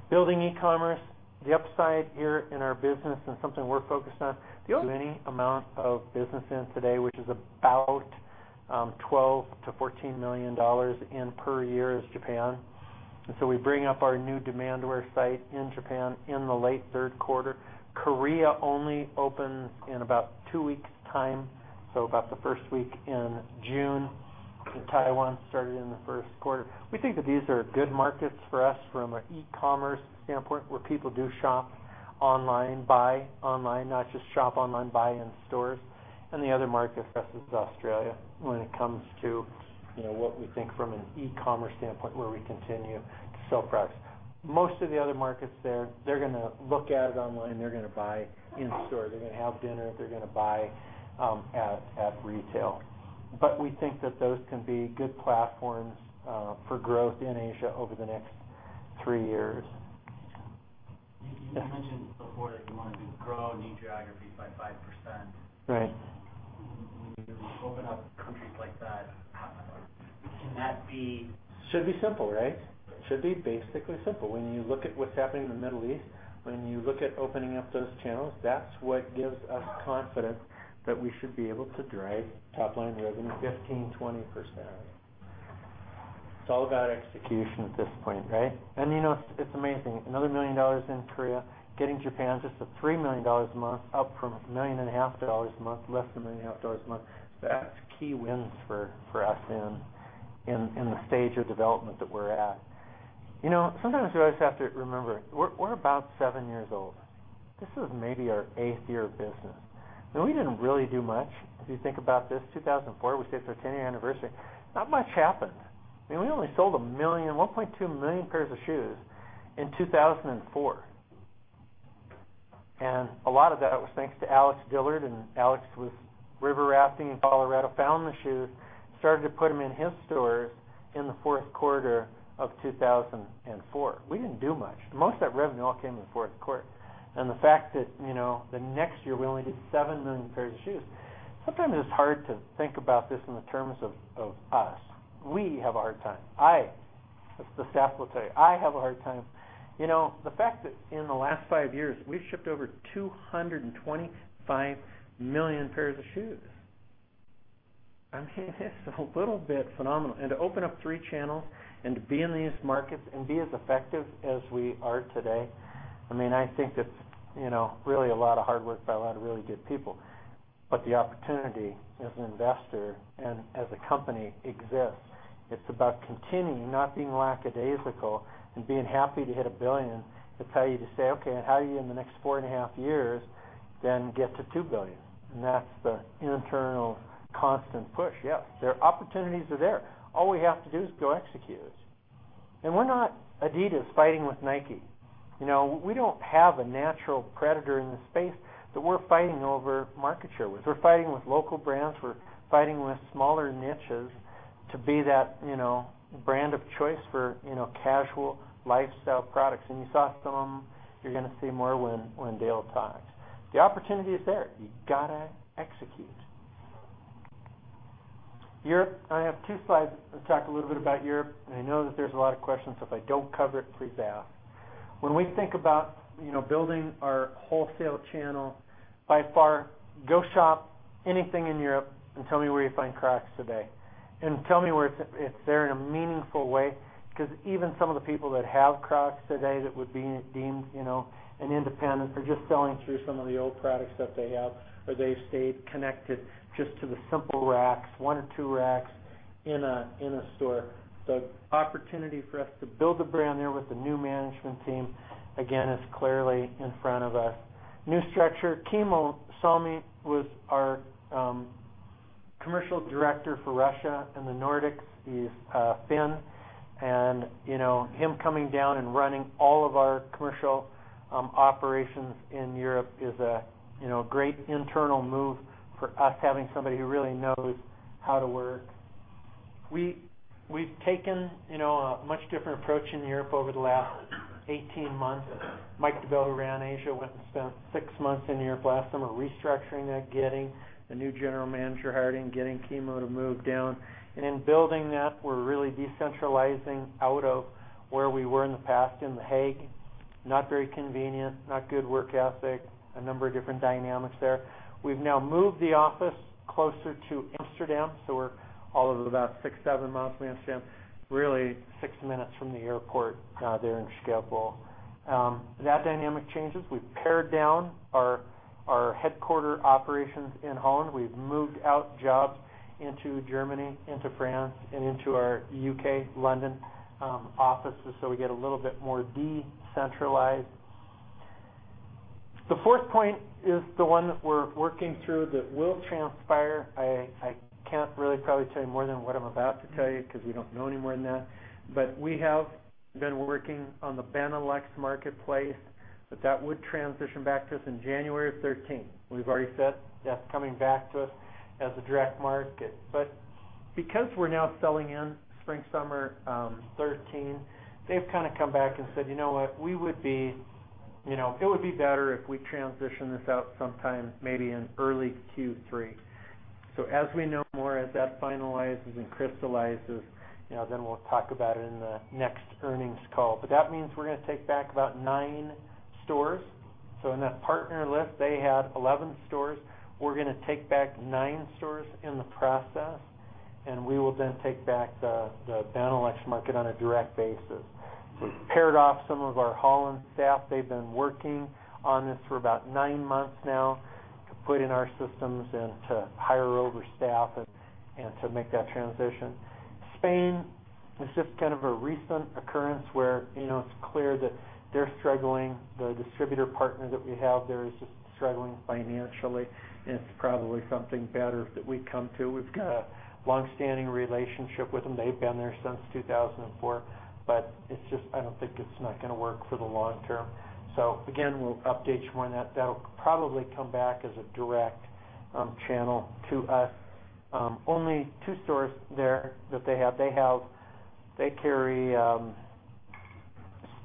Building e-commerce, the upside here in our business and something we're focused on any amount of business in today, which is about $12 million to $14 million per year is Japan. So we bring up our new Demandware site in Japan in the late third quarter. Korea only opens in about two weeks' time, so about the first week in June, and Taiwan started in the first quarter. We think that these are good markets for us from an e-commerce standpoint, where people do shop online, buy online, not just shop online, buy in stores. The other market for us is Australia when it comes to what we think from an e-commerce standpoint, where we continue to sell products. Most of the other markets there, they're going to look at it online, they're going to buy in store. They're going to have dinner, they're going to buy at retail. We think that those can be good platforms for growth in Asia over the next three years. You mentioned before that you wanted to grow new geographies by 5%. Right. When you open up countries like that, can that be Should be simple, right? Should be basically simple. When you look at what's happening in the Middle East, when you look at opening up those channels, that's what gives us confidence that we should be able to drive top-line revenue 15%-20%. It's all about execution at this point, right? It's amazing. Another $1 million in Korea, getting Japan just to $3 million a month, up from a million and a half dollars a month, less than a million and a half dollars a month. That's key wins for us in the stage of development that we're at. Sometimes we always have to remember, we're about seven years old. This is maybe our eighth year of business, and we didn't really do much, if you think about this, 2004, we just had our 10-year anniversary. Not much happened. We only sold a million, 1.2 million pairs of shoes in 2004. A lot of that was thanks to Alex Dillard, and Alex was river rafting in Colorado, found the shoes, started to put them in his stores in the fourth quarter of 2004. We didn't do much. Most of that revenue all came in the fourth quarter. The fact that the next year we only did seven million pairs of shoes. Sometimes it's hard to think about this in the terms of us. We have a hard time. I, as the staff will tell you, I have a hard time. The fact that in the last five years, we've shipped over 225 million pairs of shoes. It's a little bit phenomenal. To open up three channels and to be in these markets and be as effective as we are today, I think that's really a lot of hard work by a lot of really good people. The opportunity as an investor and as a company exists. It's about continuing, not being lackadaisical and being happy to hit $1 billion. It's how you just say, "Okay, and how do you in the next four and a half years then get to $2 billion?" That's the internal constant push. The opportunities are there. All we have to do is go execute. We're not Adidas fighting with Nike. We don't have a natural predator in the space that we're fighting over market share with. We're fighting with local brands. We're fighting with smaller niches to be that brand of choice for casual lifestyle products. You saw some of them. You're going to see more when Dale talks. The opportunity is there. You got to execute. Europe, I have two slides. Let's talk a little bit about Europe, and I know that there's a lot of questions, so if I don't cover it, please ask. When we think about building our wholesale channel, by far, go shop anything in Europe and tell me where you find Crocs today. Tell me where it's there in a meaningful way, because even some of the people that have Crocs today that would be deemed an independent are just selling through some of the old products that they have, or they've stayed connected just to the simple racks, one or two racks in a store. The opportunity for us to build a brand there with the new management team, again, is clearly in front of us. New structure, Kimmo Salmi was our commercial director for Russia and the Nordics. He's a Finn, and him coming down and running all of our commercial operations in Europe is a great internal move for us, having somebody who really knows how to work. We've taken a much different approach in Europe over the last 18 months. Mike De Bell, who ran Asia, went and spent six months in Europe last summer restructuring it, getting the new general manager hired, and getting Kimmo to move down. In building that, we're really decentralizing out of where we were in the past in The Hague, not very convenient, not good work ethic, a number of different dynamics there. We've now moved the office closer to Amsterdam, so we're all of about six, seven miles from Amsterdam, really six minutes from the airport there in Schiphol. That dynamic changes. We've pared down our headquarter operations in Holland. We've moved out jobs into Germany, into France, and into our U.K. London offices. We get a little bit more decentralized. The fourth point is the one that we're working through that will transpire. I can't really probably tell you more than what I'm about to tell you because we don't know any more than that. We have been working on the Benelux marketplace, but that would transition back to us in January of 2013. We've already said that's coming back to us as a direct market. Because we're now selling in spring/summer 2013, they've kind of come back and said, "You know what? It would be better if we transition this out sometime maybe in early Q3." As we know more, as that finalizes and crystallizes, we'll talk about it in the next earnings call. That means we're going to take back about nine stores. In that partner list, they had 11 stores. We're going to take back nine stores in the process, and we will then take back the Benelux market on a direct basis. We've paired off some of our Holland staff. They've been working on this for about nine months now to put in our systems and to hire over staff and to make that transition. Spain is just kind of a recent occurrence where it's clear that they're struggling. The distributor partner that we have there is just struggling financially, and it's probably something better that we come to. We've got a long-standing relationship with them. They've been there since 2004, but I don't think it's not going to work for the long term. Again, we'll update you more on that. That'll probably come back as a direct channel to us. Only two stores there that they have. They carry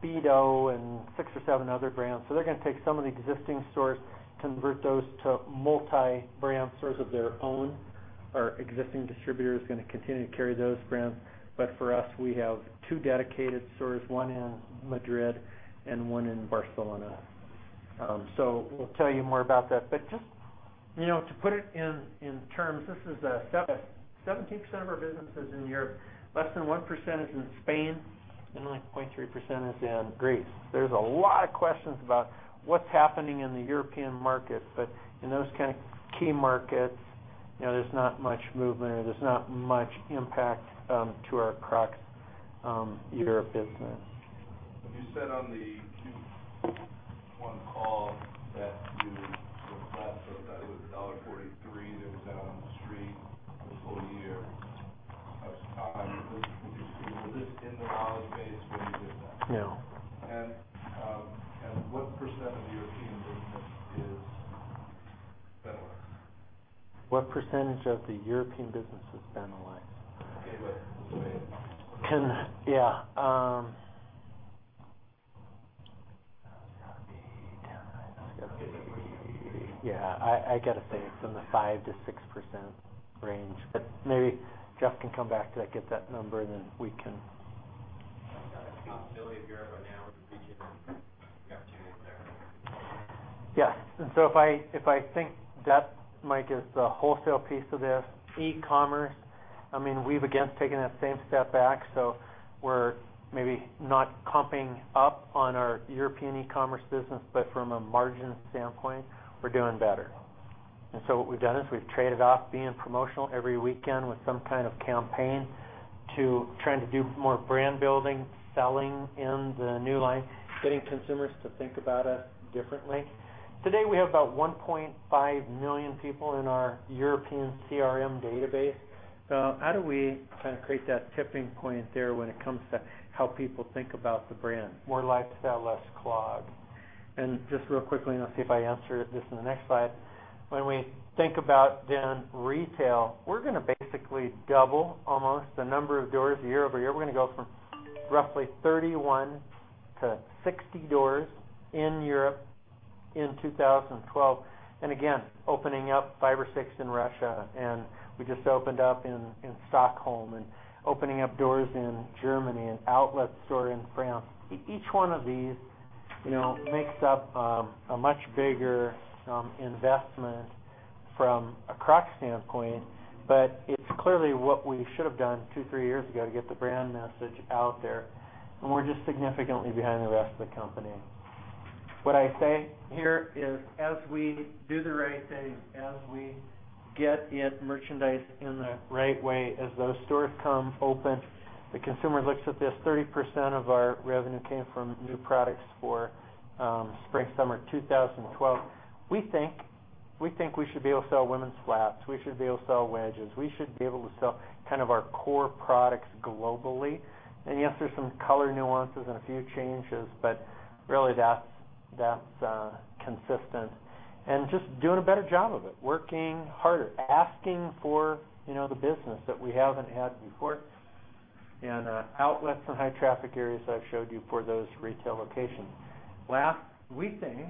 Speedo and six or seven other brands. They're going to take some of the existing stores, convert those to multi-brand stores of their own. Our existing distributor is going to continue to carry those brands. For us, we have two dedicated stores, one in Madrid and one in Barcelona. We'll tell you more about that. Just to put it in terms, 17% of our business is in Europe. Less than 1% is in Spain, and like 0.3% is in Greece. There's a lot of questions about what's happening in the European market. In those kind of key markets, there's not much movement, or there's not much impact to our Crocs Europe business. You said on the Q1 call that you were flat. That was $1.43 that was out on the street for the full year. Was this in the knowledge base when you did that? Yeah. What % of the European business is Benelux? What % of the European business is Benelux? Okay. Yeah, I got to say it's in the 5%-6% range. Maybe Jeff can come back to get that number. How familiar of Europe right now with the weakening opportunity there? Yes. If I think that, Mike, is the wholesale piece of this, e-commerce, we've again taken that same step back. We're maybe not comping up on our European e-commerce business, but from a margin standpoint, we're doing better. What we've done is we've traded off being promotional every weekend with some kind of campaign to trying to do more brand building, selling in the new line, getting consumers to think about us differently. Today, we have about 1.5 million people in our European CRM database. How do we kind of create that tipping point there when it comes to how people think about the brand, more lifestyle, less clog? Just real quickly, I'll see if I answer this in the next slide, when we think about then retail, we're going to basically double almost the number of doors year-over-year. We're going to go from roughly 31 to 60 doors in Europe in 2012, again, opening up five or six in Russia. We just opened up in Stockholm and opening up doors in Germany and outlet store in France. Each one of these makes up a much bigger investment from a Crocs standpoint, but it's clearly what we should have done two, three years ago to get the brand message out there, and we're just significantly behind the rest of the company. What I say here is as we do the right thing, as we get in merchandise in the right way, as those stores come open, the consumer looks at this, 30% of our revenue came from new products for spring/summer 2012. We think we should be able to sell women's flats. We should be able to sell wedges. We should be able to sell kind of our core products globally. Yes, there's some color nuances and a few changes, but really That's consistent and just doing a better job of it, working harder, asking for the business that we haven't had before, and outlets in high traffic areas I've showed you for those retail locations. Last, we think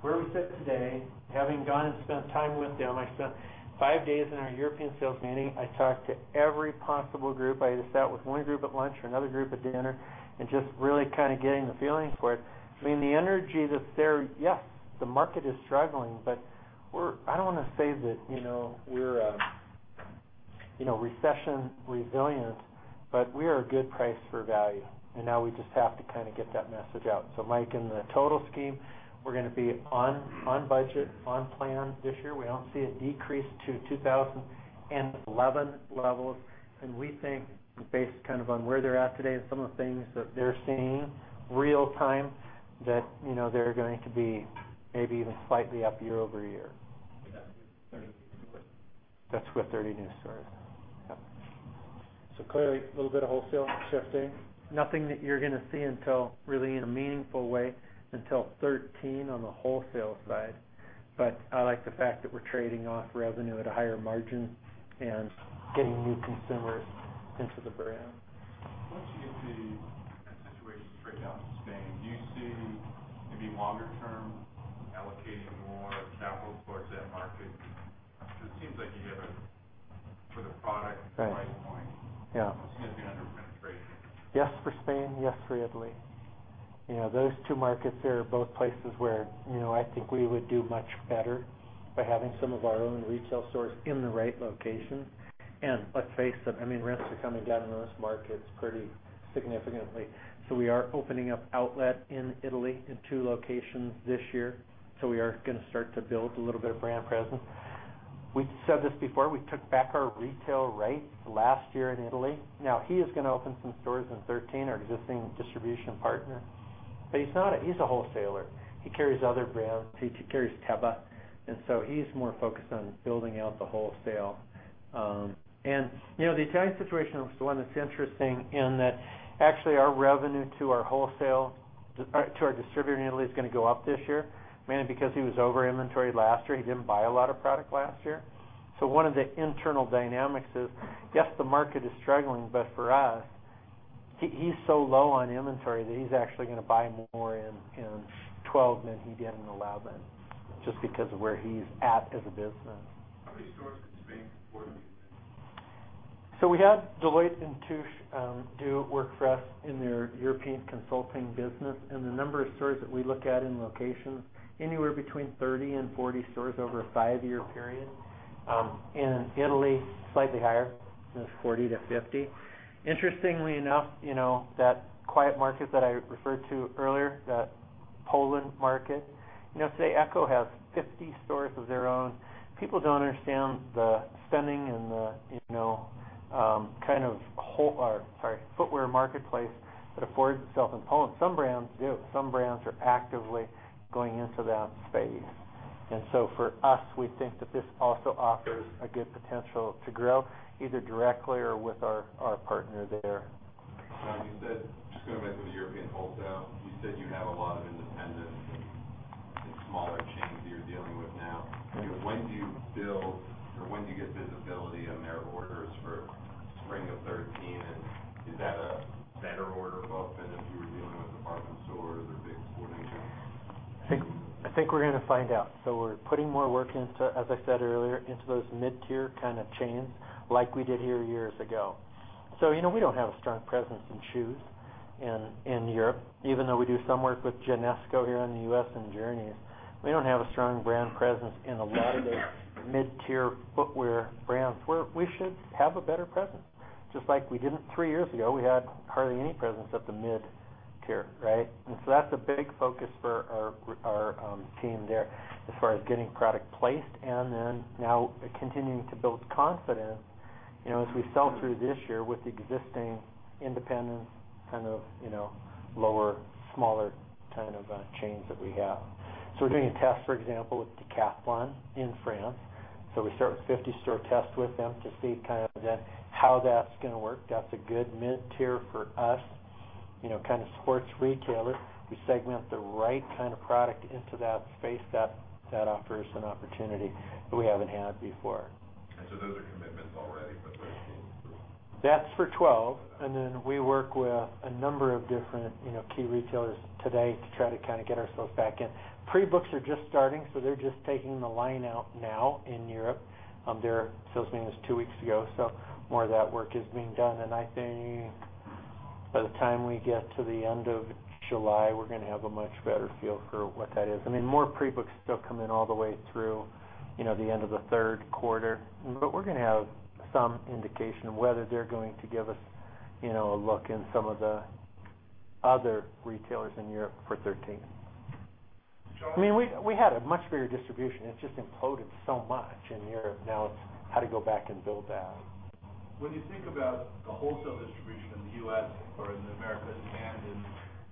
where we sit today, having gone and spent time with them, I spent five days in our European sales meeting. I talked to every possible group. I either sat with one group at lunch or another group at dinner and just really getting the feeling for it. The energy that's there, yes, the market is struggling, but I don't want to say that we're recession resilient, but we are a good price for value, and now we just have to get that message out. Mike, in the total scheme, we're going to be on budget, on plan this year. We don't see a decrease to 2011 levels, we think based on where they're at today and some of the things that they're seeing real time, that they're going to be maybe even slightly up year over year. With that 30 new stores. That's with 30 new stores. Yep. Clearly, a little bit of wholesale shifting. Nothing that you're going to see until really in a meaningful way until 2013 on the wholesale side. I like the fact that we're trading off revenue at a higher margin and getting new consumers into the brand. Once you get the situation straightened out in Spain, do you see maybe longer term allocating more capital towards that market? It seems like you have a, for the product- Right price point. Yeah. Significantly under penetration. Yes, for Spain. Yes, for Italy. Those two markets are both places where I think we would do much better by having some of our own retail stores in the right location. Let's face it, rents are coming down in those markets pretty significantly. We are opening up outlet in Italy in two locations this year. We are going to start to build a little bit of brand presence. We've said this before. We took back our retail rights last year in Italy. He is going to open some stores in 2013, our existing distribution partner. He's a wholesaler. He carries other brands. He carries Teva, he's more focused on building out the wholesale. The Italian situation was the one that's interesting in that actually our revenue to our distributor in Italy is going to go up this year, mainly because he was over-inventoried last year. He didn't buy a lot of product last year. One of the internal dynamics is, yes, the market is struggling, but for us, he's so low on inventory that he's actually going to buy more in 2012 than he did in 2011 just because of where he's at as a business. How many stores in Spain support you? We had Deloitte & Touche do work for us in their European consulting business. The number of stores that we look at in locations, anywhere between 30 and 40 stores over a five-year period. In Italy, slightly higher, 40 to 50. Interestingly enough, that quiet market that I referred to earlier, that Poland market, say ECCO has 50 stores of their own. People don't understand the spending and the kind of footwear marketplace that affords itself in Poland. Some brands do. Some brands are actively going into that space. For us, we think that this also offers a good potential to grow either directly or with our partner there. John, you said, just going back to the European wholesale, you said you have a lot of independents and smaller chains that you're dealing with now. When do you build or when do you get visibility on their orders for spring of 2013, and is that a better order book than if you were dealing with department stores or big sporting goods? I think we're going to find out. We're putting more work into, as I said earlier, into those mid-tier kind of chains like we did here years ago. We don't have a strong presence in shoes in Europe, even though we do some work with Genesco here in the U.S. and Journeys. We don't have a strong brand presence in a lot of the mid-tier footwear brands, where we should have a better presence. Just like we didn't three years ago, we had hardly any presence at the mid-tier, right? That's a big focus for our team there as far as getting product placed and then now continuing to build confidence as we sell through this year with the existing independent kind of lower, smaller kind of chains that we have. We're doing a test, for example, with Decathlon in France. We start with 50 store tests with them to see kind of then how that's going to work. That's a good mid-tier for us kind of sports retailer. We segment the right kind of product into that space that offers an opportunity that we haven't had before. Those are commitments already but they're That's for 2012, then we work with a number of different key retailers today to try to get ourselves back in. Pre-books are just starting, they're just taking the line out now in Europe. Their sales meeting was two weeks ago, more of that work is being done. I think by the time we get to the end of July, we're going to have a much better feel for what that is. More pre-books still come in all the way through the end of the third quarter. We're going to have some indication of whether they're going to give us a look in some of the other retailers in Europe for 2013. John- We had a much bigger distribution. It's just imploded so much in Europe. Now it's how to go back and build that. When you think about the wholesale distribution in the U.S. or in the Americas and in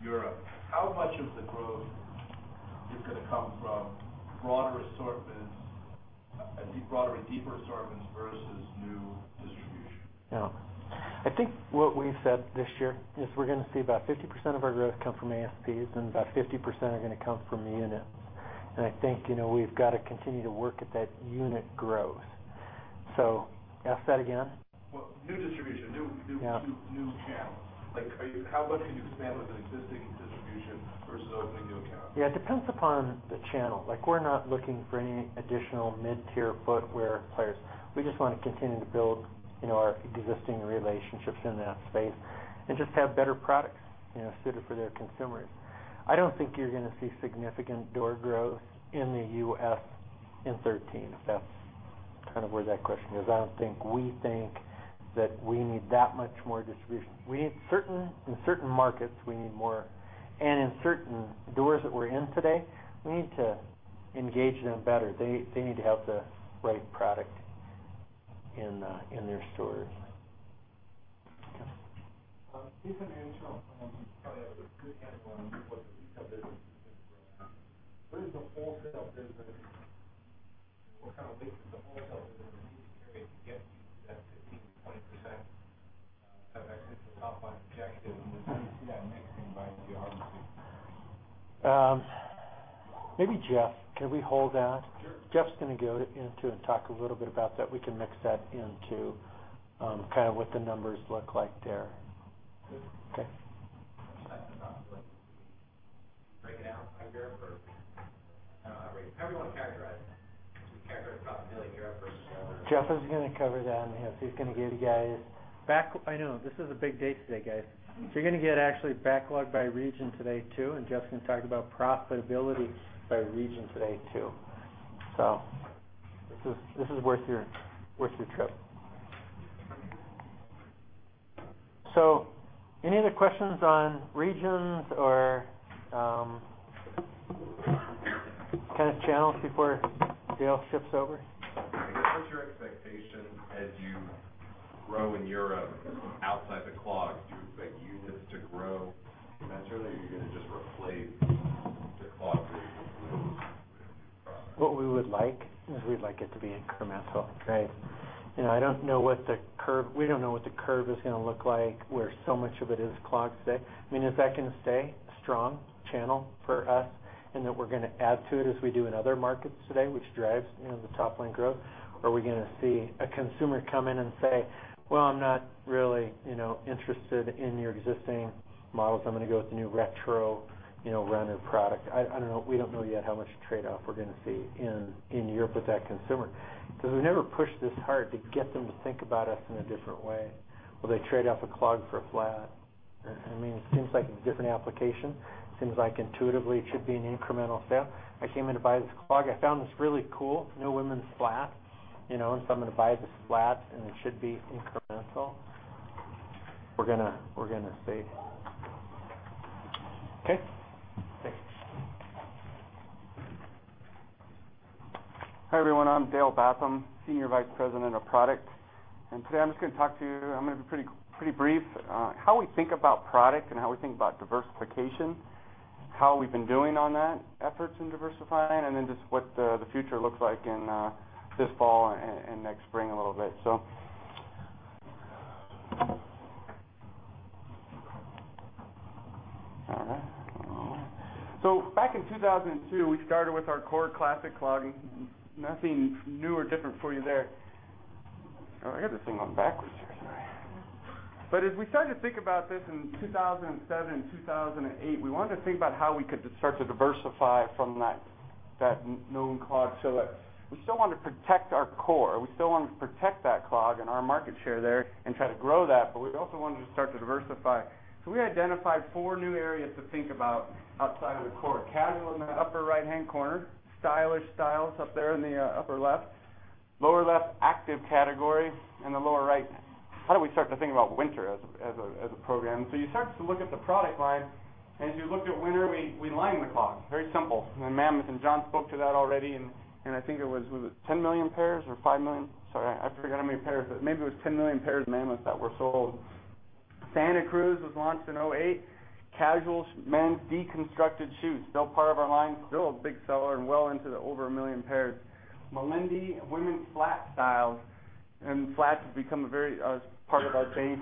Europe, how much of the growth Is going to come from broader assortments, I think broader and deeper assortments versus new distribution. Yeah. I think what we said this year is we're going to see about 50% of our growth come from ASPs and about 50% are going to come from the units. I think we've got to continue to work at that unit growth. Ask that again. Well, new distribution, Yeah new channels. How much can you expand with an existing distribution versus opening new accounts? Yeah, it depends upon the channel. We're not looking for any additional mid-tier footwear players. We just want to continue to build our existing relationships in that space and just have better products suited for their consumers. I don't think you're going to see significant door growth in the U.S. in 2013, if that's where that question is. I don't think we think that we need that much more distribution. In certain markets, we need more, and in certain doors that we're in today, we need to engage them better. They need to have the right product in their stores. Based on your internal plans, you probably have a good handle on what the retail business is going to grow at. Where is the wholesale business and what kind of lift does the wholesale business need to carry to get you to that 15%-20% type exit to top line objective? How do you see that mixing by geography? Maybe Jeff, can we hold that? Sure. Jeff's going to go into and talk a little bit about that. We can mix that into what the numbers look like there. Good. Okay. I was going to ask about the break it out by Europe or how everyone characterized it. You characterized profitability in Europe versus the other- Jeff is going to cover that. He's going to give you guys back I know this is a big day today, guys. You're going to get actually backlog by region today, too, and Jeff's going to talk about profitability by region today, too. This is worth your trip. Any other questions on regions or kind of channels before Dale shifts over? I guess, what's your expectation as you grow in Europe outside the clog? Do you expect units to grow incrementally or are you going to just replace the clog with new units from- What we would like is we'd like it to be incremental. I don't know what the curve is going to look like where so much of it is clog today. If that can stay a strong channel for us and that we're going to add to it as we do in other markets today, which drives the top line growth or are we going to see a consumer come in and say, "Well, I'm not really interested in your existing models. I'm going to go with the new Retro runner product." I don't know. We don't know yet how much trade-off we're going to see in Europe with that consumer because we never pushed this hard to get them to think about us in a different way. Will they trade off a clog for a flat? It seems like a different application. Seems like intuitively it should be an incremental sale. I came in to buy this clog. I found this really cool new women's flat. I'm going to buy this flat and it should be incremental. We're going to see. Okay. Thanks. Hi, everyone. I'm Dale Bathum, Senior Vice President of Product. Today I'm just going to talk to you. I'm going to be pretty brief. How we think about product and how we think about diversification, how we've been doing on that, efforts in diversifying, just what the future looks like in this fall and next spring a little bit. Back in 2002, we started with our core Classic clog, nothing new or different for you there. I got this thing on backwards here, sorry. As we started to think about this in 2007 and 2008, we wanted to think about how we could start to diversify from that known clog. We still want to protect our core. We still wanted to protect that clog and our market share there and try to grow that. We also wanted to start to diversify. We identified four new areas to think about outside of the core. Casual in the upper right-hand corner, stylish styles up there in the upper left, lower left active category and the lower right, how do we start to think about winter as a program? You start to look at the product line, and as you looked at winter, we lined the clog. Very simple. Mammoth, and John spoke to that already, and I think it was it 10 million pairs or 5 million? Sorry, I forget how many pairs, but maybe it was 10 million pairs of Mammoths that were sold. Santa Cruz was launched in 2008. Casual men's deconstructed shoes, still part of our line, still a big seller and well into the over 1 million pairs. Malindi women's flat style and flats have become a part of our base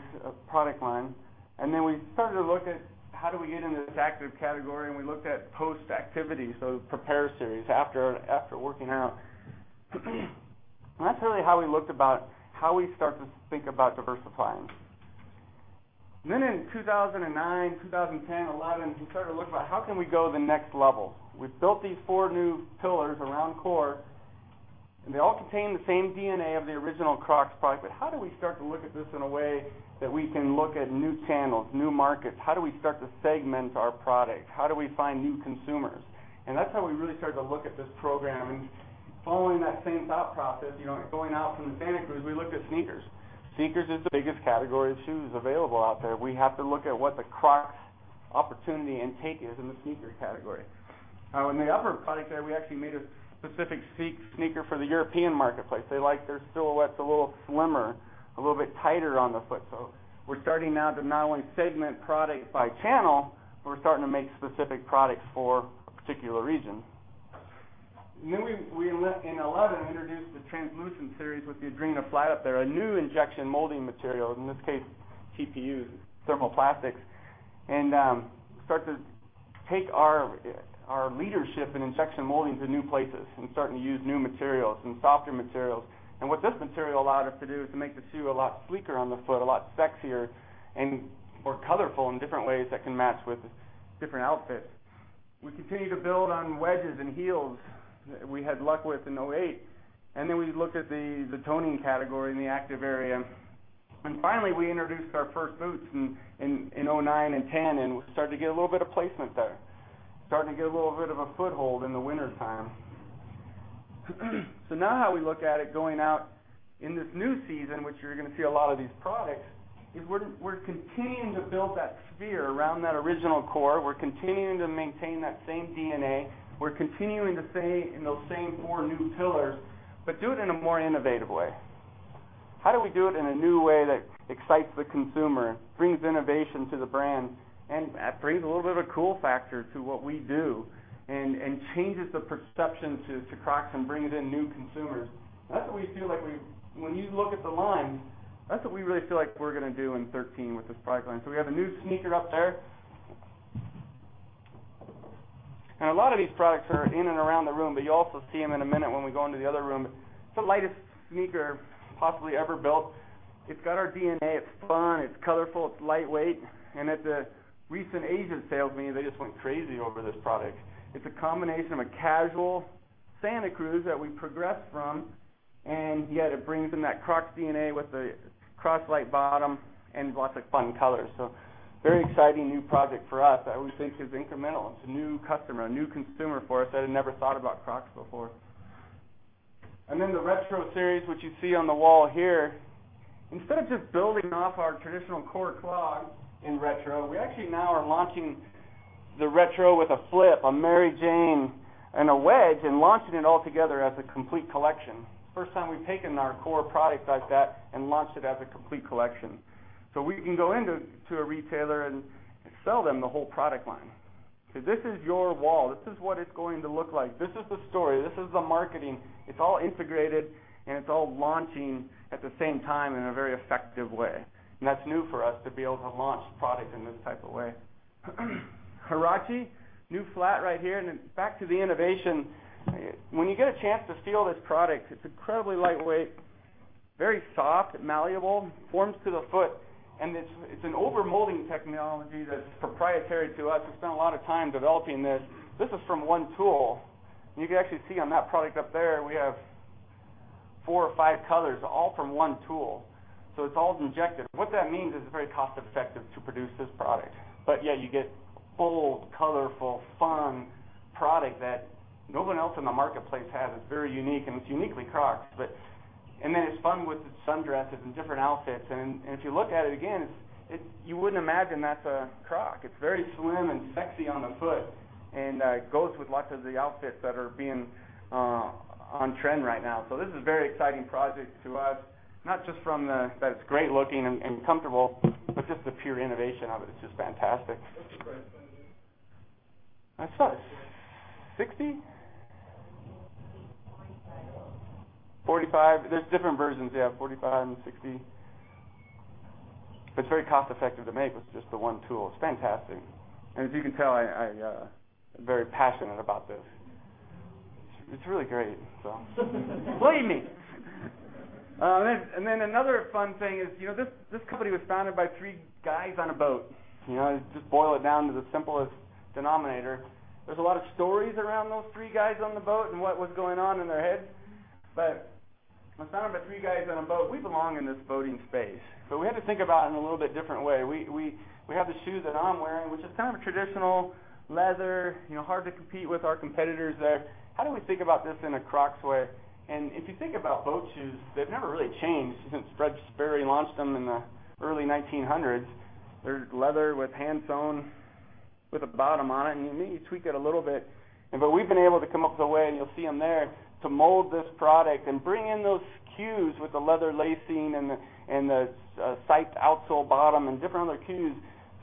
product line. We started to look at how do we get into this active category, we looked at post-activity, so Prepair series after working out. That's really how we looked at how we start to think about diversifying. In 2009, 2010, 2011, we started to look at how can we go the next level. We've built these four new pillars around core, they all contain the same DNA of the original Crocs product. How do we start to look at this in a way that we can look at new channels, new markets? How do we start to segment our product? How do we find new consumers? That's how we really started to look at this program and following that same thought process, going out from the Santa Cruz, we looked at sneakers. Sneakers is the biggest category of shoes available out there. We have to look at what the Crocs opportunity and take is in the sneaker category. In the upper product there, we actually made a specific sneaker for the European marketplace. They like their silhouettes a little slimmer, a little bit tighter on the foot. We're starting now to not only segment product by channel, but we're starting to make specific products for a particular region. In 2011, we introduced the Translucent series with the Adrina flat up there, a new injection molding material, in this case, TPUs, thermoplastics, start to take our leadership in injection molding to new places and starting to use new materials and softer materials. What this material allowed us to do is to make the shoe a lot sleeker on the foot, a lot sexier, and more colorful in different ways that can match with different outfits. We continue to build on wedges and heels we had luck with in 2008. We looked at the toning category in the active area. We introduced our first boots in 2009 and 2010 and started to get a little bit of placement there, starting to get a little bit of a foothold in the wintertime. How we look at it going out in this new season, which you're going to see a lot of these products, is we're continuing to build that sphere around that original core. We're continuing to maintain that same DNA. We're continuing to stay in those same four new pillars, but do it in a more innovative way. How do we do it in a new way that excites the consumer, brings innovation to the brand, and brings a little bit of a cool factor to what we do and changes the perception to Crocs and brings in new consumers? That's what we feel like when you look at the line, that's what we really feel like we're going to do in 2013 with this product line. We have a new sneaker up there. A lot of these products are in and around the room, but you'll also see them in a minute when we go into the other room. It's the lightest sneaker possibly ever built. It's got our DNA, it's fun, it's colorful, it's lightweight, and at the recent Asia sales meeting, they just went crazy over this product. It's a combination of a casual Santa Cruz that we progressed from, yet it brings in that Crocs DNA with the Croslite bottom and lots of fun colors. A very exciting new project for us that we think is incremental. It's a new customer, a new consumer for us that had never thought about Crocs before. The Retro series, which you see on the wall here. Instead of just building off our traditional core clog in Retro, we actually now are launching the Retro with a flip, a Mary Jane, and a wedge and launching it all together as a complete collection. First time we've taken our core product like that and launched it as a complete collection. We can go in to a retailer and sell them the whole product line. Say, "This is your wall. This is what it's going to look like. This is the story. This is the marketing." It's all integrated, it's all launching at the same time in a very effective way. That's new for us to be able to launch product in this type of way. Huarache, new flat right here. Back to the innovation, when you get a chance to feel this product, it's incredibly lightweight, very soft, malleable, forms to the foot, and it's an over-molding technology that's proprietary to us. We spent a lot of time developing this. This is from one tool. You can actually see on that product up there we have four or five colors, all from one tool. It's all injected. What that means is it's very cost-effective to produce this product. Yeah, you get bold, colorful, fun product that no one else in the marketplace has. It's very unique, and it's uniquely Crocs. It's fun with sundresses and different outfits. If you look at it again, you wouldn't imagine that's a Croc. It's very slim and sexy on the foot and goes with lots of the outfits that are being on trend right now. This is a very exciting project to us, not just from the that it's great looking and comfortable, but just the pure innovation of it is just fantastic. What's the price point on these? I saw $60? $45. $45. There's different versions, yeah, $45 and $60. It's very cost effective to make with just the one tool. It's fantastic. As you can tell, I'm very passionate about this. It's really great. Believe me. Another fun thing is this company was founded by three guys on a boat. Just boil it down to the simplest denominator. There's a lot of stories around those three guys on the boat and what was going on in their heads, but it was founded by three guys on a boat. We belong in this boating space. We had to think about it in a little bit different way. We have the shoe that I'm wearing, which is kind of a traditional leather, hard to compete with our competitors there. How do we think about this in a Crocs way? If you think about boat shoes, they've never really changed since Paul Sperry launched them in the early 1900s. They're leather with hand-sewn with a bottom on it, and you maybe tweak it a little bit. We've been able to come up with a way, and you'll see them there, to mold this product and bring in those SKUs with the leather lacing and the siped outsole bottom and different other cues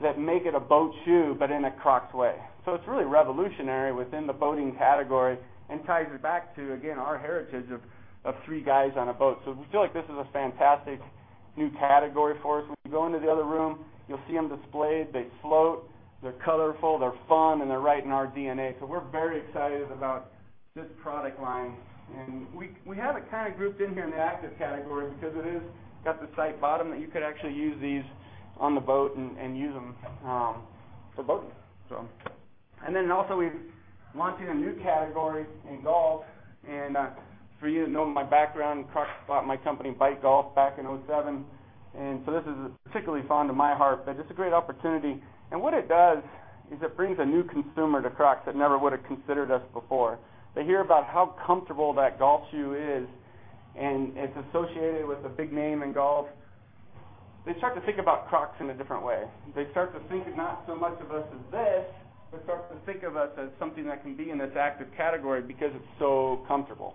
that make it a boat shoe, but in a Crocs way. It's really revolutionary within the boating category and ties it back to, again, our heritage of three guys on a boat. We feel like this is a fantastic new category for us. When you go into the other room, you'll see them displayed, they float, they're colorful, they're fun, and they're right in our DNA. We're very excited about this product line. We have it kind of grouped in here in the active category because it is got the sipe bottom that you could actually use these on the boat and use them for boating. Then also, we've launched in a new category in golf. For you that know my background, Crocs bought my company, Bite Golf, back in 2007, this is particularly fond to my heart, but just a great opportunity. What it does is it brings a new consumer to Crocs that never would have considered us before. They hear about how comfortable that golf shoe is, and it's associated with a big name in golf. They start to think about Crocs in a different way. They start to think of not so much of us as this, but start to think of us as something that can be in this active category because it's so comfortable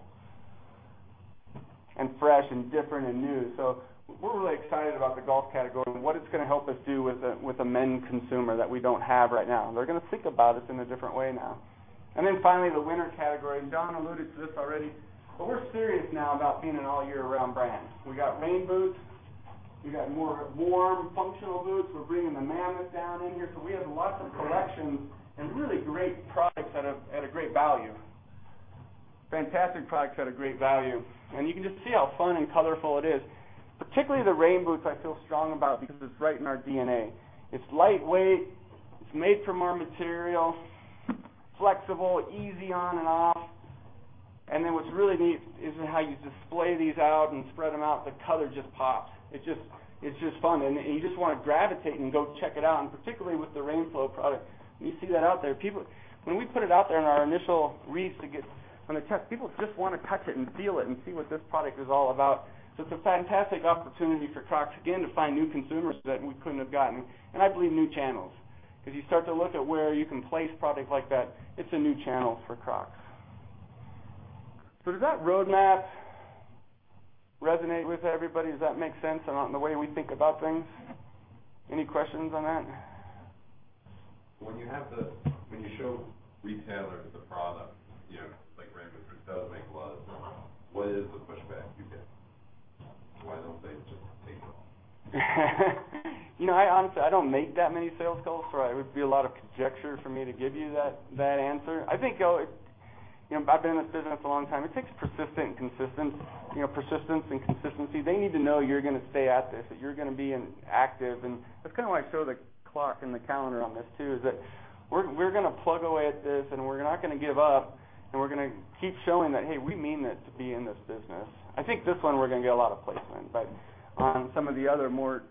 and fresh and different and new. We're really excited about the golf category and what it's going to help us do with the men consumer that we don't have right now. They're going to think about us in a different way now. Finally, the winter category, John alluded to this already, but we're serious now about being an all-year-round brand. We got rain boots. We got more warm, functional boots. We're bringing the Mammoth down in here. We have lots of collection and really great products at a great value. Fantastic products at a great value. You can just see how fun and colorful it is, particularly the rain boots I feel strong about because it's right in our DNA. It's lightweight, it's made from our material, flexible, easy on and off. Then what's really neat is how you display these out and spread them out. The color just pops. It's just fun, and you just want to gravitate and go check it out. Particularly with the RainFloe product, when you see that out there, when we put it out there in our initial reads to get on the test, people just want to touch it and feel it and see what this product is all about. It's a fantastic opportunity for Crocs, again, to find new consumers that we couldn't have gotten, and I believe new channels. You start to look at where you can place product like that, it's a new channel for Crocs. Does that roadmap resonate with everybody? Does that make sense in the way we think about things? Any questions on that? When you show retailers the product, like rain boots, it does make a lot of sense. What is the pushback you get? Why don't they just take it off? Honestly, I don't make that many sales calls. It would be a lot of conjecture for me to give you that answer. I've been in this business a long time. It takes persistence and consistency. They need to know you're going to stay at this, that you're going to be active. That's why I show the clock and the calendar on this too, is that we're going to plug away at this, and we're not going to give up, and we're going to keep showing that, hey, we mean it to be in this business. I think this one, we're going to get a lot of placement, but on some of the other more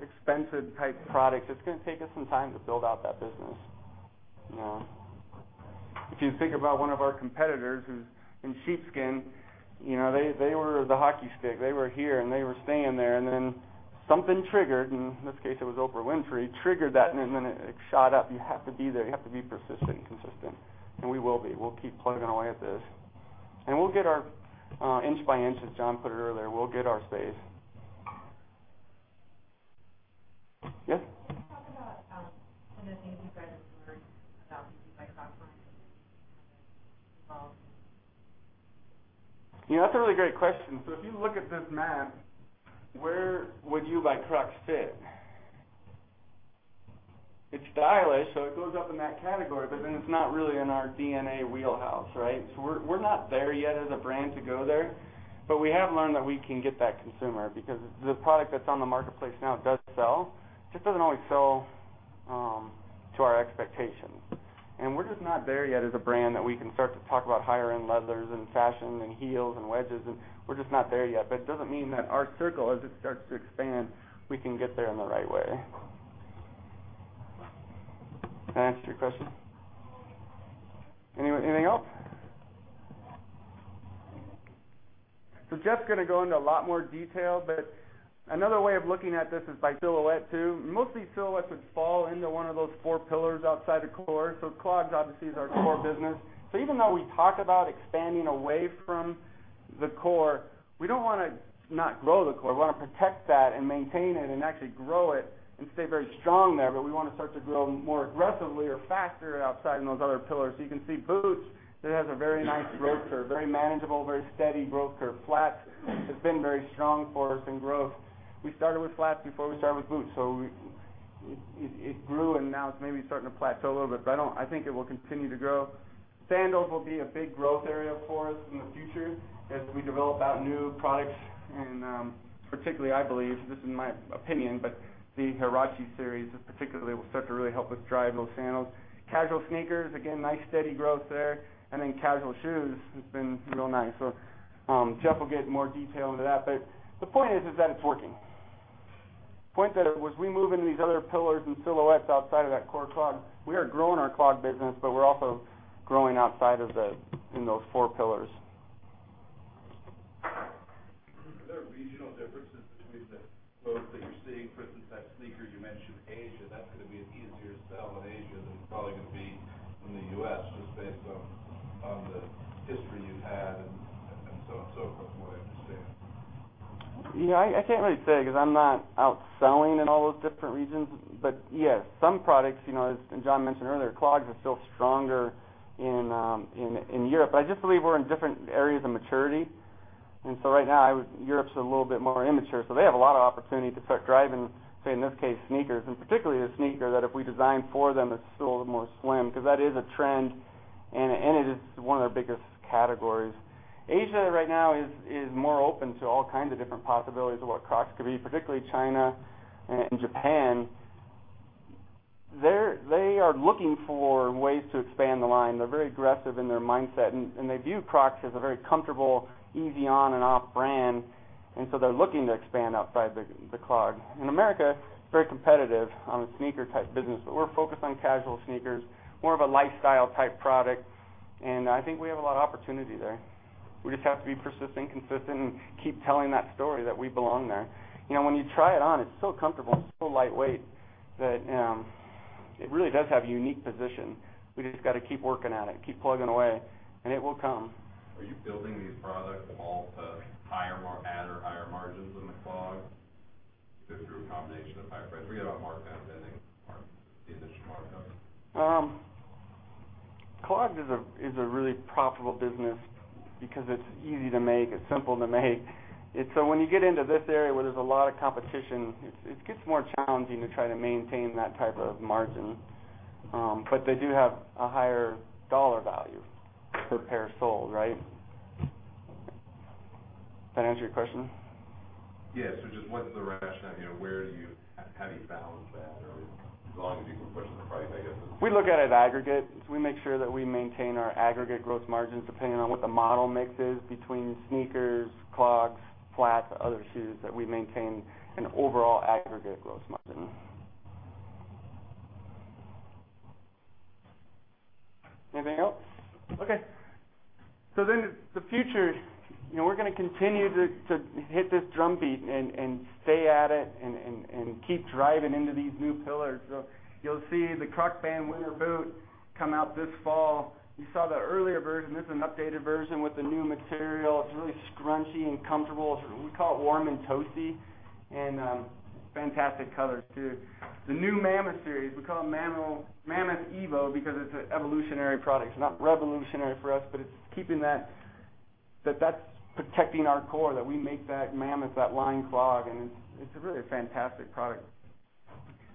expensive type products, it's going to take us some time to build out that business. If you think about one of our competitors who's in sheepskin, they were the hockey stick. They were here, they were staying there, then something triggered, in this case, it was Oprah Winfrey, triggered that, then it shot up. You have to be there. You have to be persistent and consistent, and we will be. We'll keep plugging away at this. We'll get our inch by inch, as John put it earlier. We'll get our space. Yes? Can you talk about some of the things you guys have learned about You by Crocs online and involved in that? That's a really great question. If you look at this map, where would You by Crocs fit? It's stylish, so it goes up in that category, but then it's not really in our DNA wheelhouse, right? We're not there yet as a brand to go there, but we have learned that we can get that consumer because the product that's on the marketplace now does sell. It just doesn't always sell to our expectations. We're just not there yet as a brand that we can start to talk about higher-end leathers and fashion and heels and wedges and we're just not there yet. It doesn't mean that our circle, as it starts to expand, we can get there in the right way. Does that answer your question? Yes. Anything else? Jeff's going to go into a lot more detail, but another way of looking at this is by silhouette, too. Most of these silhouettes would fall into one of those four pillars outside of core. Clogs, obviously, is our core business. Even though we talk about expanding away from the core, we don't want to not grow the core. We want to protect that and maintain it and actually grow it and stay very strong there, but we want to start to grow more aggressively or faster outside in those other pillars. You can see boots, that has a very nice growth curve, very manageable, very steady growth curve. Flats have been very strong for us in growth. We started with flats before we started with boots. It grew, and now it's maybe starting to plateau a little bit, but I think it will continue to grow. Sandals will be a big growth area for us in the future as we develop out new products and particularly, I believe, this is my opinion, but the Huarache series particularly will start to really help us drive those sandals. Casual sneakers, again, nice steady growth there. Casual shoes has been real nice. Jeff will get more detail into that. The point is that it's working. Point that as we move into these other pillars and silhouettes outside of that core clog, we are growing our clog business, but we're also growing in those four pillars. Are there regional differences between the growth that you're seeing? For instance, that sneaker you mentioned Asia, that's going to be an easier sell in Asia than it's probably going to be in the U.S., just based on the history you've had and so on, so forth, from what I understand. I can't really say because I'm not out selling in all those different regions. Some products, as John mentioned earlier, clogs are still stronger in Europe. I just believe we're in different areas of maturity. Right now, Europe's a little bit more immature, so they have a lot of opportunity to start driving, say in this case, sneakers, and particularly the sneaker that if we design for them, it's still the more slim because that is a trend and it is one of their biggest categories. Asia right now is more open to all kinds of different possibilities of what Crocs could be, particularly China and Japan. They are looking for ways to expand the line. They're very aggressive in their mindset, and they view Crocs as a very comfortable, easy on and off brand. They're looking to expand outside the clog. In America, it's very competitive on the sneaker type business. We're focused on casual sneakers, more of a lifestyle type product. I think we have a lot of opportunity there. We just have to be persistent, consistent, and keep telling that story that we belong there. When you try it on, it's so comfortable and so lightweight that it really does have a unique position. We just got to keep working at it, keep plugging away. It will come. Are you building these products all to add or higher margins than the clog through a combination of high price? We get all marked down, I think, mark the initial mark-up. Clog is a really profitable business because it's easy to make, it's simple to make. When you get into this area where there's a lot of competition, it gets more challenging to try to maintain that type of margin. They do have a higher dollar value per pair sold, right? Did that answer your question? Yes. Just what's the rationale here? How do you balance that or as long as you can push the price, I guess it's. We look at it as aggregate. We make sure that we maintain our aggregate gross margins depending on what the model mix is between sneakers, clogs, flats, other shoes that we maintain an overall aggregate gross margin. Anything else? Okay. The future, we're going to continue to hit this drumbeat and stay at it and keep driving into these new pillars. You'll see the Crocband Winter Boot come out this fall. You saw the earlier version. This is an updated version with the new material. It's really scrunchy and comfortable. We call it warm and toasty and fantastic colors, too. The new Mammoth series, we call it Mammoth EVO because it's an evolutionary product. It's not revolutionary for us, but it's keeping that that's protecting our core, that we make that Mammoth, that lined clog, and it's really a fantastic product.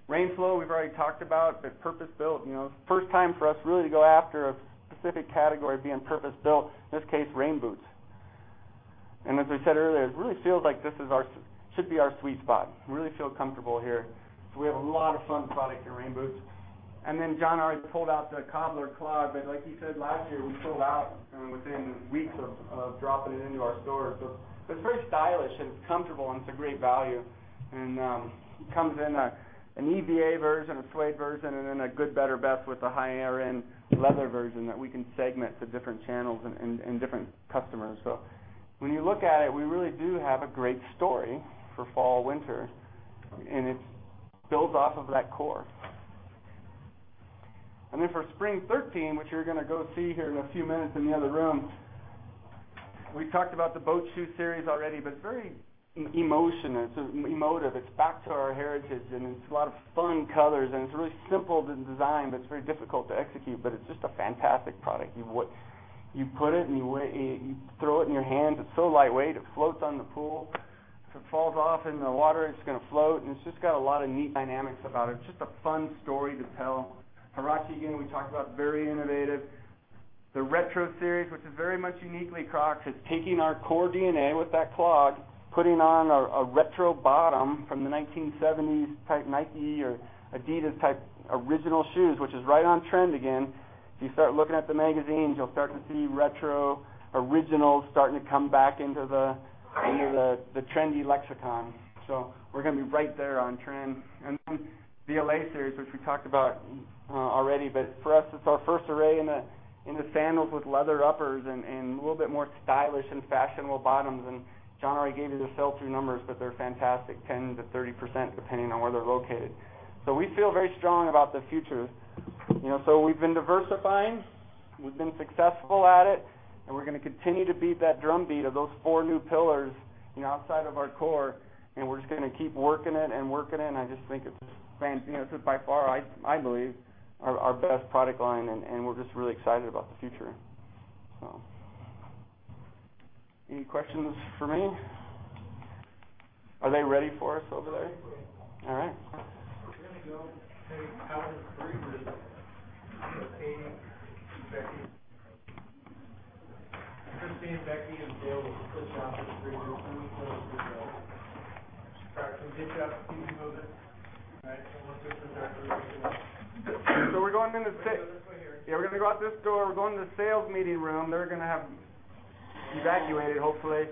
RainFloe, we've already talked about, but purpose-built. First time for us really to go after a specific category being purpose-built, in this case, rain boots. As I said earlier, it really feels like this should be our sweet spot. We really feel comfortable here. We have a lot of fun product in rain boots. John already pulled out the Cobbler Clog, but like he said, last year, we sold out within weeks of dropping it into our stores. It's very stylish and it's comfortable and it's a great value and comes in an EVA version, a suede version, and then a good, better, best with a higher-end leather version that we can segment to different channels and different customers. When you look at it, we really do have a great story for fall/winter, and it builds off of that core. For spring 2013, which you're going to go see here in a few minutes in the other room, we talked about the Boat Shoe series already, but it's emotive. It's back to our heritage, and it's a lot of fun colors, and it's a really simple design, but it's very difficult to execute, but it's just a fantastic product. You put it and you throw it in your hand. It's so lightweight, it floats on the pool. If it falls off in the water, it's going to float. It's just got a lot of neat dynamics about it. It's just a fun story to tell. Huarache, again, we talked about, very innovative. The Retro series, which is very much uniquely Crocs. It's taking our core DNA with that clog, putting on a retro bottom from the 1970s type Nike or Adidas type original shoes, which is right on trend again. If you start looking at the magazines, you'll start to see retro originals starting to come back into the trendy lexicon. We're going to be right there on trend. The L.A. series, which we talked about already, but for us, it's our first array in the sandals with leather uppers and a little bit more stylish and fashionable bottoms and John already gave you the sell-through numbers, but they're fantastic, 10%-30%, depending on where they're located. We feel very strong about the future. We've been diversifying, we've been successful at it, and we're going to continue to beat that drumbeat of those four new pillars outside of our core, and we're just going to keep working it and working it, and I just think it's by far, I believe, our best product line, and we're just really excited about the future. Any questions for me? Are they ready for us over there? Yes. All right. We're going to go take Calvin's three groups. Kate, Becky, Christine, Becky, and Dale will switch off with three groups and we'll close with Dale. All right, we'll get you out the meeting room then. All right, we'll switch with that group. we're going in the- Go this way here. Yeah, we're going to go out this door. We're going to the sales meeting room. They're going to have evacuated, hopefully.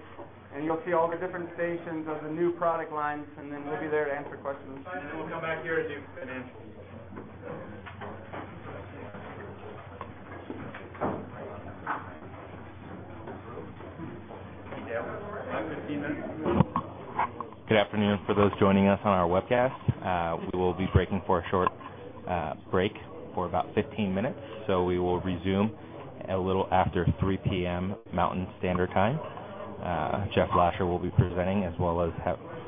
You'll see all the different stations of the new product lines, then we'll be there to answer questions. We'll come back here and do financials. Hey, Dale. Hi, Christina. Good afternoon for those joining us on our webcast. We will be breaking for a short break for about 15 minutes. We will resume a little after 3:00 P.M. Mountain Standard Time. Jeff Lasher will be presenting as well as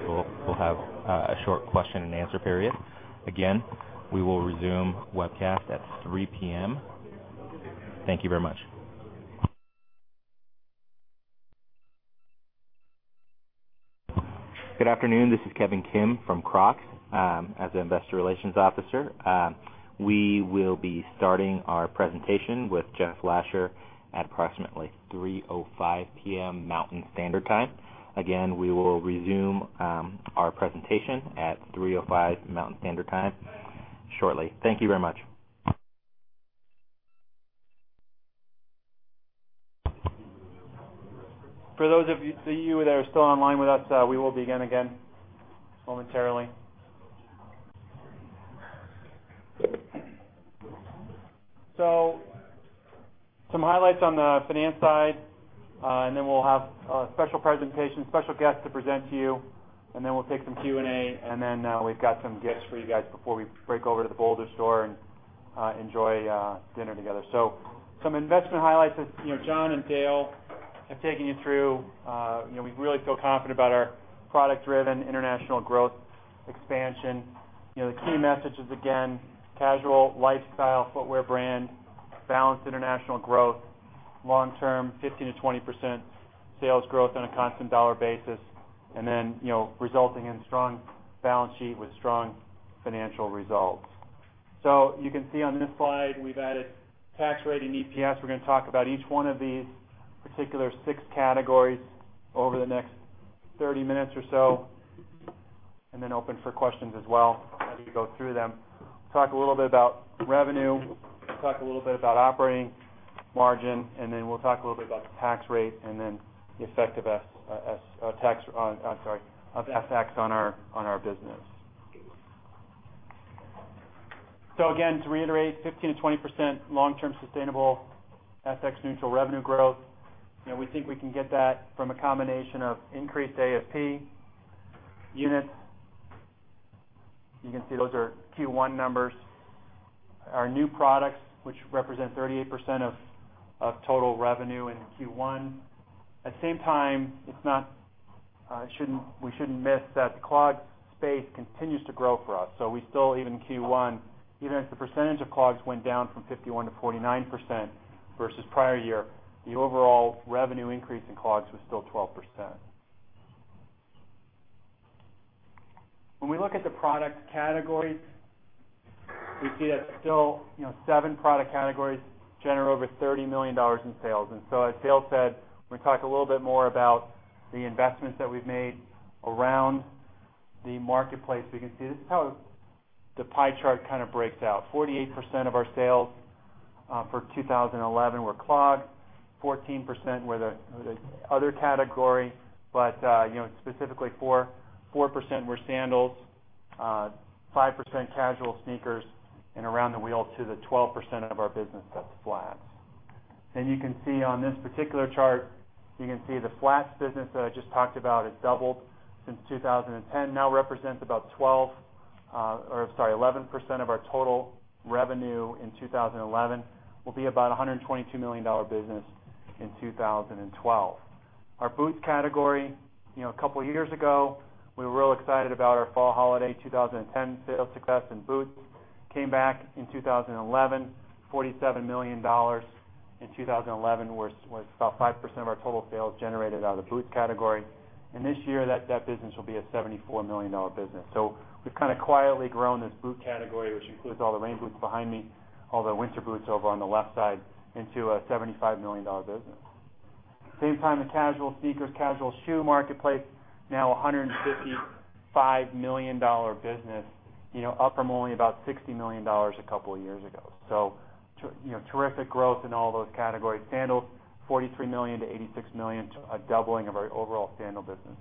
we'll have a short question and answer period. Again, we will resume webcast at 3:00 P.M. Thank you very much. Good afternoon. This is Kevin Kim from Crocs as the investor relations officer. We will be starting our presentation with Jeff Lasher at approximately 3:05 P.M. Mountain Standard Time. Again, we will resume our presentation at 3:05 Mountain Standard Time shortly. Thank you very much. For those of you that are still online with us, we will begin again momentarily. Highlights on the finance side, then we'll have a special presentation, special guest to present to you, then we'll take some Q&A, then we've got some gifts for you guys before we break over to the Boulder store and enjoy dinner together. Investment highlights that John and Dale have taken you through. We really feel confident about our product-driven international growth expansion. The key message is, again, casual lifestyle footwear brand, balanced international growth, long term 15%-20% sales growth on a constant dollar basis, then resulting in strong balance sheet with strong financial results. You can see on this slide we've added tax rate and EPS. We're going to talk about each one of these particular 6 categories over the next 30 minutes or so, then open for questions as well as we go through them. Talk a little bit about revenue, talk a little bit about operating margin, then we'll talk a little bit about the tax rate and the effect of FX on our business. Again, to reiterate, 15%-20% long-term sustainable FX neutral revenue growth. We think we can get that from a combination of increased ASP units. You can see those are Q1 numbers. Our new products, which represent 38% of total revenue in Q1. At the same time, we shouldn't miss that the clog space continues to grow for us. We still, even Q1, even if the percentage of clogs went down from 51%-49% versus prior year, the overall revenue increase in clogs was still 12%. When we look at the product categories, we see that still 7 product categories generate over $30 million in sales. As Dale said, we're going to talk a little bit more about the investments that we've made around the marketplace. We can see this is how the pie chart kind of breaks out. 48% of our sales for 2011 were clog, 14% were the other category, specifically 4% were sandals, 5% casual sneakers and around the wheel to the 12% of our business that's flats. You can see on this particular chart, you can see the flats business that I just talked about has doubled since 2010, now represents about 11% of our total revenue in 2011, will be about $122 million business in 2012. Our boots category, a couple of years ago, we were real excited about our fall holiday 2010 sales success in boots. Came back in 2011, $47 million. In 2011 was about 5% of our total sales generated out of the boots category. This year, that business will be a $74 million business. We've kind of quietly grown this boot category, which includes all the rain boots behind me, all the winter boots over on the left side into a $75 million business. Same time, the casual sneakers, casual shoe marketplace, now $155 million business, up from only about $60 million a couple of years ago. Terrific growth in all those categories. Sandals, $43 million-$86 million to a doubling of our overall sandal business.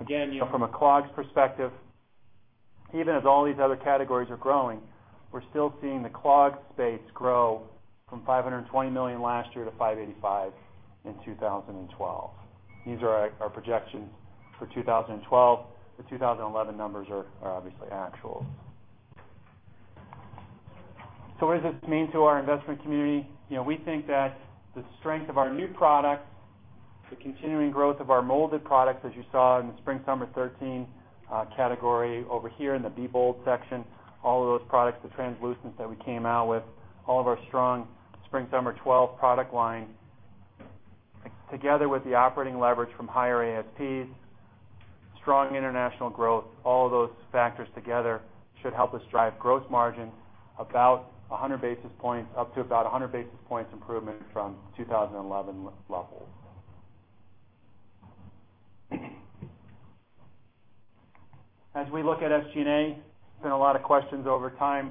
Again, from a clogs perspective, even as all these other categories are growing, we're still seeing the clog space grow from $520 million last year to $585 million in 2012. These are our projections for 2012. The 2011 numbers are obviously actuals. What does this mean to our investment community? We think that the strength of our new products, the continuing growth of our molded products, as you saw in the spring/summer 2013 category over here in the Be Bold section, all of those products, the Translucents that we came out with, all of our strong spring/summer 2012 product line, together with the operating leverage from higher ASPs, strong international growth, all of those factors together should help us drive gross margin up to about 100 basis points improvement from 2011 levels. As we look at SG&A, there's been a lot of questions over time.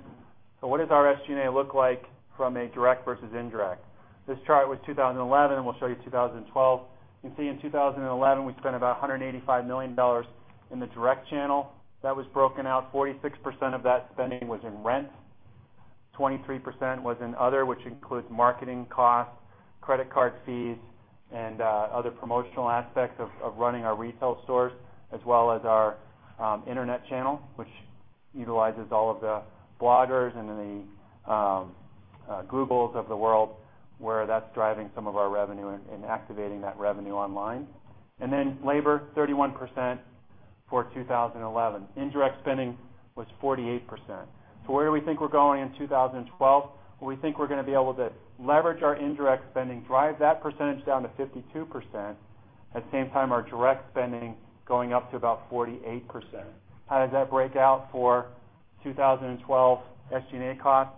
What does our SG&A look like from a direct versus indirect? This chart was 2011. We'll show you 2012. You can see in 2011, we spent about $185 million in the direct channel. That was broken out 46% of that spending was in rent, 23% was in other, which includes marketing costs, credit card fees, and other promotional aspects of running our retail stores, as well as our internet channel, which utilizes all of the bloggers and the Google of the world, where that's driving some of our revenue and activating that revenue online. Then labor, 31% for 2011. Indirect spending was 48%. Where do we think we're going in 2012? We think we're going to be able to leverage our indirect spending, drive that percentage down to 52%. At the same time, our direct spending going up to about 48%. How does that break out for 2012 SG&A cost?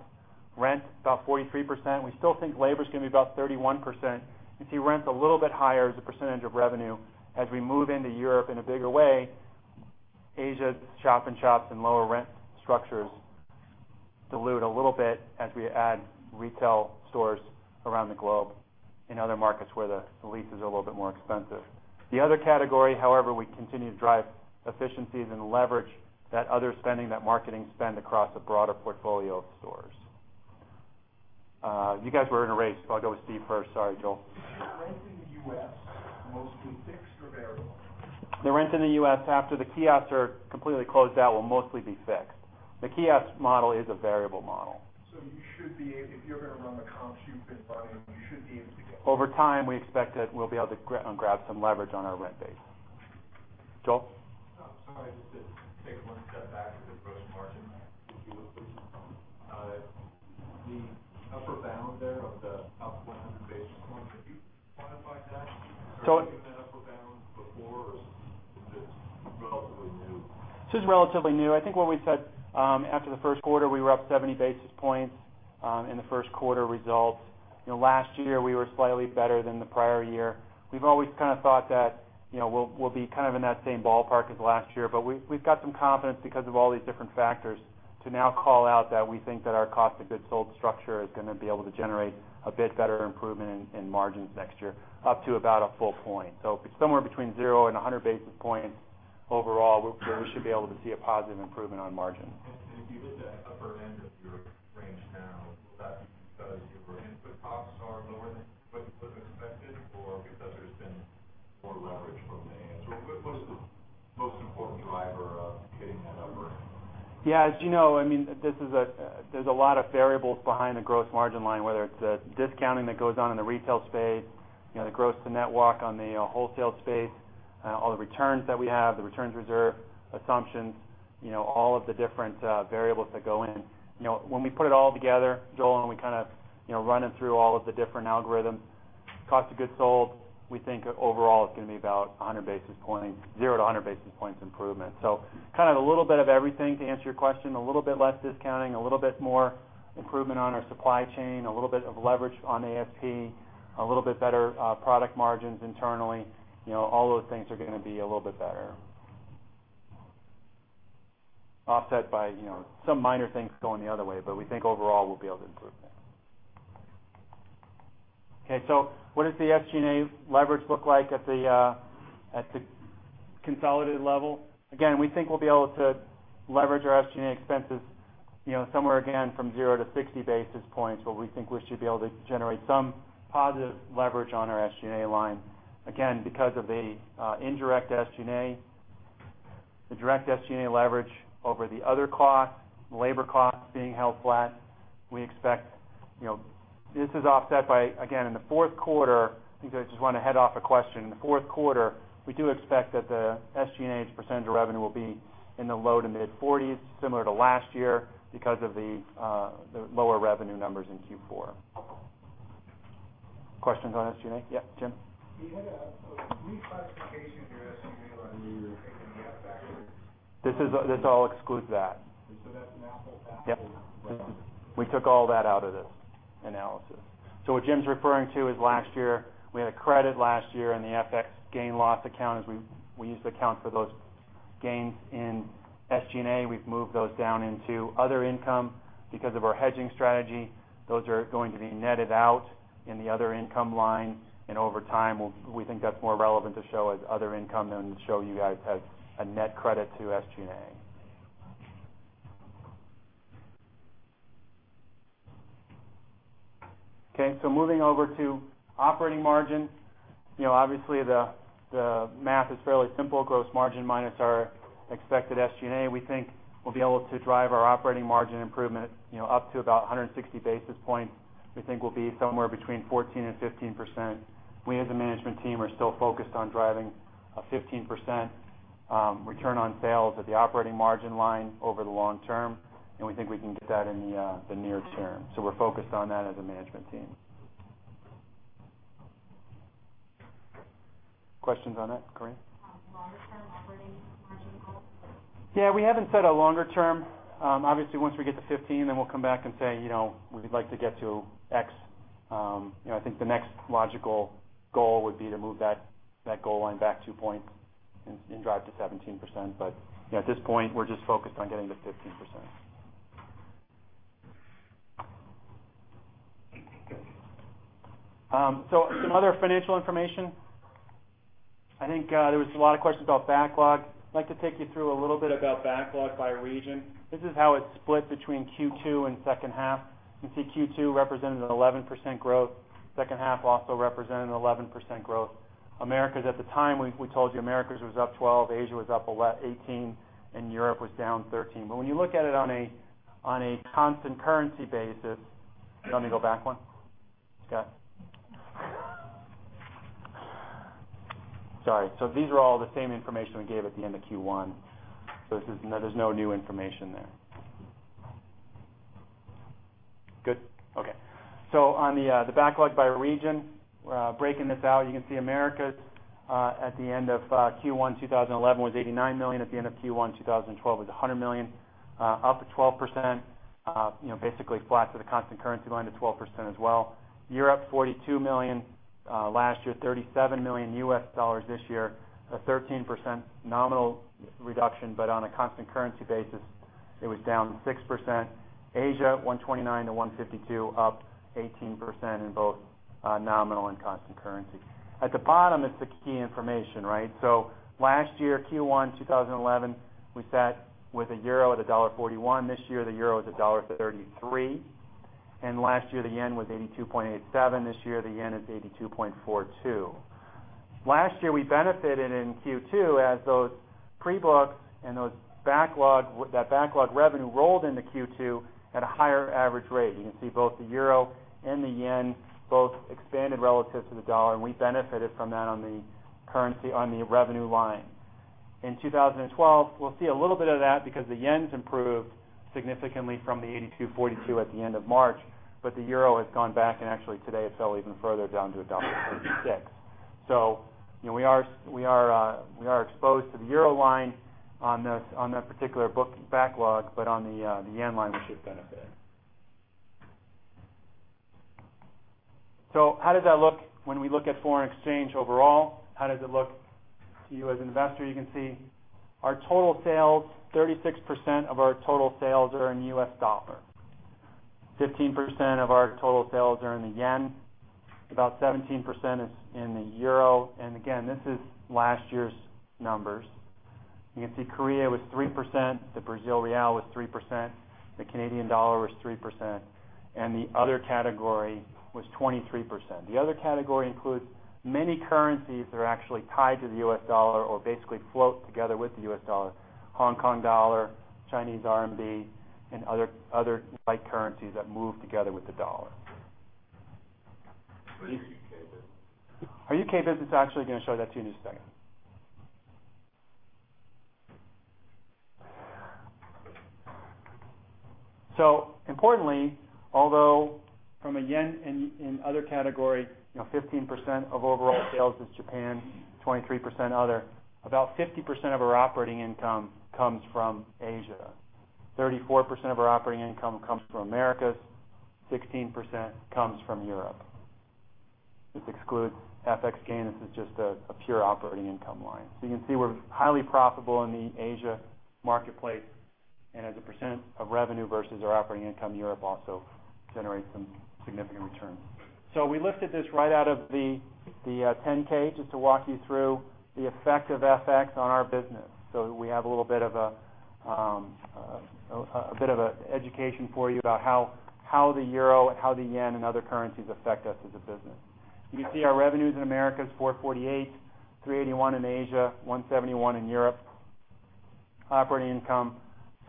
Rent, about 43%. We still think labor is going to be about 31%. You see rent a little bit higher as a percentage of revenue as we move into Europe in a bigger way. Asia's shop-in-shops and lower rent structures dilute a little bit as we add retail stores around the globe. In other markets where the lease is a little bit more expensive. The other category, however, we continue to drive efficiencies and leverage that other spending, that marketing spend, across a broader portfolio of stores. You guys were in a race, I'll go with Steve first. Sorry, Joel. Is the rent in the U.S. mostly fixed or variable? The rent in the U.S., after the kiosks are completely closed out, will mostly be fixed. The kiosk model is a variable model. If you're going to run the comps you've been running, you should be able to get. Over time, we expect that we'll be able to grab some leverage on our rent base. Joel? Sorry, just to take one step back to the gross margin, if you would, please. The upper bound there of the up 100 basis points, have you quantified that? So I- Have you been at upper bound before, or is this relatively new? This is relatively new. I think what we said after the first quarter, we were up 70 basis points in the first quarter results. Last year, we were slightly better than the prior year. We've always thought that we'll be in that same ballpark as last year. We've got some confidence because of all these different factors to now call out that we think that our cost of goods sold structure is going to be able to generate a bit better improvement in margins next year, up to about a full point. Somewhere between zero and 100 basis points overall, where we should be able to see a positive improvement on margin. If you hit the upper end of your range now, will that be because your input costs are lower than what was expected, or because there's been more leverage from the ASPs? What is the most important driver of hitting that upper end? Yeah. As you know, there's a lot of variables behind the gross margin line, whether it's the discounting that goes on in the retail space, the gross to net walk on the wholesale space, all the returns that we have, the returns reserve assumptions, all of the different variables that go in. When we put it all together, Joel, we run it through all of the different algorithms, cost of goods sold, we think overall, it's going to be about 0 to 100 basis points improvement. A little bit of everything to answer your question, a little bit less discounting, a little bit more improvement on our supply chain, a little bit of leverage on ASP, a little bit better product margins internally. All those things are going to be a little bit better. Offset by some minor things going the other way, we think overall we'll be able to improve that. Okay, what does the SG&A leverage look like at the consolidated level? We think we'll be able to leverage our SG&A expenses, somewhere again from 0 to 60 basis points, where we think we should be able to generate some positive leverage on our SG&A line. Because of the indirect SG&A, the direct SG&A leverage over the other costs, labor costs being held flat. This is offset by, again, in the fourth quarter, I think I just want to head off a question. In the fourth quarter, we do expect that the SG&A as a percentage of revenue will be in the low to mid-40s, similar to last year because of the lower revenue numbers in Q4. Questions on SG&A? Yeah, Jim? You had a reclassification of your SG&A last year, taking the FX- This all excludes that. That's now full back in? Yep. We took all that out of this analysis. What Jim's referring to is last year, we had a credit last year in the FX gain/loss account as we used to account for those gains in SG&A. We've moved those down into other income. Because of our hedging strategy, those are going to be netted out in the other income line, and over time, we think that's more relevant to show as other income than show you guys as a net credit to SG&A. Okay. Moving over to operating margin. Obviously, the math is fairly simple. Gross margin minus our expected SG&A, we think we'll be able to drive our operating margin improvement up to about 160 basis points. We think we'll be somewhere between 14%-15%. We, as a management team, are still focused on driving a 15% return on sales at the operating margin line over the long term, and we think we can get that in the near term. We're focused on that as a management team. Questions on that? Corinne? Longer-term operating margin goal? We haven't set a longer term. Obviously, once we get to 15%, we will come back and say, "We would like to get to X." The next logical goal would be to move that goal line back 2 points and drive to 17%. At this point, we are just focused on getting to 15%. Some other financial information. There were a lot of questions about backlog. I would like to take you through a little bit about backlog by region. This is how it is split between Q2 and second half. You can see Q2 represented an 11% growth. Second half also represented an 11% growth. Americas at the time, we told you Americas was up 12%, Asia was up 18%, and Europe was down 13%. When you look at it on a constant currency basis. You want me to go back one, Scott? Sorry. These are all the same information we gave at the end of Q1. There is no new information there. Good? Okay. On the backlog by region, breaking this out, you can see Americas at the end of Q1 2011 was $89 million. At the end of Q1 2012, it was $100 million, up to 12%, basically flat to the constant currency line to 12% as well. Europe, $42 million last year, $37 million U.S. dollars this year, a 13% nominal reduction, on a constant currency basis, it was down 6%. Asia, $129 million to $152 million, up 18% in both nominal and constant currency. At the bottom is the key information. Last year, Q1 2011, we sat with a euro at $1.41. This year, the euro is $1.33. Last year, the yen was 82.87. This year, the yen is 82.42. Last year, we benefited in Q2 as those pre-books and that backlog revenue rolled into Q2 at a higher average rate. You can see both the euro and the yen both expanded relative to the dollar. We benefited from that on the revenue line. In 2012, we will see a little bit of that because the yen has improved significantly from 82.42 at the end of March, the euro has gone back, and actually today, it fell even further down to $1.36. We are exposed to the euro line on that particular book backlog, on the yen line, we should benefit. How does that look when we look at foreign exchange overall? How does it look to you as an investor? You can see our total sales, 36% of our total sales are in U.S. dollar. 15% of our total sales are in the yen, about 17% is in the euro. Again, this is last year's numbers. You can see Korea was 3%, the Brazil real was 3%, the Canadian dollar was 3%. The other category was 23%. The other category includes many currencies that are actually tied to the U.S. dollar or basically float together with the U.S. dollar. Hong Kong dollar, Chinese RMB, and other like currencies that move together with the dollar. Where is U.K. business? Our U.K. business, actually, I'm going to show that to you in a second. Importantly, although from a yen and other category, 15% of overall sales is Japan, 23% other, about 50% of our operating income comes from Asia. 34% of our operating income comes from Americas, 16% comes from Europe. This excludes FX gain. This is just a pure operating income line. You can see we're highly profitable in the Asia marketplace, and as a % of revenue versus our operating income, Europe also generates some significant returns. We lifted this right out of the 10-K just to walk you through the effect of FX on our business so that we have a little bit of education for you about how the euro, how the yen, and other currencies affect us as a business. You can see our revenues in Americas is $448, $381 in Asia, $171 in Europe. Operating income,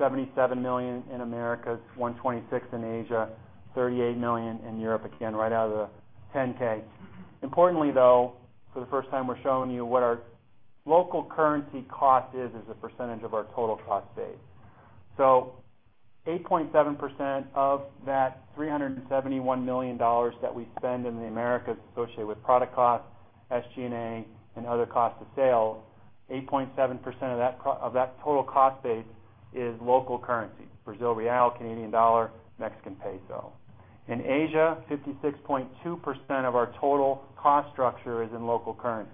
$77 million in Americas, $126 in Asia, $38 million in Europe, again, right out of the 10-K. Importantly, though, for the first time, we're showing you what our local currency cost is as a % of our total cost base. 8.7% of that $371 million that we spend in the Americas associated with product cost, SG&A, and other cost of sales, 8.7% of that total cost base is local currency. Brazil real, Canadian dollar, Mexican peso. In Asia, 56.2% of our total cost structure is in local currency.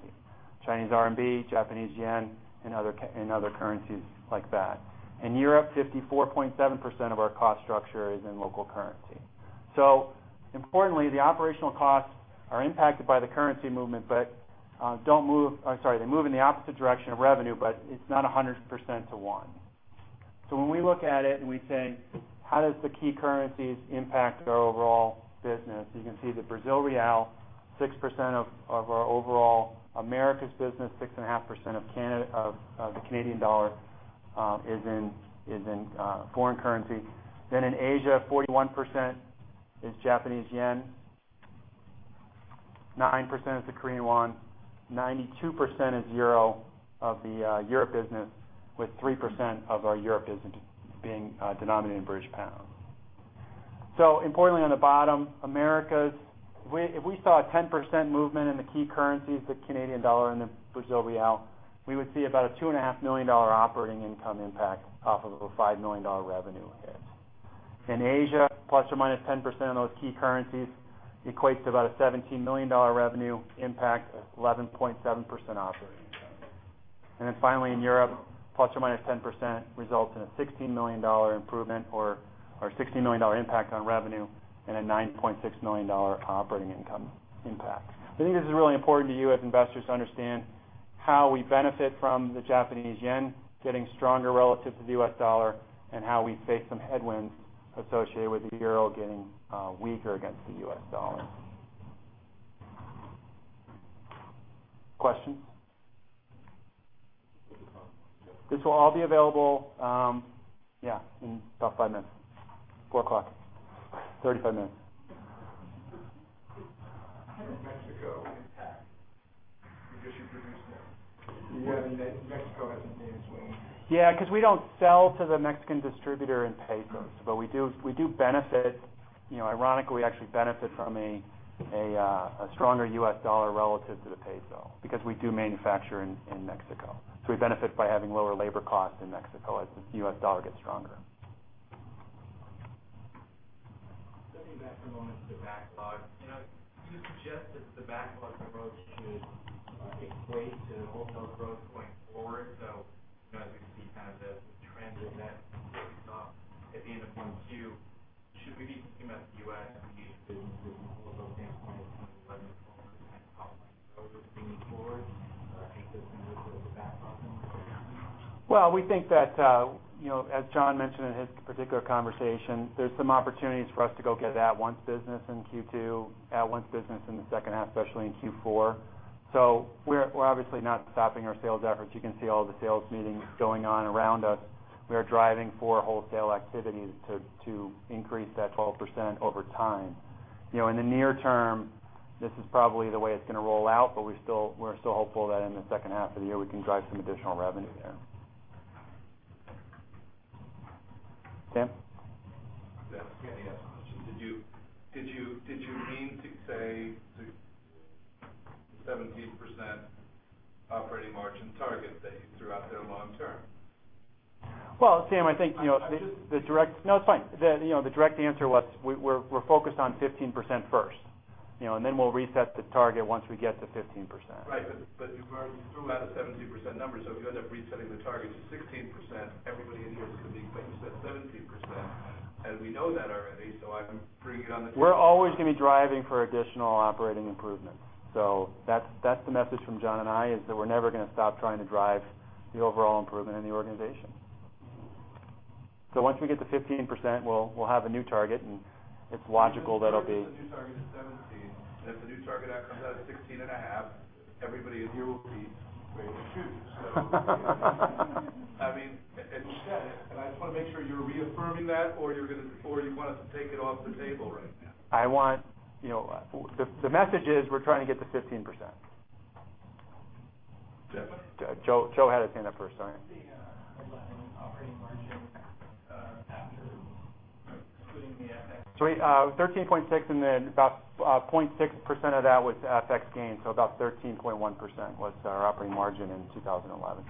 Chinese RMB, Japanese yen, and other currencies like that. In Europe, 54.7% of our cost structure is in local currency. Importantly, the operational costs are impacted by the currency movement, they move in the opposite direction of revenue, it's not 100% to one. When we look at it and we think, how does the key currencies impact our overall business, you can see the Brazil real, 6% of our overall Americas business, 6.5% of the Canadian dollar is in foreign currency. In Asia, 41% is Japanese yen, 9% is the Korean won, 92% is EUR of the Europe business, with 3% of our Europe business being denominated in British pound. Importantly, on the bottom, Americas, if we saw a 10% movement in the key currencies, the Canadian dollar and the Brazil real, we would see about a $2.5 million operating income impact off of a $5 million revenue hit. In Asia, ±10% of those key currencies equates to about a $17 million revenue impact at 11.7% operating income. Finally, in Europe, ±10% results in a $16 million impact on revenue and a $9.6 million operating income impact. I think this is really important to you as investors to understand how we benefit from the Japanese yen getting stronger relative to the U.S. dollar and how we face some headwinds associated with the euro getting weaker against the U.S. dollar. Questions? This will all be available in about five minutes. 4:00 P.M. 35 minutes. How does Mexico impact? Because you produce there. Mexico has the same swing. Because we don't sell to the Mexican distributor in pesos. We do benefit. Ironically, we actually benefit from a stronger U.S. dollar relative to the peso because we do manufacture in Mexico. We benefit by having lower labor costs in Mexico as the U.S. dollar gets stronger. Jumping back for a moment to the backlog. You suggested the backlog in growth should equate to wholesale growth going forward. As we see the trends in that at the end of Q2, should we be thinking about the U.S. and Asian businesses from a wholesale standpoint of 11% compound growth leaning forward? Or do you think that's in the backlog? Well, we think that, as John mentioned in his particular conversation, there's some opportunities for us to go get at-once business in Q2, at-once business in the second half, especially in Q4. We're obviously not stopping our sales efforts. You can see all the sales meetings going on around us. We are driving for wholesale activities to increase that 12% over time. In the near term, this is probably the way it's going to roll out, but we're still hopeful that in the second half of the year, we can drive some additional revenue there. Sam? Yes. Can I ask a question? Did you mean to say the 17% operating margin target that you threw out there long term? Well, Sam, I think the direct- I'm just- No, it's fine. The direct answer was we're focused on 15% first. Then we'll reset the target once we get to 15%. Right. You threw out a 17% number, if you end up resetting the target to 16%, everybody in here is going to think you said 17%. We know that already, I'm bringing it on the table. We're always going to be driving for additional operating improvements. That's the message from John and I, is that we're never going to stop trying to drive the overall improvement in the organization. Once we get to 15%, we'll have a new target, it's logical that'll be. The new target is 17, if the new target comes out at 16.5, everybody in here will be waiting in queue. I just want to make sure you're reaffirming that, or you want us to take it off the table right now. The message is we're trying to get to 15%. Definitely. Joel had his hand up first, sorry. What was that operating margin after excluding the FX gain? It was 13.6% and then about 0.6% of that was FX gain, so about 13.1% was our operating margin in 2011.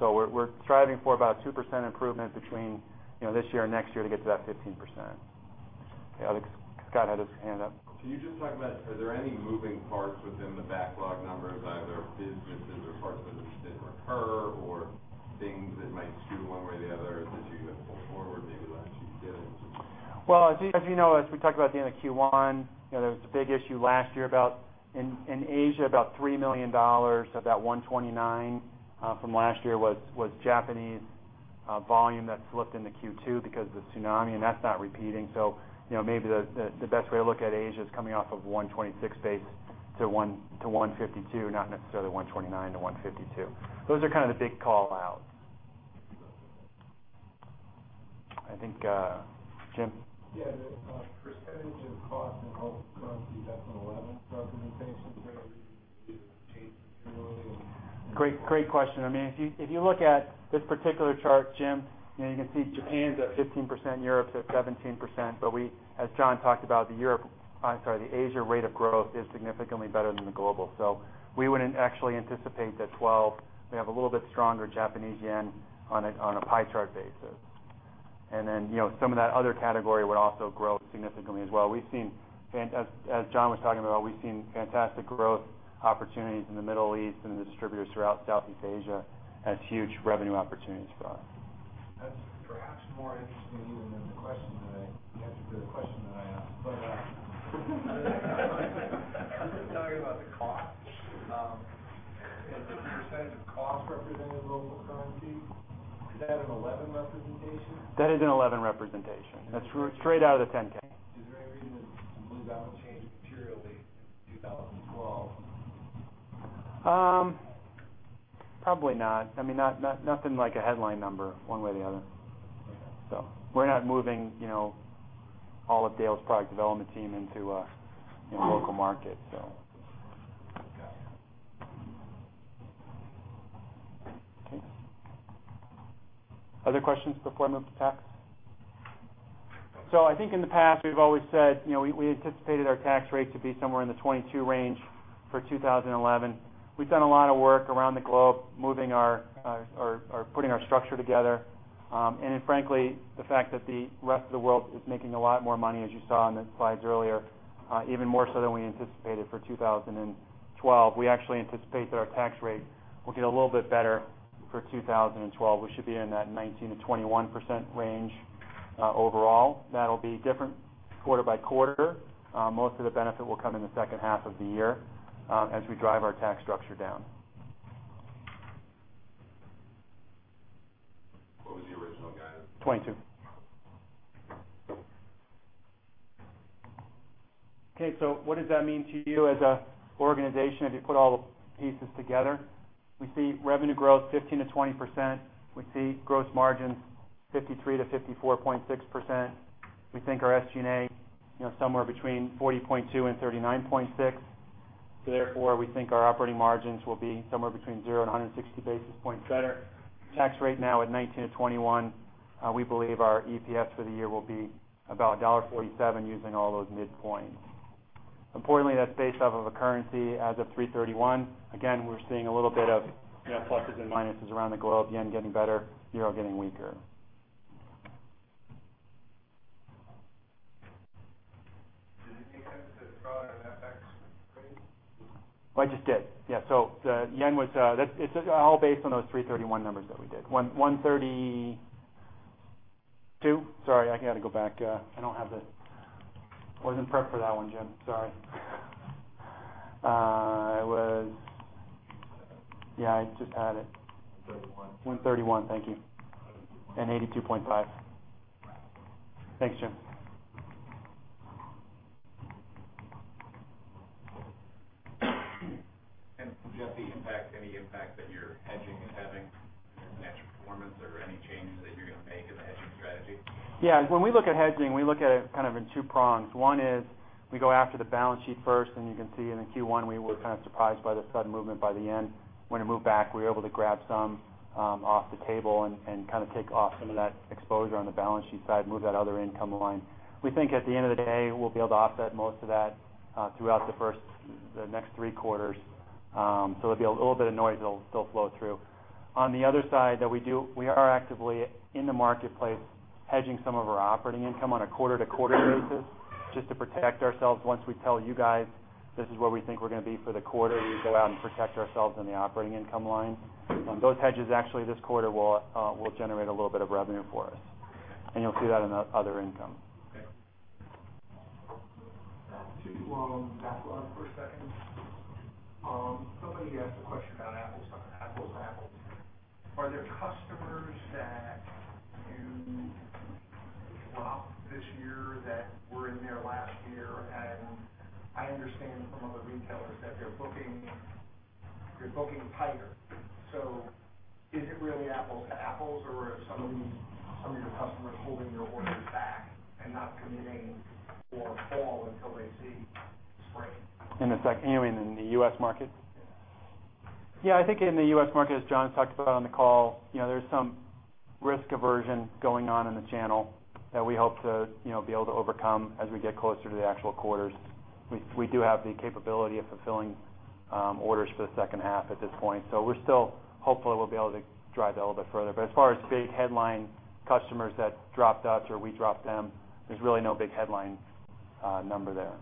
We're striving for about 2% improvement between this year and next year to get to that 15%. Okay, Alex. Scott had his hand up. Can you just talk about, are there any moving parts within the backlog numbers, either businesses or parts of businesses that were hurt or things that might skew one way or the other that you're going to pull forward maybe that you didn't? Well, as you know, as we talked about at the end of Q1, there was a big issue last year in Asia, about $3 million, so about $129 from last year was Japanese volume that slipped into Q2 because of the tsunami, and that's not repeating. Maybe the best way to look at Asia is coming off of a $126 base to $152, not necessarily $129 to $152. Those are kind of the big call-outs. I think, Jim? Yeah. The percentage of cost in local currency, that's an 11 representation. Is there any reason it would change materially? Great question. If you look at this particular chart, Jim, you can see Japan's at 15%, Europe's at 17%, as John talked about, the Asia rate of growth is significantly better than the global. We would actually anticipate that 2012 may have a little bit stronger Japanese yen on a pie chart basis. Then some of that other category would also grow significantly as well. As John was talking about, we've seen fantastic growth opportunities in the Middle East and the distributors throughout Southeast Asia as huge revenue opportunities for us. That's perhaps more interesting even than the question that you answered the question that I asked, but I'm just talking about the cost. Is the percentage of cost represented in local currency, is that an 11 representation? That is an 11 representation. That's straight out of the 10K. Is there any reason to believe that will change materially in 2012? Probably not. Nothing like a headline number one way or the other. Okay. We're not moving all of Dale's product development team into local markets. Got it. Okay. Other questions before I move to tax? I think in the past, we've always said we anticipated our tax rate to be somewhere in the 22% range for 2011. We've done a lot of work around the globe, putting our structure together. Frankly, the fact that the rest of the world is making a lot more money, as you saw in the slides earlier, even more so than we anticipated for 2012. We actually anticipate that our tax rate will get a little bit better for 2012. We should be in that 19%-21% range overall. That'll be different quarter by quarter. Most of the benefit will come in the second half of the year as we drive our tax structure down. What was the original guidance? 22. Okay. What does that mean to you as an organization if you put all the pieces together? We see revenue growth 15%-20%. We see gross margins 53%-54.6%. We think our SG&A, somewhere between 40.2% and 39.6%. Therefore, we think our operating margins will be somewhere between zero and 160 basis points better. Tax rate now at 19%-21%. We believe our EPS for the year will be about $1.47 using all those midpoints. Importantly, that's based off of a currency as of 3/31. Again, we're seeing a little bit of pluses and minuses around the globe, yen getting better, euro getting weaker. Did you take into account the product and FX rates? I just did. Yeah. It's all based on those 3/31 numbers that we did. 132? Sorry, I got to go back. I wasn't prepped for that one, Jim. Sorry. Yeah, I just had it. 31. 131, thank you. 82.5. 82.5. Thanks, Jim. Jeff, any impact that your hedging is having in financial performance or any changes that you're going to make in the hedging strategy? Yeah. When we look at hedging, we look at it in two prongs. One is we go after the balance sheet first, and you can see in Q1, we were kind of surprised by the sudden movement by the yen. When it moved back, we were able to grab some off the table and take off some of that exposure on the balance sheet side, move that other income line. We think at the end of the day, we'll be able to offset most of that throughout the next three quarters. It'll be a little bit of noise that'll still flow through. On the other side, we are actively in the marketplace hedging some of our operating income on a quarter-to-quarter basis just to protect ourselves. Once we tell you guys, this is where we think we're going to be for the quarter, we go out and protect ourselves in the operating income line. Those hedges actually this quarter will generate a little bit of revenue for us, and you'll see that in the other income. Okay. Backlog for a second. Somebody asked a question about apples to apples. Are there customers that you dropped this year that were in there last year? I understand from other retailers that you're booking tighter. Is it really apples to apples or are some of your customers holding their orders back and not committing for fall until they see spring? You mean in the U.S. market? Yeah. Yeah, I think in the U.S. market, as John's talked about on the call, there's some risk aversion going on in the channel that we hope to be able to overcome as we get closer to the actual quarters. We do have the capability of fulfilling orders for the second half at this point. We're still hopeful we'll be able to drive that a little bit further. As far as big headline customers that dropped us or we dropped them, there's really no big headline number there.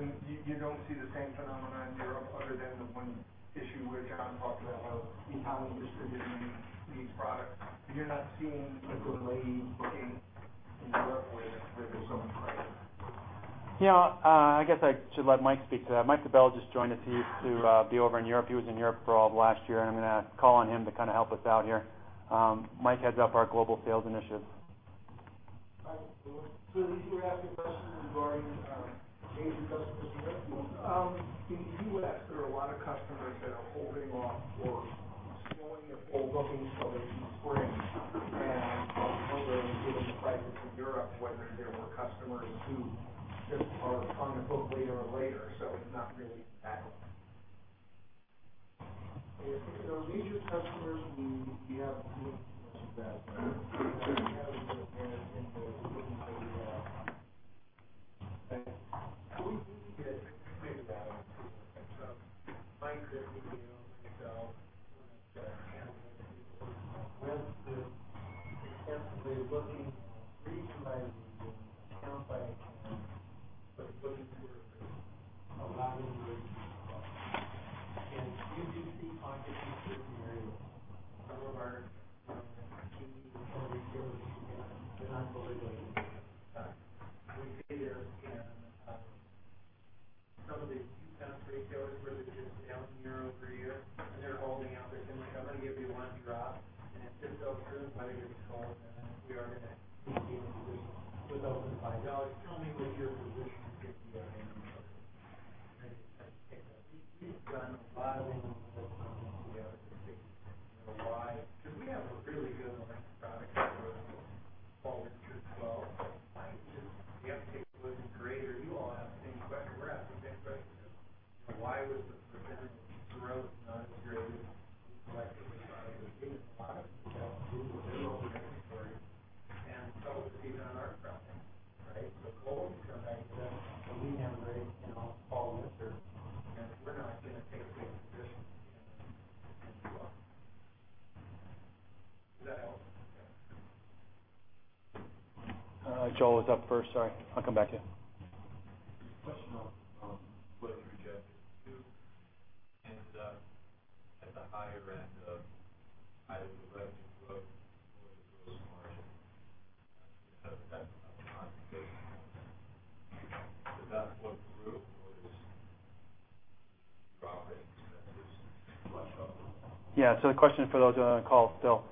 You don't see the same phenomenon in Europe other than the one issue where John talked about of how we distribute these products. You're not seeing a delay in Europe where there's so much pressure. I guess I should let Mike speak to that. Mike De Bell just joined us. He used to be over in Europe. He was in Europe for all of last year, and I'm going to call on him to help us out here. Mike heads up our global sales initiatives. Hi. You were asking a question regarding changing customer In the U.S., there are a lot of customers that are holding off or slowing their fall bookings till they see spring. I was wondering given the crisis in Europe, whether there were customers who just are on the book later and later, so it's not really apples. I think in our leisure customers, we haven't seen too much of that. We haven't been hit in the bookings that we have. We do get feedback from Mike that we to you. Question on what if you're projected to end up at the higher end of either the revenue growth or the gross margin because of that one-time basis. Is that what grew, or is profit just flush up? Yeah. The question for those who are on the call still,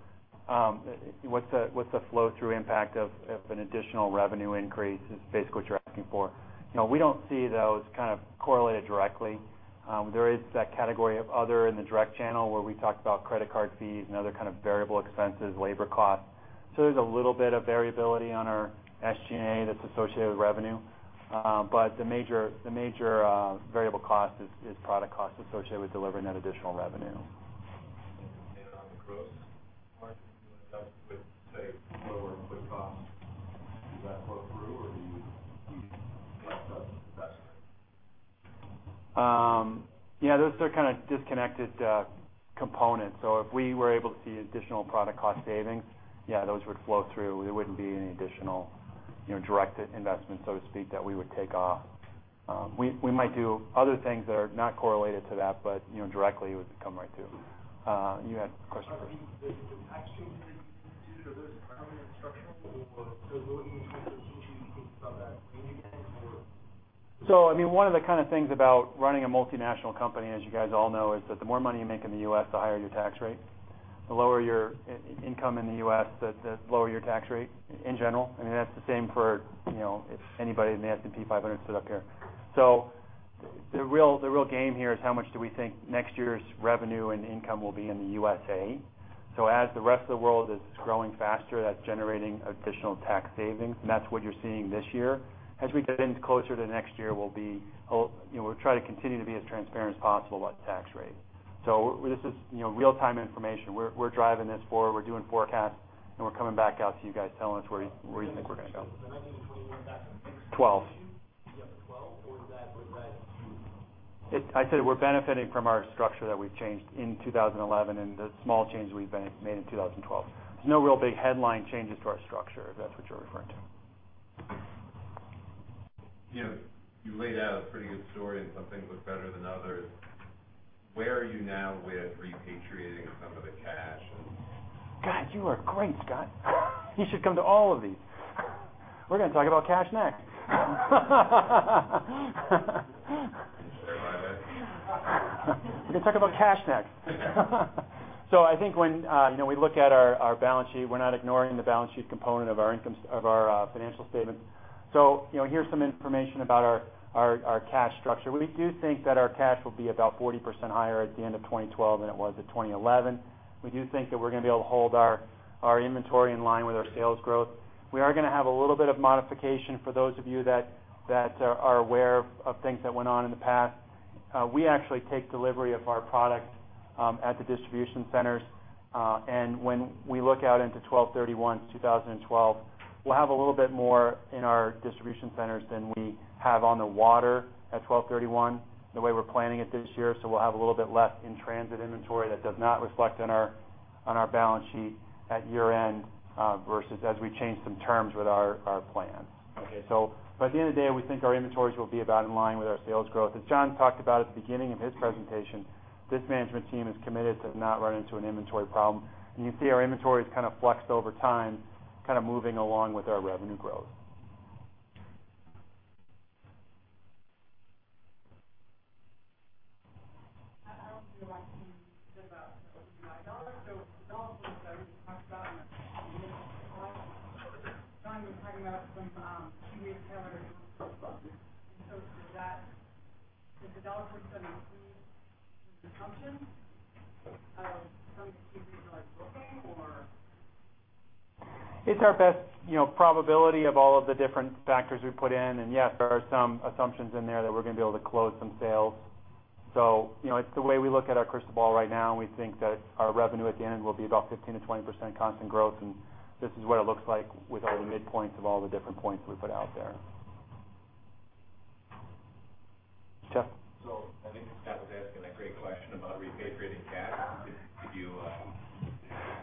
what's the flow-through impact of an additional revenue increase is basically what you're asking for. We don't see those correlated directly. There is that category of other in the direct channel where we talked about credit card fees and other kind of variable expenses, labor costs. There's a little bit of variability on our SG&A that's associated with revenue. The major variable cost is product cost associated with delivering that additional revenue. The gross margin with, say, lower input costs. Does that flow through or do you invest it? Those are kind of disconnected components. If we were able to see additional product cost savings, yeah, those would flow through. There wouldn't be any additional direct investment, so to speak, that we would take off. We might do other things that are not correlated to that, directly, it would come right through. You had a question first. Are the tax changes that you instituted, are those permanent structural or going into 2023, how should we think about that? Annual events or- One of the things about running a multinational company, as you guys all know, is that the more money you make in the U.S., the higher your tax rate. The lower your income in the U.S., the lower your tax rate in general. That's the same for anybody in the S&P 500 stood up here. The real game here is how much do we think next year's revenue and income will be in the USA. As the rest of the world is growing faster, that's generating additional tax savings. That's what you're seeing this year. As we get in closer to next year, we'll try to continue to be as transparent as possible about tax rate. This is real-time information. We're driving this forward. We're doing forecasts, we're coming back out to you guys, telling us where we think we're going to go. 19 and 21, that's next year- '12. You have 2012 or is that related to- I'd say we're benefiting from our structure that we've changed in 2011 and the small changes we've made in 2012. There's no real big headline changes to our structure, if that's what you're referring to. You laid out a pretty good story and some things look better than others. Where are you now with repatriating some of the cash? God, you are great, Scott. He should come to all of these. We're going to talk about cash next. Should I buy this? We're going to talk about cash next. I think when we look at our balance sheet, we're not ignoring the balance sheet component of our financial statements. Here's some information about our cash structure. We do think that our cash will be about 40% higher at the end of 2012 than it was at 2011. We do think that we're going to be able to hold our inventory in line with our sales growth. We are going to have a little bit of modification for those of you that are aware of things that went on in the past. We actually take delivery of our product at the distribution centers. When we look out into 12/31/2012, we'll have a little bit more in our distribution centers than we have on the water at 12/31, the way we're planning it this year. We'll have a little bit less in-transit inventory that does not reflect on our balance sheet at year-end versus as we change some terms with our plans. Okay. By the end of the day, we think our inventories will be about in line with our sales growth. As John talked about at the beginning of his presentation, this management team is committed to not run into an inventory problem. You see our inventory has kind of flexed over time, kind of moving along with our revenue growth. I don't know if you want to speak about it, with the United Dollar. The dollar flow that I heard you talk about in the initial talk. John was talking about 20-- Q2 calendar year. Is the dollar flow going to be an assumption of some of the QBs are booking or? It's our best probability of all of the different factors we've put in. Yes, there are some assumptions in there that we're going to be able to close some sales. It's the way we look at our crystal ball right now, we think that our revenue at the end will be about 15%-20% constant growth, this is what it looks like with all the midpoints of all the different points we put out there. Jeff. I think Scott was asking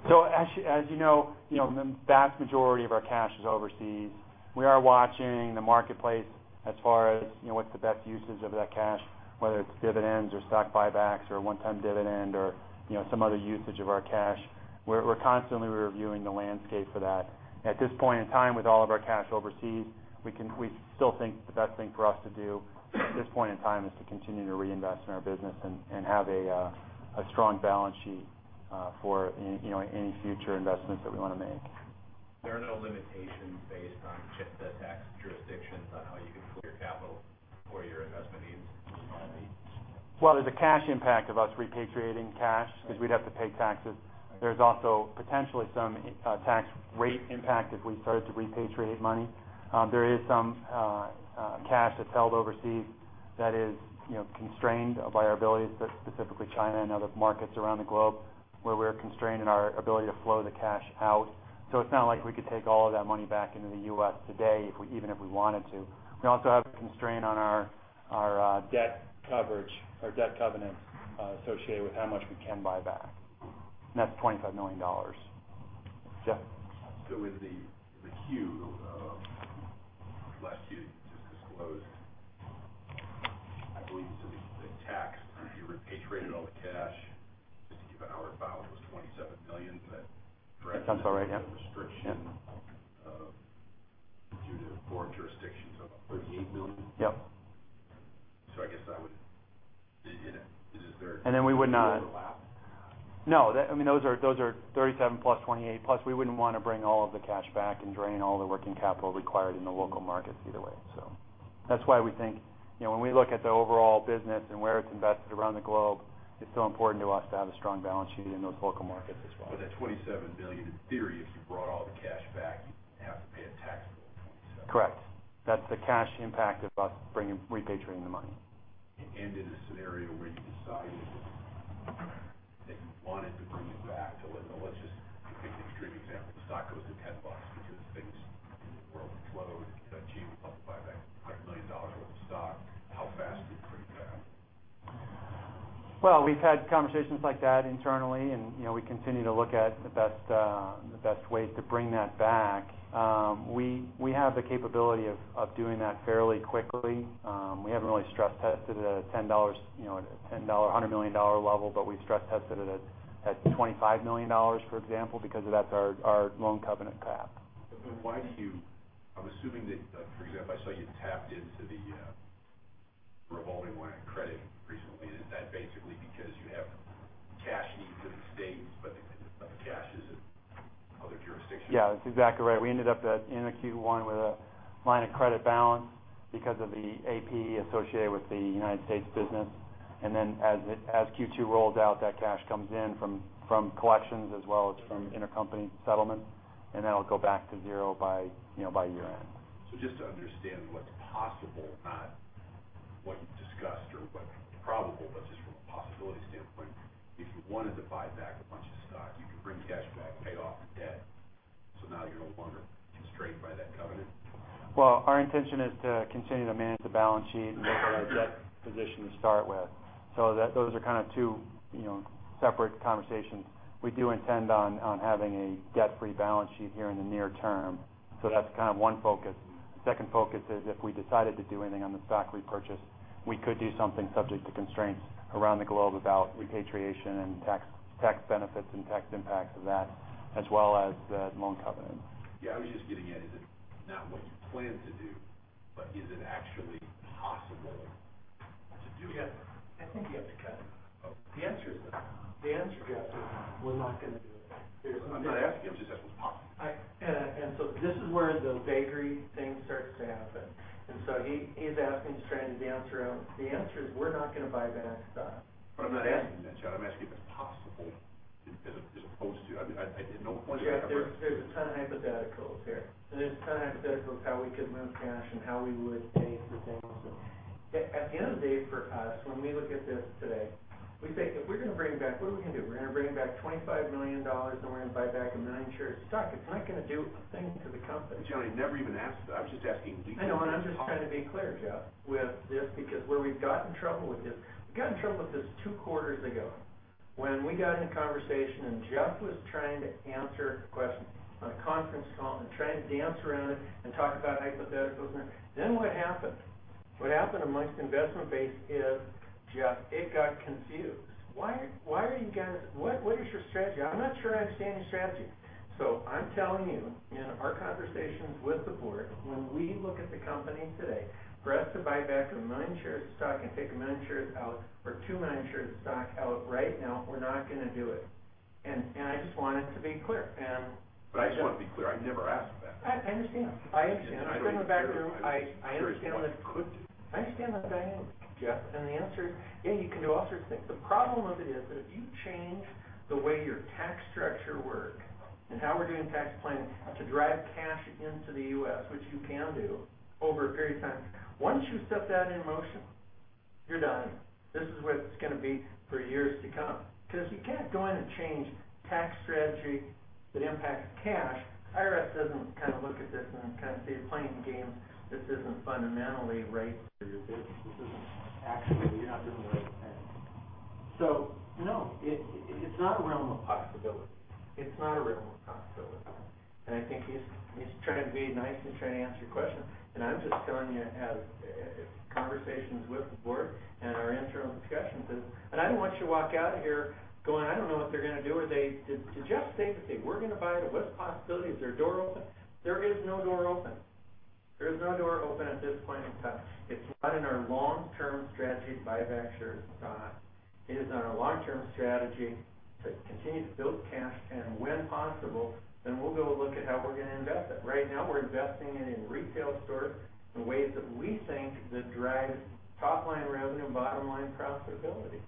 a great question about repatriating cash. Could you- As you know, the vast majority of our cash is overseas. We are watching the marketplace as far as what's the best usage of that cash, whether it's dividends or stock buybacks or a one-time dividend or some other usage of our cash. We're constantly reviewing the landscape for that. At this point in time, with all of our cash overseas, we still think the best thing for us to do at this point in time is to continue to reinvest in our business and have a strong balance sheet for any future investments that we want to make. There are no limitations based on just the tax jurisdictions on how you can pull your capital for your investment needs. There's a cash impact of us repatriating cash. Right Because we'd have to pay taxes. There's also potentially some tax rate impact if we started to repatriate money. There is some cash that's held overseas that is constrained by our abilities, specifically China and other markets around the globe, where we're constrained in our ability to flow the cash out. It's not like we could take all of that money back into the U.S. today, even if we wanted to. We also have a constraint on our debt coverage or debt covenants associated with how much we can buy back. And that's $25 million, Jeff. With the Q, last Q you just disclosed, I believe you said the tax, if you repatriated all the cash, just to keep it out or about, it was $27 million. That sounds about right, yeah Restriction of due to foreign jurisdictions of $38 million? Yep. I guess that would. Then we would not. Does it overlap? No. Those are $37 million+, $28 million+, we wouldn't want to bring all of the cash back and drain all the working capital required in the local markets either way. That's why we think when we look at the overall business and where it's invested around the globe, it's so important to us to have a strong balance sheet in those local markets as well. That $27 million, in theory, if you brought all the cash back, you have to pay a tax bill of $27 million. Correct. That's the cash impact of us repatriating the money. In a scenario where you decided that you wanted to bring it back to, let's just pick an extreme example, the stock goes to $10 because things in the world explode, Jeff would love to buy back $1 million worth of stock. How fast could you bring it back? Well, we've had conversations like that internally, and we continue to look at the best way to bring that back. We have the capability of doing that fairly quickly. We haven't really stress tested a $10 or $100 million level, but we've stress tested it at $25 million, for example, because that's our loan covenant cap. I'm assuming that, for example, I saw you tapped into the revolving line of credit recently. Is that basically because you have cash needs in the U.S., but the cash is in other jurisdictions? Yeah, that's exactly right. We ended up in Q1 with a line of credit balance because of the AP associated with the U.S. business. As Q2 rolls out, that cash comes in from collections as well as from intercompany settlements, and that'll go back to zero by year-end. Just to understand what's possible, not what you've discussed or what's probable, but just from a possibility standpoint, if you wanted to buy back a bunch of stock, you could bring cash back, pay off the debt, so now you're no longer constrained by that covenant? Well, our intention is to continue to manage the balance sheet and look at our debt position to start with. Those are kind of two separate conversations. We do intend on having a debt-free balance sheet here in the near term. That's kind of one focus. The second focus is if we decided to do anything on the stock repurchase, we could do something subject to constraints around the globe about repatriation and tax benefits and tax impacts of that, as well as the loan covenant. Yeah, I was just getting at is it not what you plan to do, but is it actually possible to do that? I think you have to The answer, Jeff, is we're not going to do it. I'm not asking you. I'm just asking what's possible. This is where the bakery thing starts to happen. He's asking, trying to dance around. The answer is we're not going to buy back stock. I'm not asking that, John. I'm asking if it's possible. I mean, Well, Jeff, there's a ton of hypotheticals here. There's a ton of hypotheticals how we could move cash and how we would pay for things. At the end of the day for us, when we look at this today, we say if we're going to bring it back, what are we going to do? We're going to bring back $25 million, and we're going to buy back 1 million shares of stock. It's not going to do a thing to the company. John, I never even asked that. I was just asking- I know, I'm just trying to be clear, Jeff, with this because where we've got in trouble with this, we got in trouble with this 2 quarters ago. When we got in a conversation and Jeff was trying to answer a question on a conference call and trying to dance around it and talk about hypotheticals and everything. What happened? What happened amongst the investment base is, Jeff, it got confused. Why are you guys-- What is your strategy? I'm not sure I understand your strategy. I'm telling you in our conversations with the board, when we look at the company today, for us to buy back 1 million shares of stock and take 1 million shares out or 2 million shares of stock out right now, we're not going to do it. I just want it to be clear and- I just want to be clear, I never asked that. I understand. I understand. I was sitting in the back room. I was just curious what you could do. I understand that, *audio distortion* Jeff, the answer is, yeah, you can do all sorts of things. The problem of it is that if you change the way your tax structure work and how we're doing tax planning to drive cash into the U.S., which you can do over a period of time, once you set that in motion, you're done. This is what it's going to be for years to come. You can't go in and change tax strategy that impacts cash. IRS doesn't kind of look at this and kind of say you're playing games. This isn't fundamentally right for your business. You're not doing the right thing. No, it's not a realm of possibility. It's not a realm of possibility. I think he's trying to be nice and trying to answer your question. I'm just telling you as conversations with the board and our internal discussions. I don't want you to walk out of here going, "I don't know what they're going to do. Did Jeff say that they were going to buy it? What's the possibility? Is there a door open?" There is no door open. There is no door open at this point in time. It's not in our long-term strategy to buy back shares of stock. It is in our long-term strategy to continue to build cash, and when possible, then we'll go look at how we're going to invest it. Right now, we're investing it in retail stores in ways that we think that drive top-line revenue and bottom-line profitability.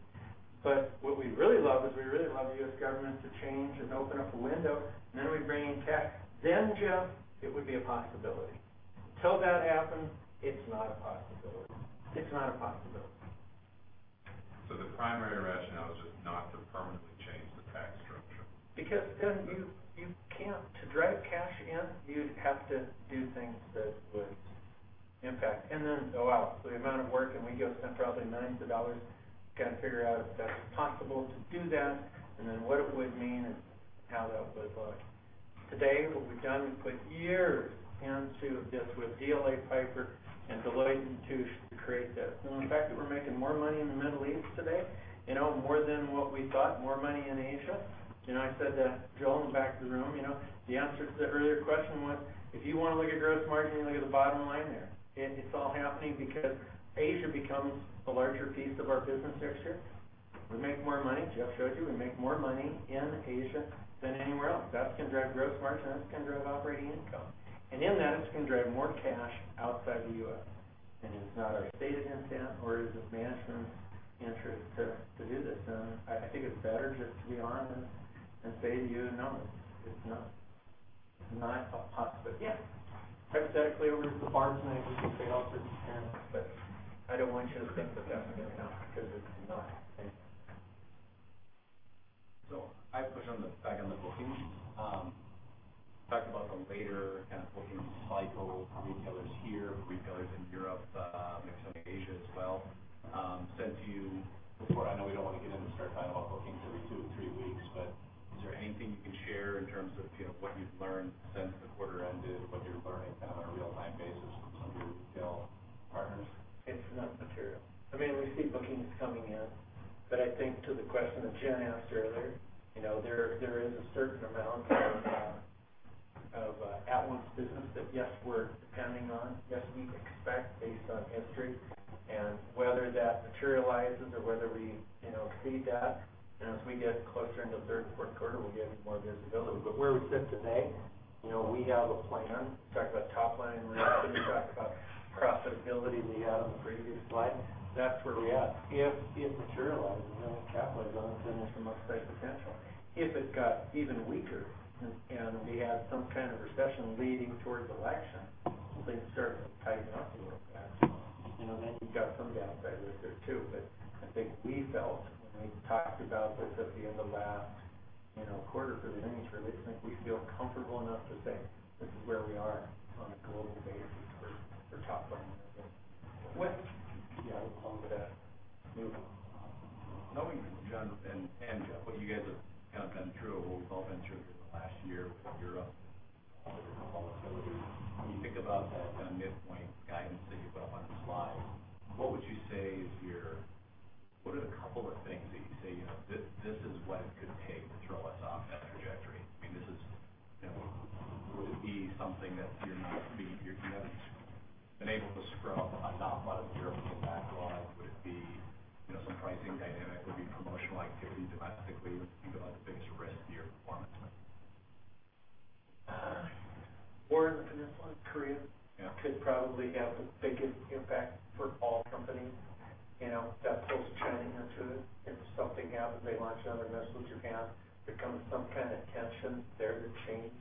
But what we'd really love is we'd really love the U.S. government to change and open up a window, then we bring in cash. Jeff, it would be a possibility. Until that happens, it's not a possibility. It's not a possibility. The primary rationale is just not to permanently change the tax structure? Then you can't. To drive cash in, you'd have to do things that would impact. Oh, wow. The amount of work, we go spend probably millions of dollars trying to figure out if that's possible to do that, and then what it would mean and how that would look. Today, what we've done, we've put years into this with DLA Piper and Deloitte & Touche to create this. The fact that we're making more money in the Middle East today, more than what we thought, more money in Asia. I said to Joel in the back of the room, the answer to the earlier question was, if you want to look at gross margin, you look at the bottom line there. It's all happening because Asia becomes a larger piece of our business next year. We make more money. Jeff showed you, we make more money in Asia than anywhere else. That's going to drive gross margin. That's going to drive operating income. In that, it's going to drive more cash outside the U.S. It's not our stated intent, nor is it management's interest to do this. I think it's better just to be honest and say to you, no. It's no. Not a possibility. Yeah. Hypothetically, we lose the Barnes & Noble sale for Q10, I don't want you to think that that's going to happen because it's not. Okay? I have a question back on the bookings. You talked about the later kind of booking cycle for retailers here, for retailers in Europe, maybe some in Asia as well. I said to you before, I know we don't want to get into start talking about bookings every two or three weeks, but is there anything you can share in terms of what you've learned since the quarter ended, what you're learning now on a real-time basis from some of your retail partners? It's not material. We see bookings coming in, I think to the question that Jen asked earlier, there is a certain amount of at-once business that, yes, we're counting on. Yes, we expect based on history. Whether that materializes or whether we see that as we get closer into third and fourth quarter, we'll give you more visibility. Where we sit today, we have a plan. We talked about top line. We actually talked about profitability we had on the previous slide. That's where we at. If it materializes, the top line goes and there's some upside potential. If it got even weaker and we have some kind of recession leading towards election, things start tightening up a little bit. We've got some downside risk there, too. I think we felt when we talked about this at the end of last quarter for the earnings release, I think we feel comfortable enough to say this is where we are on a global basis for top line numbers. Yeah. I was going to move on. Knowing, John and Jeff, what you guys have kind of been through and what we've all been through here in the last year with Europe and all the different volatility, when you think about that mid-point guidance that you put up on the slide, what would you say is your? What are the couple of things that you say, "This is what it could take to throw us off that trajectory"? Would it be something that you haven't been able to scrub a knot out of the European backlog? Would it be some pricing dynamic? Would it be promotional activity domestically? What do you think is the biggest risk to your performance? War in the peninsula, Korea- Yeah could probably have the biggest impact for all companies. That pulls China into it. If something happens, they launch another missile, Japan, there comes some kind of tension there to change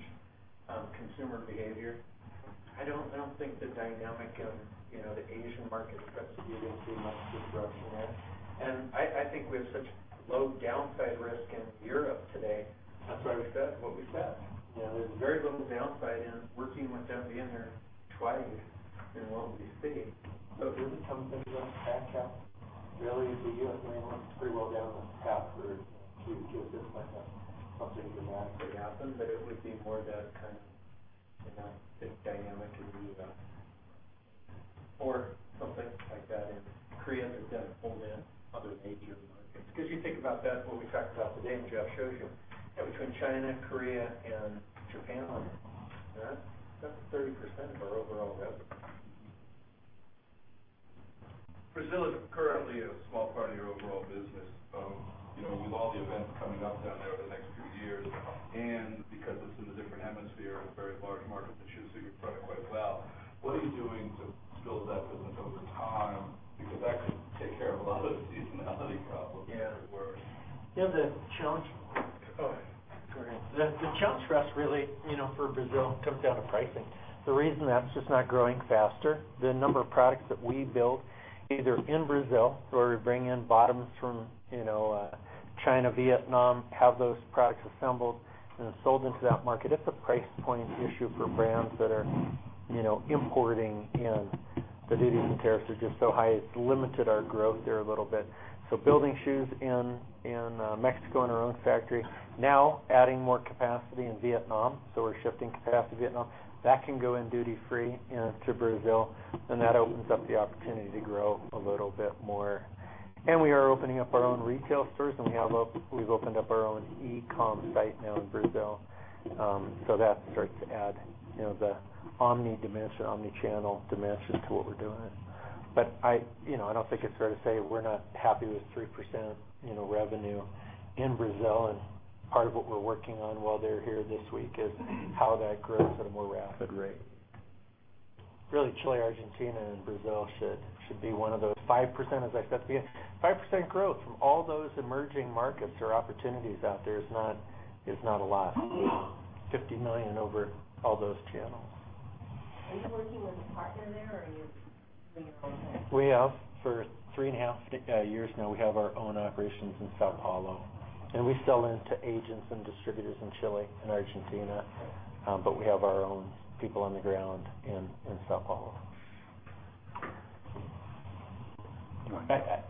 consumer behavior. I don't think the dynamic in the Asian market is going to be much disruption there. I think we have such low downside risk in Europe today. That's why we said what we said. There's very little downside in working with them again there. Twice in what we see. If there was something that was going to impact us, really, the U.S., I mean, it's pretty well down the path for Q2 if there was something dramatic happened. It would be more of that kind of dynamic in the U.S. or something like that in Korea that's got a whole net other major markets. You think about that, what we talked about today, and Jeff showed you, that between China, Korea, and Japan on it. That's 30% of our overall revenue. Brazil is currently a small part of your overall business. With all the events coming up down there over the next few years and because it's in a different hemisphere and a very large market that shoes fit your product quite well, what are you doing to build that business over time? That could take care of a lot of the seasonality problems- Yeah for you. The challenge for us really for Brazil comes down to pricing. The reason that's just not growing faster, the number of products that we build either in Brazil or we bring in bottoms from China, Vietnam, have those products assembled and then sold into that market, it's a price point issue for brands that are importing in. The duties and tariffs are just so high, it's limited our growth there a little bit. Building shoes in Mexico in our own factory, now adding more capacity in Vietnam. We're shifting capacity to Vietnam. That can go in duty free to Brazil, that opens up the opportunity to grow a little bit more. We are opening up our own retail stores, we've opened up our own e-com site now in Brazil. That starts to add the omni dimension, omni-channel dimension to what we're doing. I don't think it's fair to say we're not happy with 3% revenue in Brazil, part of what we're working on while they're here this week is how that grows at a more rapid rate. Really, Chile, Argentina, and Brazil should be one of those 5%, as I said at the beginning. 5% growth from all those emerging markets or opportunities out there is not a lot. $50 million over all those channels. Are you working with a partner there or are you doing it on your own there? We have for three and a half years now, we have our own operations in São Paulo, and we sell into agents and distributors in Chile and Argentina. We have our own people on the ground in São Paulo. You want to-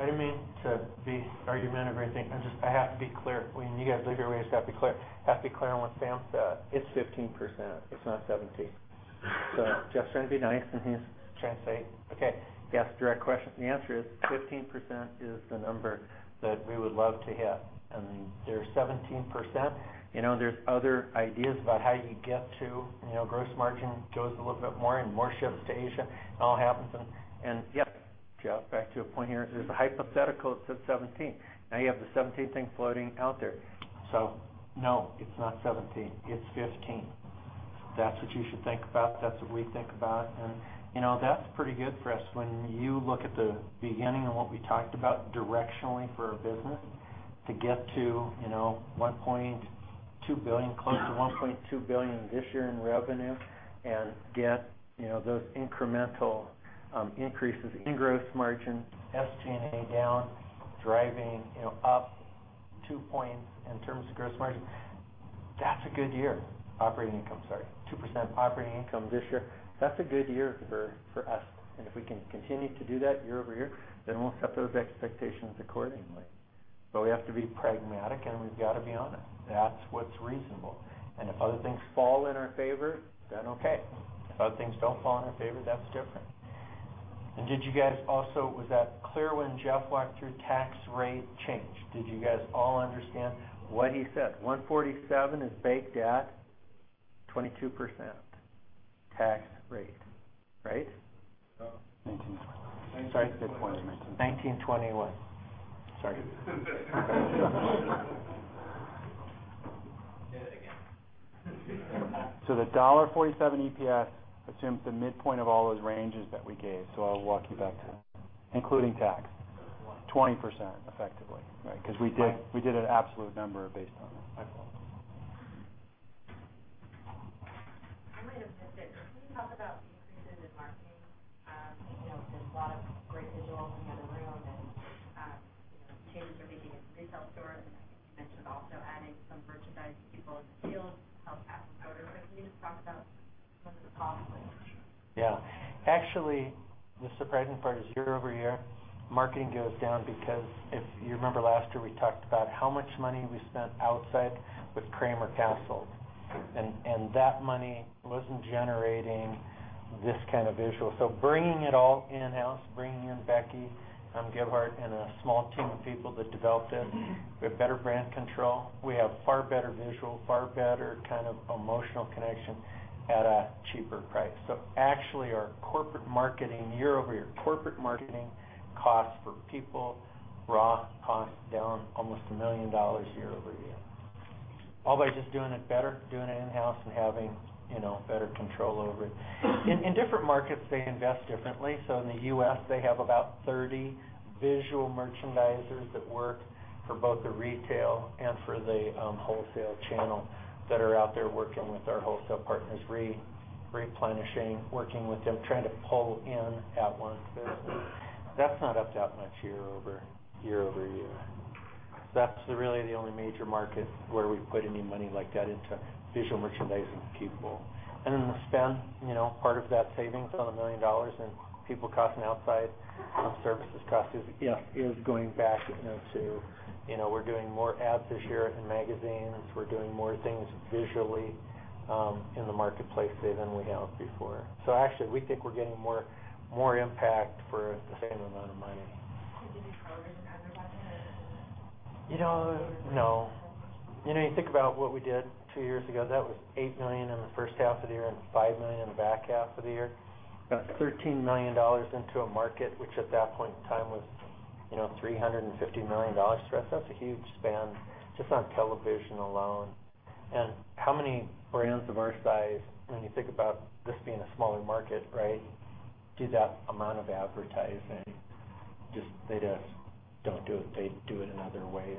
I didn't mean to be argumentative or anything. I have to be clear. When you guys leave here, we just have to be clear. Have to be clear on what Sam said. It's 15%. It's not 17. Jeff's trying to be nice and he's trying to say, "Okay, you asked a direct question." The answer is 15% is the number that we would love to hit, and they're 17%. There's other ideas about how you get to gross margin goes a little bit more and more shifts to Asia. Yep, Jeff, back to a point here. As a hypothetical, it's of 17. You have the 17 thing floating out there. No, it's not 17, it's 15. That's what you should think about. That's what we think about. And that's pretty good for us. When you look at the beginning of what we talked about directionally for our business, to get to close to $1.2 billion this year in revenue and get those incremental increases in gross margin, SG&A down, driving up two points in terms of gross margin, that's a good year. Operating income, sorry, 2% operating income this year. That's a good year for us, and if we can continue to do that year-over-year, we'll set those expectations accordingly. We have to be pragmatic, and we've got to be honest. That's what's reasonable. If other things fall in our favor, okay. If other things don't fall in our favor, that's different. Was that clear when Jeff walked through tax rate change? Did you guys all understand what he said? $1.47 is baked at 22% tax rate, right? 19.20. Sorry, 6.19. 19.21. Sorry. Say that again. The $1.47 EPS assumes the midpoint of all those ranges that we gave. I'll walk you back to that. Including tax. 20% effectively, right? Because we did an absolute number based on that. I follow. Can you talk about the increases in marketing? There's a lot of great visuals in the room and changes are being made in the retail stores. I think you mentioned also adding some merchandise people in the field, help pass the order. Can you just talk about some of the costs with that? Yeah. Actually, the surprising part is year-over-year, marketing goes down because if you remember last year, we talked about how much money we spent outside with Cramer-Krasselt. That money wasn't generating this kind of visual. Bringing it all in-house, bringing in Becky Gebhardt and a small team of people that developed this, we have better brand control. We have far better visual, far better kind of emotional connection at a cheaper price. Actually, our corporate marketing year-over-year, corporate marketing costs for people, raw costs down almost $1 million year-over-year. All by just doing it better, doing it in-house, and having better control over it. In different markets, they invest differently. In the U.S., they have about 30 visual merchandisers that work for both the retail and for the wholesale channel that are out there working with our wholesale partners, replenishing, working with them, trying to pull in at one space. That's not up that much year-over-year. That's really the only major market where we put any money like that into visual merchandising people. Then the spend, part of that savings on $1 million in people costing outside services cost is going back to we're doing more ads this year in magazines. We're doing more things visually in the marketplace today than we have before. Actually, we think we're getting more impact for the same amount of money. Could you be progress under budget or is it No. You think about what we did two years ago. That was $8 million in the first half of the year and $5 million in the back half of the year. That's $13 million into a market, which at that point in time was $350 million. That's a huge spend just on television alone. How many brands of our size, when you think about this being a smaller market, do that amount of advertising? They just don't do it. They do it in other ways.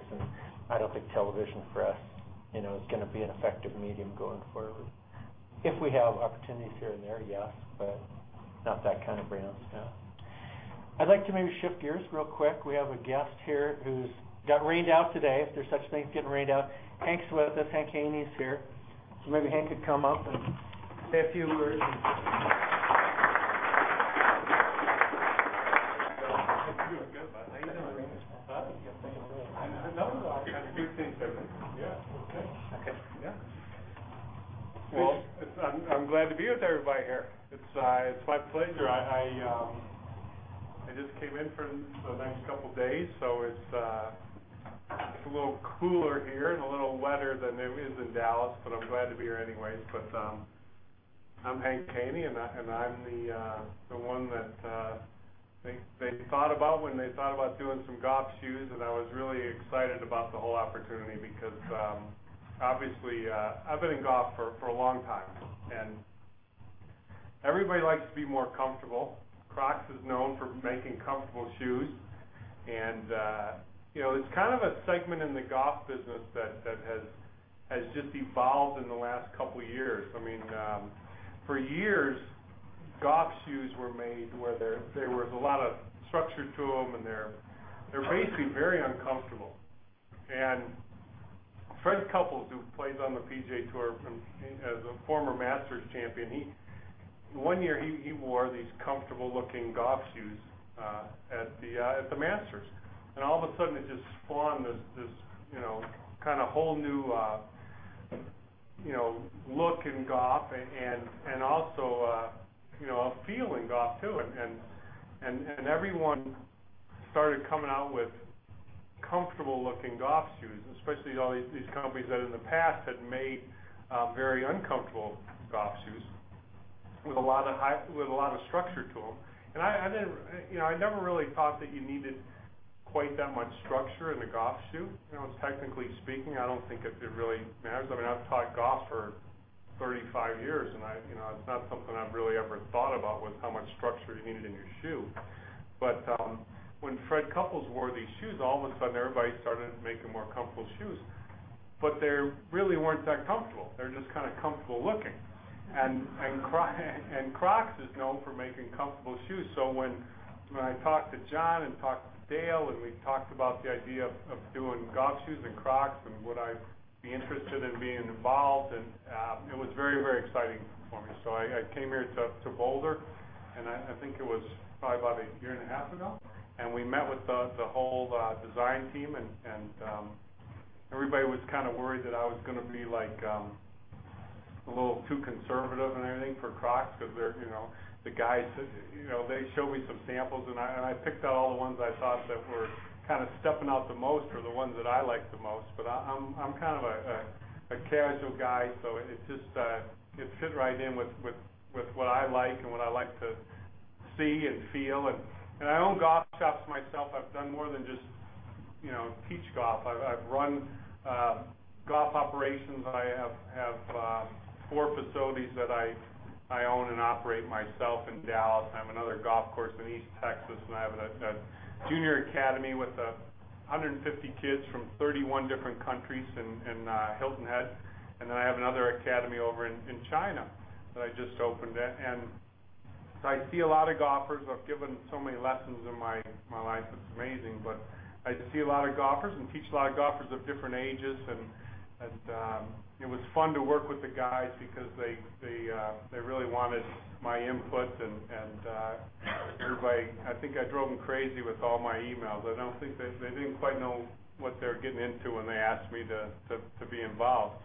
I don't think television for us is going to be an effective medium going forward. If we have opportunities here and there, yes, but not that kind of brand spend. I'd like to maybe shift gears real quick. We have a guest here who's got rained out today, if there's such thing as getting rained out. Hank's with us. Hank Haney's here. Maybe Hank could come up and say a few words. How you doing? I'm doing good, bud. How you doing? Good, thank you. No, good things happening. Yeah. Okay. Yeah. Well, I'm glad to be with everybody here. It's my pleasure. I just came in for the next couple of days, so it's a little cooler here and a little wetter than it is in Dallas, but I'm glad to be here anyways. I'm Hank Haney, and I'm the one that they thought about when they thought about doing some golf shoes, and I was really excited about the whole opportunity because obviously, I've been in golf for a long time, and everybody likes to be more comfortable. Crocs is known for making comfortable shoes. It's kind of a segment in the golf business that has just evolved in the last couple of years. For years, golf shoes were made where there was a lot of structure to them and they're basically very uncomfortable. Fred Couples, who plays on the PGA Tour as a former Masters champion, one year he wore these comfortable-looking golf shoes at the Masters. All of a sudden, it just spawned this kind of whole new look in golf and also a feel in golf, too. Everyone started coming out with comfortable-looking golf shoes, especially all these companies that in the past had made very uncomfortable golf shoes with a lot of structure to them. I never really thought that you needed quite that much structure in a golf shoe. Technically speaking, I don't think it really matters. I've taught golf for 35 years, and it's not something I've really ever thought about, was how much structure you needed in your shoe. When Fred Couples wore these shoes, all of a sudden everybody started making more comfortable shoes. They really weren't that comfortable. They were just kind of comfortable-looking. Crocs is known for making comfortable shoes. When I talked to John and talked to Dale, we talked about the idea of doing golf shoes and Crocs and would I be interested in being involved, it was very exciting for me. I came here to Boulder, and I think it was probably about a year and a half ago. We met with the whole design team and everybody was kind of worried that I was going to be a little too conservative and everything for Crocs because they're the guys, they showed me some samples, and I picked out all the ones I thought that were kind of stepping out the most, or the ones that I liked the most. I'm kind of a casual guy, so it fit right in with what I like and what I like to see and feel. I own golf shops myself. I've done more than just teach golf. I've run golf operations. I have 4 facilities that I own and operate myself in Dallas. I have another golf course in East Texas, and I have a junior academy with 150 kids from 31 different countries in Hilton Head. I have another academy over in China that I just opened. I see a lot of golfers. I've given so many lessons in my life, it's amazing. I see a lot of golfers and teach a lot of golfers of different ages. It was fun to work with the guys because they really wanted my input, everybody I think I drove them crazy with all my emails. I don't think they didn't quite know what they were getting into when they asked me to be involved.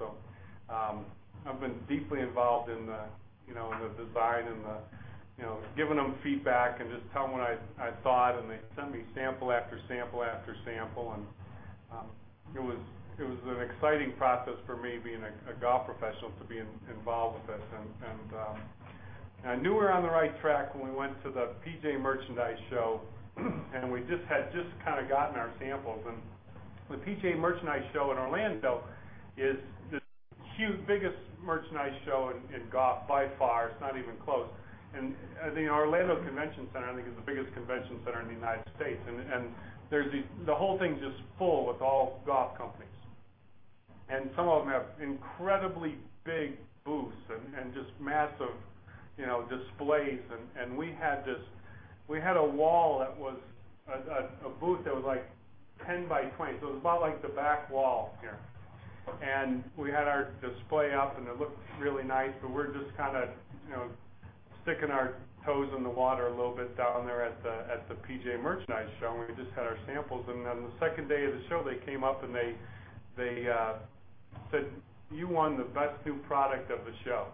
I've been deeply involved in the design and the giving them feedback and just telling them what I thought, they sent me sample after sample. It was an exciting process for me, being a golf professional, to be involved with this. I knew we were on the right track when we went to the PGA Merchandise Show, and we had just kind of gotten our samples. The PGA Merchandise Show in Orlando is the biggest merchandise show in golf by far. It's not even close. The Orlando Convention Center, I think, is the biggest convention center in the U.S. The whole thing's just full with all golf companies, and some of them have incredibly big booths and just massive displays. We had a booth that was, like, 10 by 20. It was about like the back wall here. We had our display up and it looked really nice, but we were just kind of sticking our toes in the water a little bit down there at the PGA Merchandise Show, and we just had our samples. On the second day of the show, they came up and they said, "You won the best new product of the show."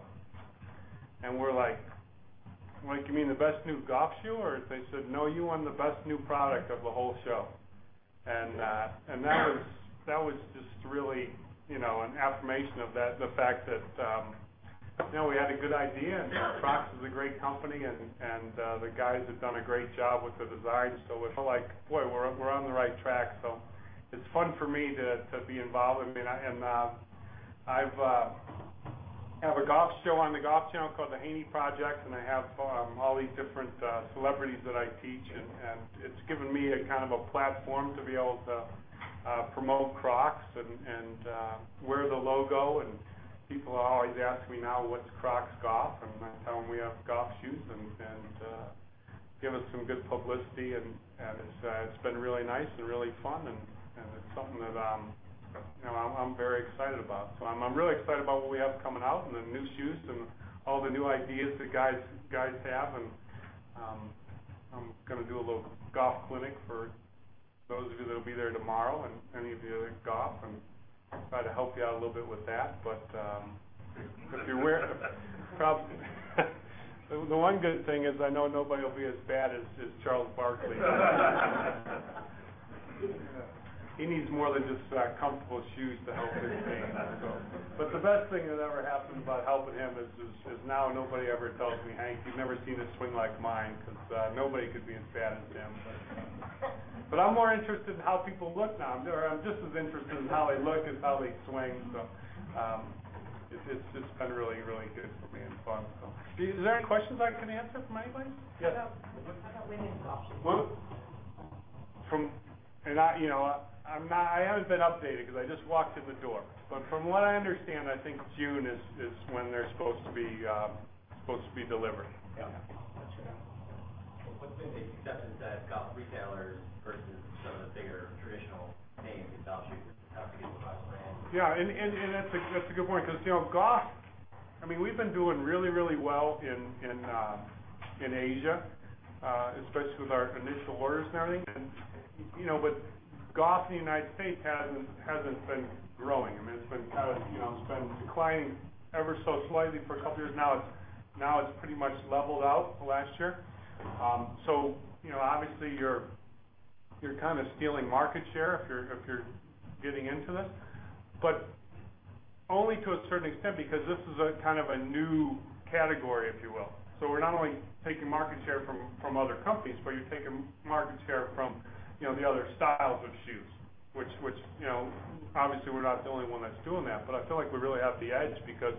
We're like, "You mean the best new golf shoe?" They said, "No, you won the best new product of the whole show." That was just really an affirmation of the fact that we had a good idea, and Crocs is a great company, and the guys have done a great job with the design. We feel like, boy, we're on the right track. It's fun for me to be involved. I have a golf show on the Golf Channel called "The Haney Project," and I have all these different celebrities that I teach, and it's given me a kind of a platform to be able to promote Crocs and wear the logo. People always ask me now, "What's Crocs Golf?" I tell them we have golf shoes and give us some good publicity, and it's been really nice and really fun, and it's something that I'm very excited about. I'm really excited about what we have coming out and the new shoes and all the new ideas that guys have, and I'm going to do a little golf clinic for those of you that'll be there tomorrow and any of you that golf and try to help you out a little bit with that. If you wear The one good thing is I know nobody will be as bad as Charles Barkley. He needs more than just comfortable shoes to help his game. The best thing that ever happened about helping him is now nobody ever tells me, "Hank, you've never seen a swing like mine," because nobody could be as bad as him. I'm more interested in how people look now. I'm just as interested in how they look as how they swing. It's just been really good for me and fun. Is there any questions I can answer from anybody? Yes. How about release options? I haven't been updated because I just walked in the door. From what I understand, I think June is when they're supposed to be delivered. Yeah. What's been the acceptance at golf retailers versus some of the bigger traditional name golf shoe companies across brands? Yeah. That's a good point because golf, we've been doing really well in Asia, especially with our initial orders and everything. Golf in the United States hasn't been growing. It's been declining ever so slightly for a couple of years now. Now it's pretty much leveled out the last year. Obviously, you're kind of stealing market share if you're getting into this, but only to a certain extent because this is a kind of a new category, if you will. We're not only taking market share from other companies, but you're taking market share from the other styles of shoes, which obviously we're not the only one that's doing that, but I feel like we really have the edge because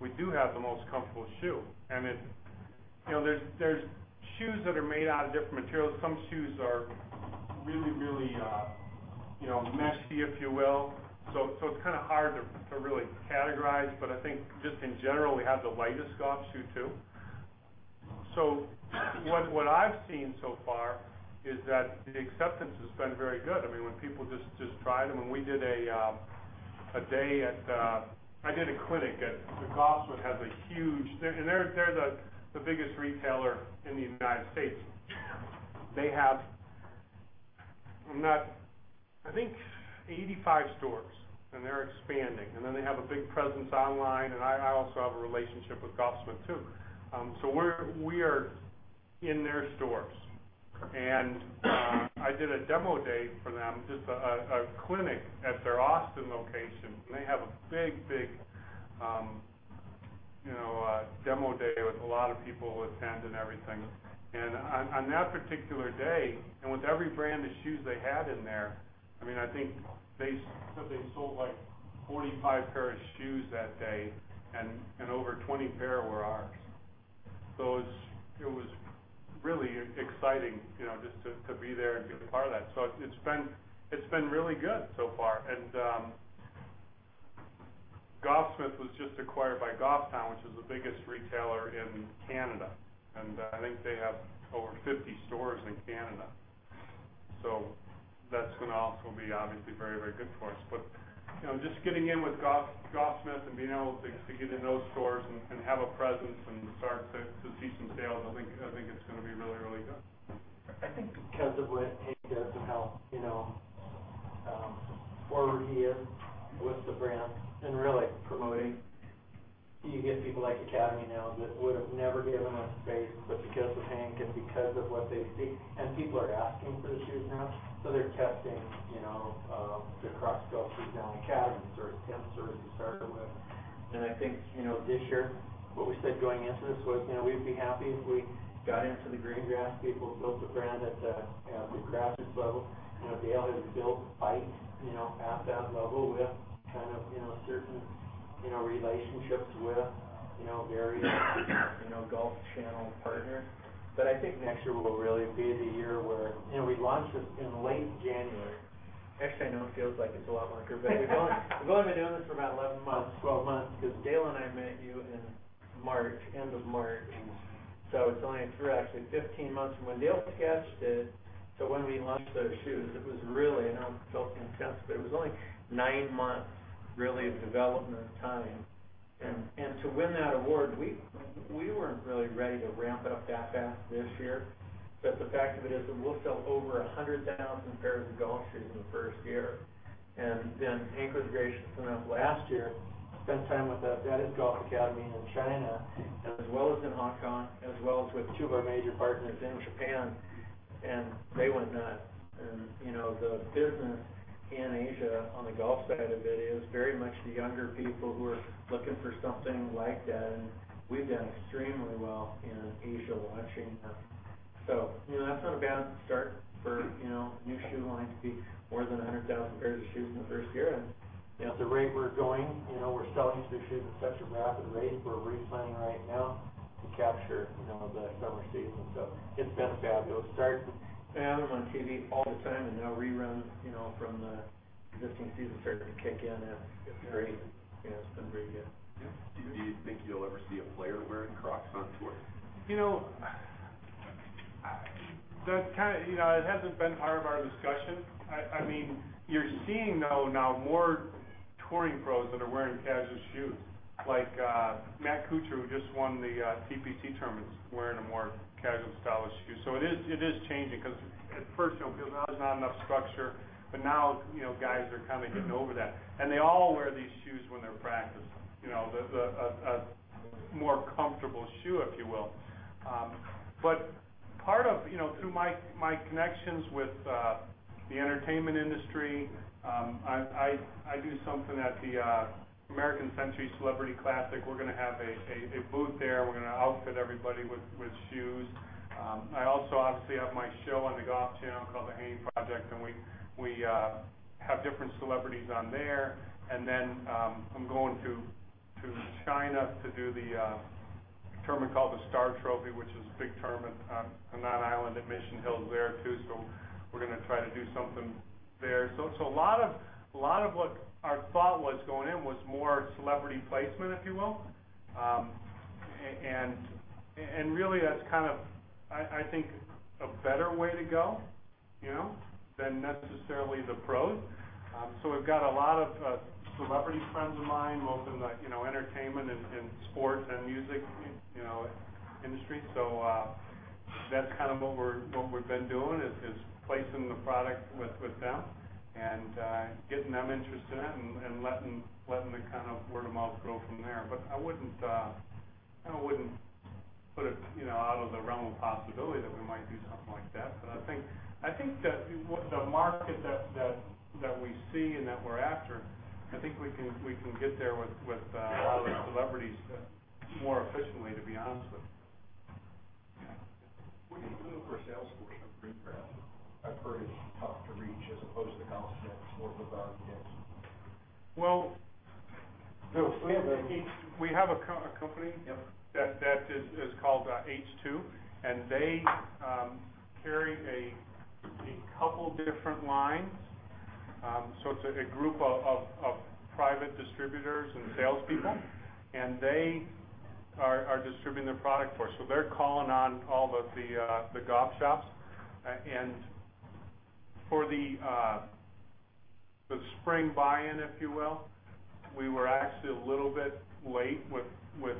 we do have the most comfortable shoe. There's shoes that are made out of different materials. Some shoes are really meshy, if you will. It's kind of hard to really categorize, but I think just in general, we have the lightest golf shoe too. What I've seen so far is that the acceptance has been very good. When people just try them, and I did a clinic at, because Golfsmith has a huge. They're the biggest retailer in the United States. They have, I think, 85 stores. They're expanding. Then they have a big presence online. I also have a relationship with Golfsmith too. We are in their stores. I did a demo day for them, just a clinic at their Austin location, and they have a big demo day with a lot of people attend and everything. On that particular day, and with every brand of shoes they had in there, I think they said they sold like 45 pair of shoes that day, and over 20 pair were ours. It was really exciting, just to be there and be a part of that. It's been really good so far. Golfsmith was just acquired by Golf Town, which is the biggest retailer in Canada, and I think they have over 50 stores in Canada. That's going to also be obviously very good for us. Just getting in with Golfsmith and being able to get in those stores and have a presence and start to see some sales, I think it's going to be really good. I think because of what Hank does and how forward he is with the brand and really promoting, you get people like Academy now that would've never given us space. Because of Hank and because of what they see, people are asking for the shoes now. They're testing the Crocs golf shoes now in *audio distortion* to start with. I think this year what we said going into this was we'd be happy if we got into the green grass people, built a brand at the grassroots level, and be able to build height at that level with kind of certain relationships with various Golf Channel partners. I think next year will really be the year where we launched this in late January. Actually, I know it feels like it's a lot longer, but we've only been doing this for about 11 months, 12 months because Dale and I met you in end of March. It's only, if you're actually 15 months from when Dale sketched it to when we launched those shoes, it was really. I know it feels like an instant, but it was only nine months really of development time. To win that award, we weren't really ready to ramp it up that fast this year. The fact of it is that we'll sell over 100,000 pairs of golf shoes in the first year. Then Hank was gracious enough last year to spend time with the Adidas Golf Academy in China, as well as in Hong Kong, as well as with two of our major partners in Japan, and they went nuts. The business in Asia on the golf side of it is very much the younger people who are looking for something like that, and we've done extremely well in Asia launching them. That's not a bad start for a new shoe line to be more than 100,000 pairs of shoes in the first year. At the rate we're going, we're selling these new shoes at such a rapid rate, we're re-planning right now to capture the summer season. It's been a fabulous start, and I'm on TV all the time, and now reruns from the existing season starting to kick in and it's great. Yeah, it's been very good. Do you think you'll ever see a player wearing Crocs on tour? It hasn't been part of our discussion. You're seeing, though, now more touring pros that are wearing casual shoes like Matt Kuchar, who just won the TPC tournament, wearing a more casual style of shoe. It is changing because at first, it feels like there's not enough structure, but now guys are kind of getting over that, and they all wear these shoes when they're practicing. The more comfortable shoe, if you will. Part of through my connections with the entertainment industry, I do something at the American Century Championship. We're going to have a booth there. We're going to outfit everybody with shoes. I also obviously have my show on the Golf Channel called "The Haney Project," and we have different celebrities on there. Then I'm going to China to do the tournament called the Star Trophy, which is a big tournament on that island at Mission Hills there too. We're going to try to do something there. A lot of what our thought was going in was more celebrity placement, if you will. Really that's kind of, I think, a better way to go than necessarily the pros. We've got a lot of celebrity friends of mine, most of them like entertainment and sports and music industry. That's kind of what we've been doing is placing the product with them and getting them interested in it and letting the kind of word of mouth grow from there. I wouldn't put it out of the realm of possibility that we might do something like that. I think that the market that we see and that we're after, I think we can get there with a lot of the celebrities more efficiently, to be honest with you. What are you doing for sales force for Green Grass? I've heard it's tough to reach as opposed to Golfsmith or Bogey's. Well, we have a company Yep that is called H2, and they carry a couple different lines. It's a group of private distributors and salespeople, and they are distributing their product for us. They're calling on all of the golf shops. For the spring buy-in, if you will, we were actually a little bit late with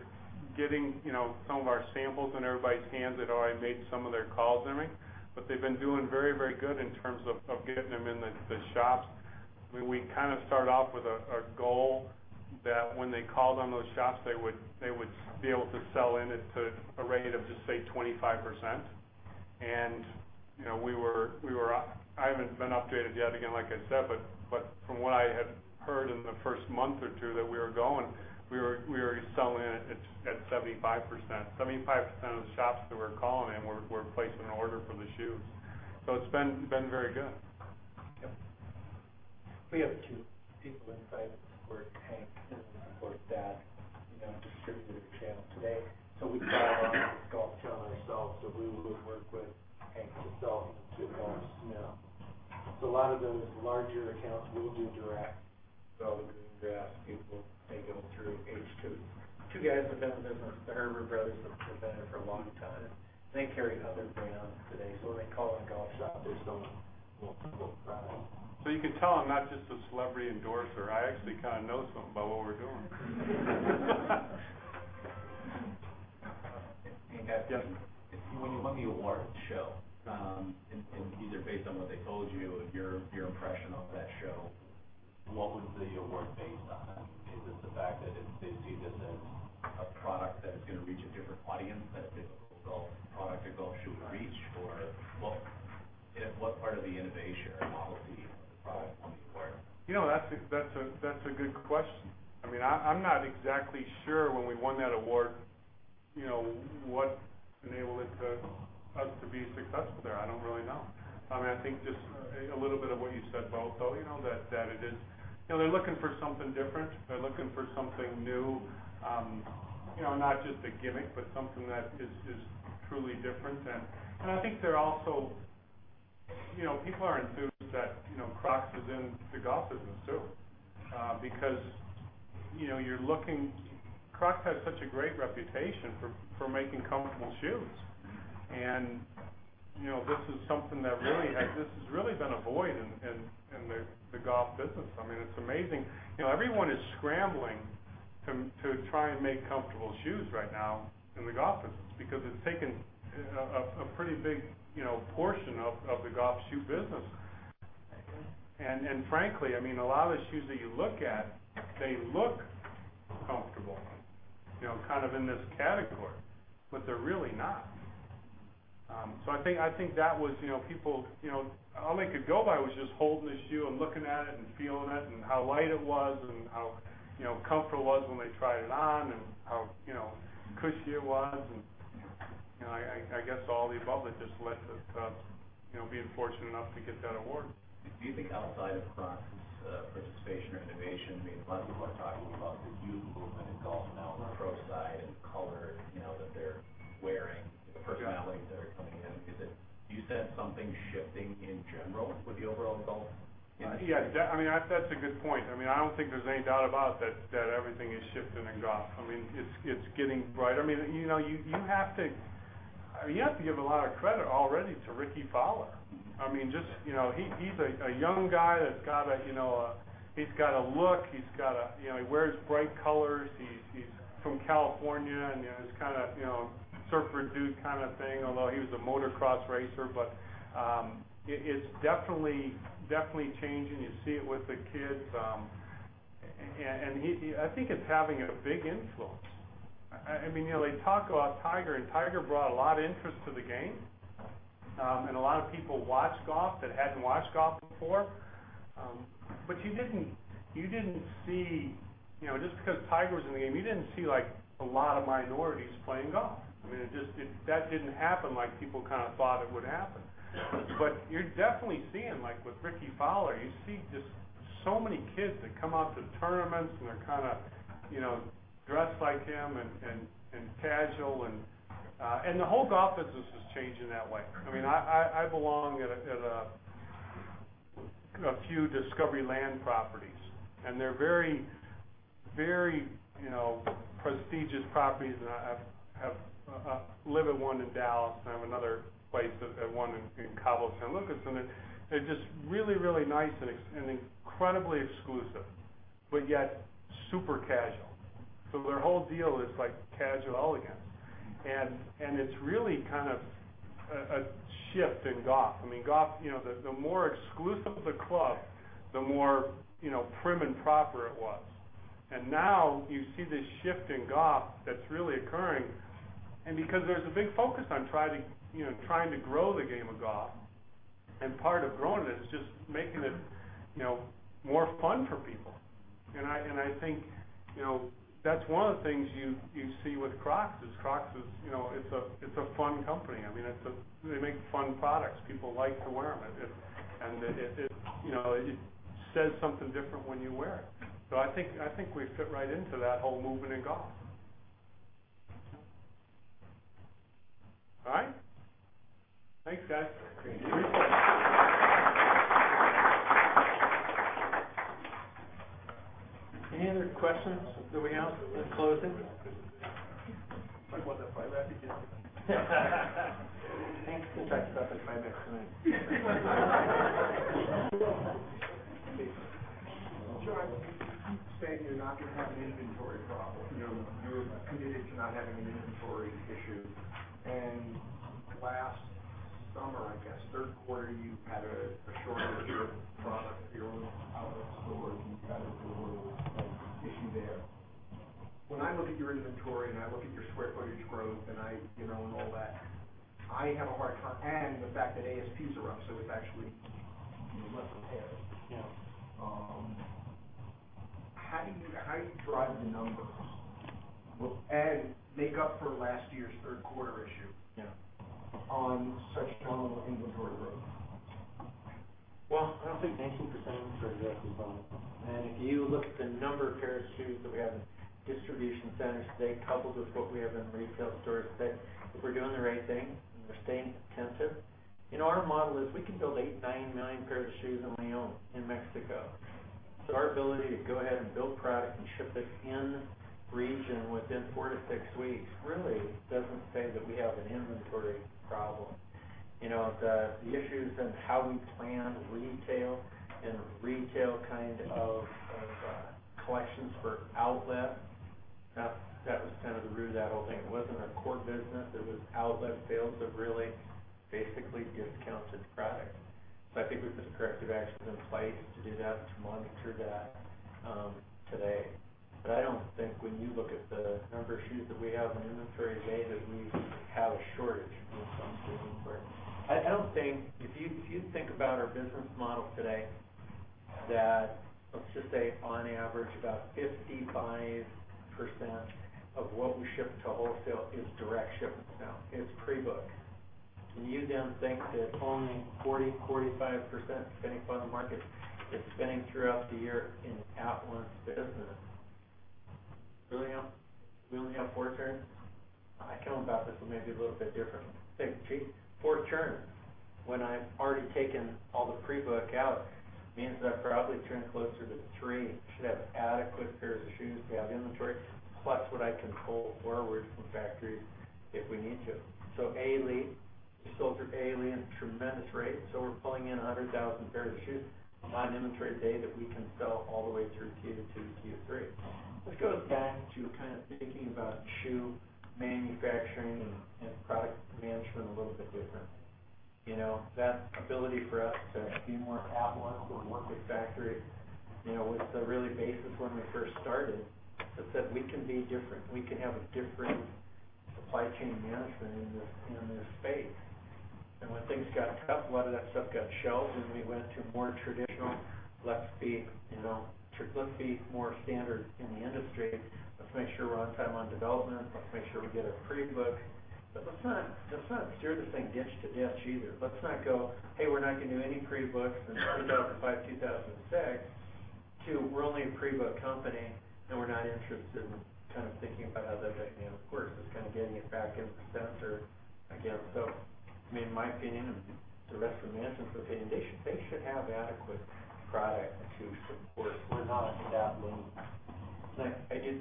getting some of our samples in everybody's hands that had already made some of their calls, I mean. They've been doing very good in terms of getting them in the shops. We kind of start off with a goal that when they called on those shops, they would be able to sell in it to a rate of just, say, 25%. I haven't been updated yet, again, like I said, but from what I had heard in the first month or two that we were going, we were selling it at 75%. 75% of the shops that we were calling in were placing an order for the shoes. It's been very good. Yep. We have two people inside that support Hank and support that distributor channel today. We've got our own golf channel ourselves, we would work with Hank to sell into Bogey's now. A lot of those larger accounts we'll do direct with all the Green Grass people, they go through H2. Two guys have been with us, the Herbert brothers, have been with us for a long time, and they carry other brands today. When they call in a golf shop, they sell multiple products. You can tell I'm not just a celebrity endorser. I actually kind of know something about what we're doing. When you won the awards show, either based on what they told you or your impression of that show, what was the award based on? Is it the fact that they see this as a product that is going to reach a different audience that a typical golf product or golf shoe wouldn't reach? What part of the innovation or model of the product won the award? That's a good question. I'm not exactly sure when we won that award, what enabled us to be successful there. I don't really know. I think just a little bit of what you said, Bo, though, that they're looking for something different. They're looking for something new. Not just a gimmick, but something that is truly different. People are enthused that Crocs is in the golf business too. Crocs has such a great reputation for making comfortable shoes. This is something that really has been a void in the golf business. It's amazing. Everyone is scrambling to try and make comfortable shoes right now in the golf business because it's taken a pretty big portion of the golf shoe business. I agree. Frankly, a lot of the shoes that you look at, they look comfortable, kind of in this category, but they're really not. I think that was people, all they could go by was just holding the shoe and looking at it and feeling it and how light it was and how comfortable it was when they tried it on and how cushy it was, I guess all the above that just led to us being fortunate enough to get that award. Do you think outside of Crocs' participation or innovation, lots of people are talking about the youth movement in golf now on the pro side and color that they're wearing, the personalities that are coming in. Do you sense something shifting in general with the overall golf industry? Yeah. That's a good point. I don't think there's any doubt about that everything is shifting in golf. It's getting brighter. You have to give a lot of credit already to Rickie Fowler. He's a young guy that's got a look. He wears bright colors. He's from California, and he's kind of surfer dude kind of thing, although he was a motocross racer. It's definitely changing. You see it with the kids. I think it's having a big influence. They talk about Tiger, and Tiger brought a lot of interest to the game. A lot of people watched golf that hadn't watched golf before. You didn't see, just because Tiger's in the game, you didn't see a lot of minorities playing golf. That didn't happen like people kind of thought it would happen. Yeah. You're definitely seeing, like with Rickie Fowler, you see just so many kids that come out to tournaments, and they're kind of dressed like him and casual. The whole golf business is changing that way. I belong at a few Discovery Land properties, and they're very prestigious properties. I live in one in Dallas, and I have another place, one in Cabo San Lucas. They're just really nice and incredibly exclusive, but yet super casual. Their whole deal is casual elegance. It's really a shift in golf. The more exclusive the club, the more prim and proper it was. Now you see this shift in golf that's really occurring and because there's a big focus on trying to grow the game of golf, and part of growing it is just making it more fun for people. I think that's one of the things you see with Crocs is Crocs is a fun company. They make fun products. People like to wear them and it says something different when you wear it. I think we fit right into that whole movement in golf. All right? Thanks, guys. Any other questions that we have in closing? Talk about that private equity. We can talk about that private equity. John, you keep saying you're not going to have an inventory problem, you're committed to not having an inventory issue and last summer, I guess third quarter, you had a shortage of product at your own outlet stores and you had a little issue there. When I look at your inventory and I look at your square footage growth and all that, I have a hard time and the fact that ASPs are up, so it's actually less pairs. Yeah. How do you drive the numbers and make up for last year's third quarter issue? Yeah on such low inventory rates? I don't think 19% is very low. If you look at the number of pairs of shoes that we have in distribution centers today, coupled with what we have in retail stores today, if we're doing the right thing and we're staying attentive, our model is we can build 8, 9 million pairs of shoes on our own in Mexico. Our ability to go ahead and build product and ship it in region within four to six weeks really doesn't say that we have an inventory problem. The issues in how we plan retail and retail kind of collections for outlet, that was kind of the root of that whole thing. It wasn't our core business. It was outlet sales of really basically discounted product. I think we put some corrective actions in place to do that, to monitor that today. I don't think when you look at the number of shoes that we have in inventory today, that we have a shortage in some season. I don't think, if you think about our business model today, that let's just say on average about 55% of what we ship to wholesale is direct shipments now. It's pre-booked. You then think that only 40, 45% is spending by the market that's spending throughout the year in outlet business, we only have four turns. I go about this one maybe a little bit different. Think four turns when I've already taken all the pre-book out means that I probably turn closer to three. Should have adequate pairs of shoes to have inventory, plus what I can pull forward from factories if we need to. A-Leigh sold through Alie at a tremendous rate. We're pulling in 100,000 pairs of shoes on inventory day that we can sell all the way through Q2 to Q3. This goes back to kind of thinking about shoe manufacturing and product management a little bit different. That ability for us to be more outlet or work with factories was the really basis when we first started, is that we can be different. We can have a different supply chain management in this space. When things got tough, a lot of that stuff got shelved and we went to more traditional, let's be more standard in the industry. Let's make sure we're on time on development. Let's make sure we get our pre-book. Let's not steer this thing ditch to ditch either. Let's not go, "Hey, we're not going to do any pre-books," and go from 2005 to 2006 to we're only a pre-book company and we're not interested in kind of thinking about other things. Of course, it's kind of getting it back into the center again. My opinion and the rest of management's opinion, they should have adequate product to support. We're not in that lane. I did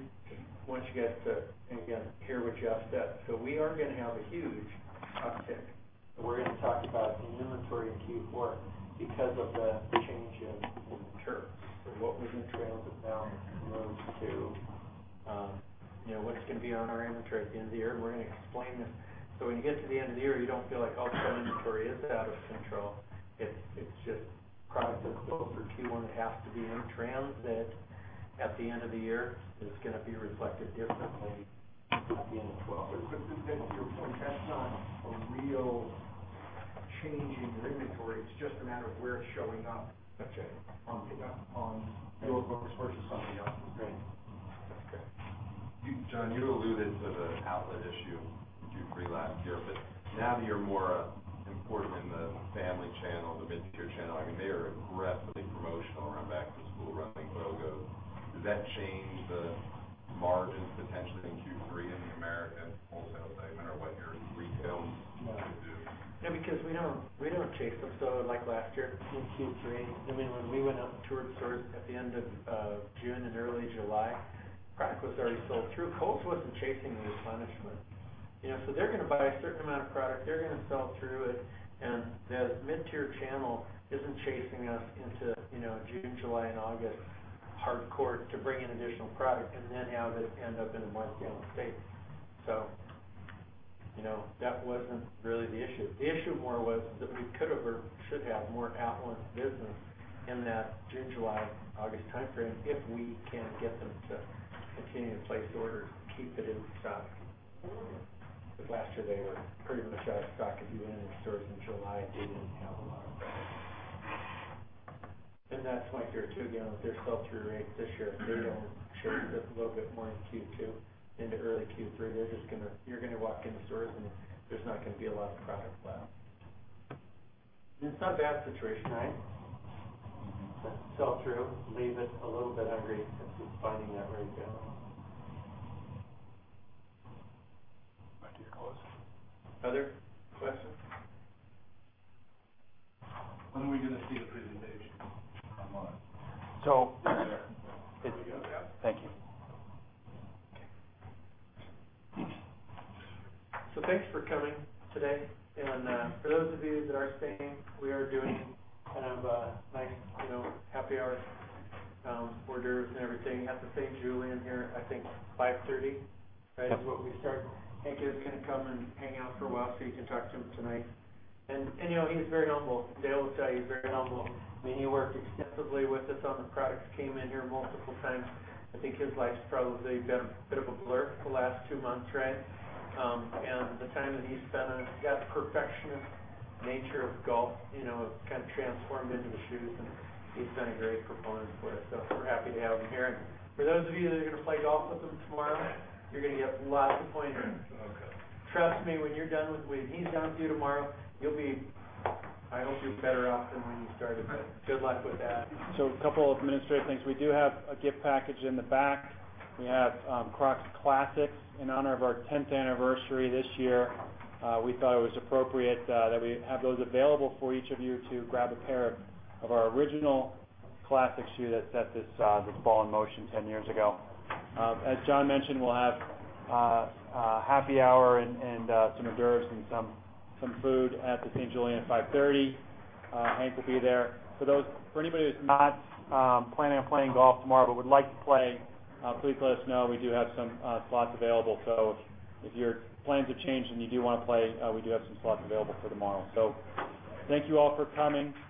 want you guys to think again here with Jeff's debt. We're going to have a huge uptick and we're going to talk about the inventory in Q4 because of the change in terms and what was in transit now moves to what's going to be on our inventory at the end of the year and we're going to explain this so when you get to the end of the year, you don't feel like all of a sudden inventory is out of control. It's just product that's built for Q1 that has to be in transit at the end of the year that's going to be reflected differently at the end of 12. To your point, that's not a real change in your inventory, it's just a matter of where it's showing up. Okay. On your books versus on the outlet. Right. Okay. John, you alluded to the outlet issue in Q3 last year, but now that you're more important in the family channel, the mid-tier channel, they are aggressively promotional around back to school running BOGOs. Does that change the margins potentially in Q3 in the American wholesale segment or what your retail mix is? No, because we don't chase them. Like last year in Q3, when we went up to stores at the end of June and early July, product was already sold through. Kohl's wasn't chasing the replenishment. They're going to buy a certain amount of product, they're going to sell through it, and the mid-tier channel isn't chasing us into June, July and August hardcore to bring in additional product and then have it end up in a marked down state. That wasn't really the issue. The issue more was that we could have or should have more at once business in that June, July, August timeframe if we can get them to continue to place the orders and keep it in stock because last year they were pretty much out of stock. If you went into stores in July, they didn't have a lot of product. That's my fear, too, again, with their sell-through rates this year, they're going to shrink a little bit more in Q2 into early Q3. You're going to walk into stores and there's not going to be a lot of product left. It's not a bad situation, right? Sell through, leave it a little bit hungry since it's finding that right balance. Mike, you are close. Other questions? When are we going to see the presentation online? So- There we go. Yeah. Thanks for coming today and for those of you that are staying, we are doing a nice happy hour with hors d'oeuvres and everything at the St Julien here, I think 5:30 is when we start. Hank is going to come and hang out for a while, so you can talk to him tonight. He's very humble. Dale will tell you he's very humble. He worked extensively with us on the products, came in here multiple times. I think his life's probably been a bit of a blur for the last two months, right? The time that he's spent on it, that perfectionist nature of golf has transformed into the shoes and he's been a great proponent for it. We're happy to have him here. For those of you that going to play golf with him tomorrow, you're going to get lots of pointers. Okay. Trust me, when he's done with you tomorrow, you'll be, I hope, you'll be better off than when you started, but good luck with that. A couple of administrative things. We do have a gift package in the back. We have Crocs Classics in honor of our 10th anniversary this year. We thought it was appropriate that we have those available for each of you to grab a pair of our original classic shoe that set this ball in motion 10 years ago. As John mentioned, we'll have a happy hour and some hors d'oeuvres and some food at the St Julien at 5:30 P.M. Hank will be there. For anybody that's not planning on playing golf tomorrow but would like to play, please let us know. We do have some slots available. If your plans have changed and you do want to play, we do have some slots available for tomorrow. Thank you all for coming.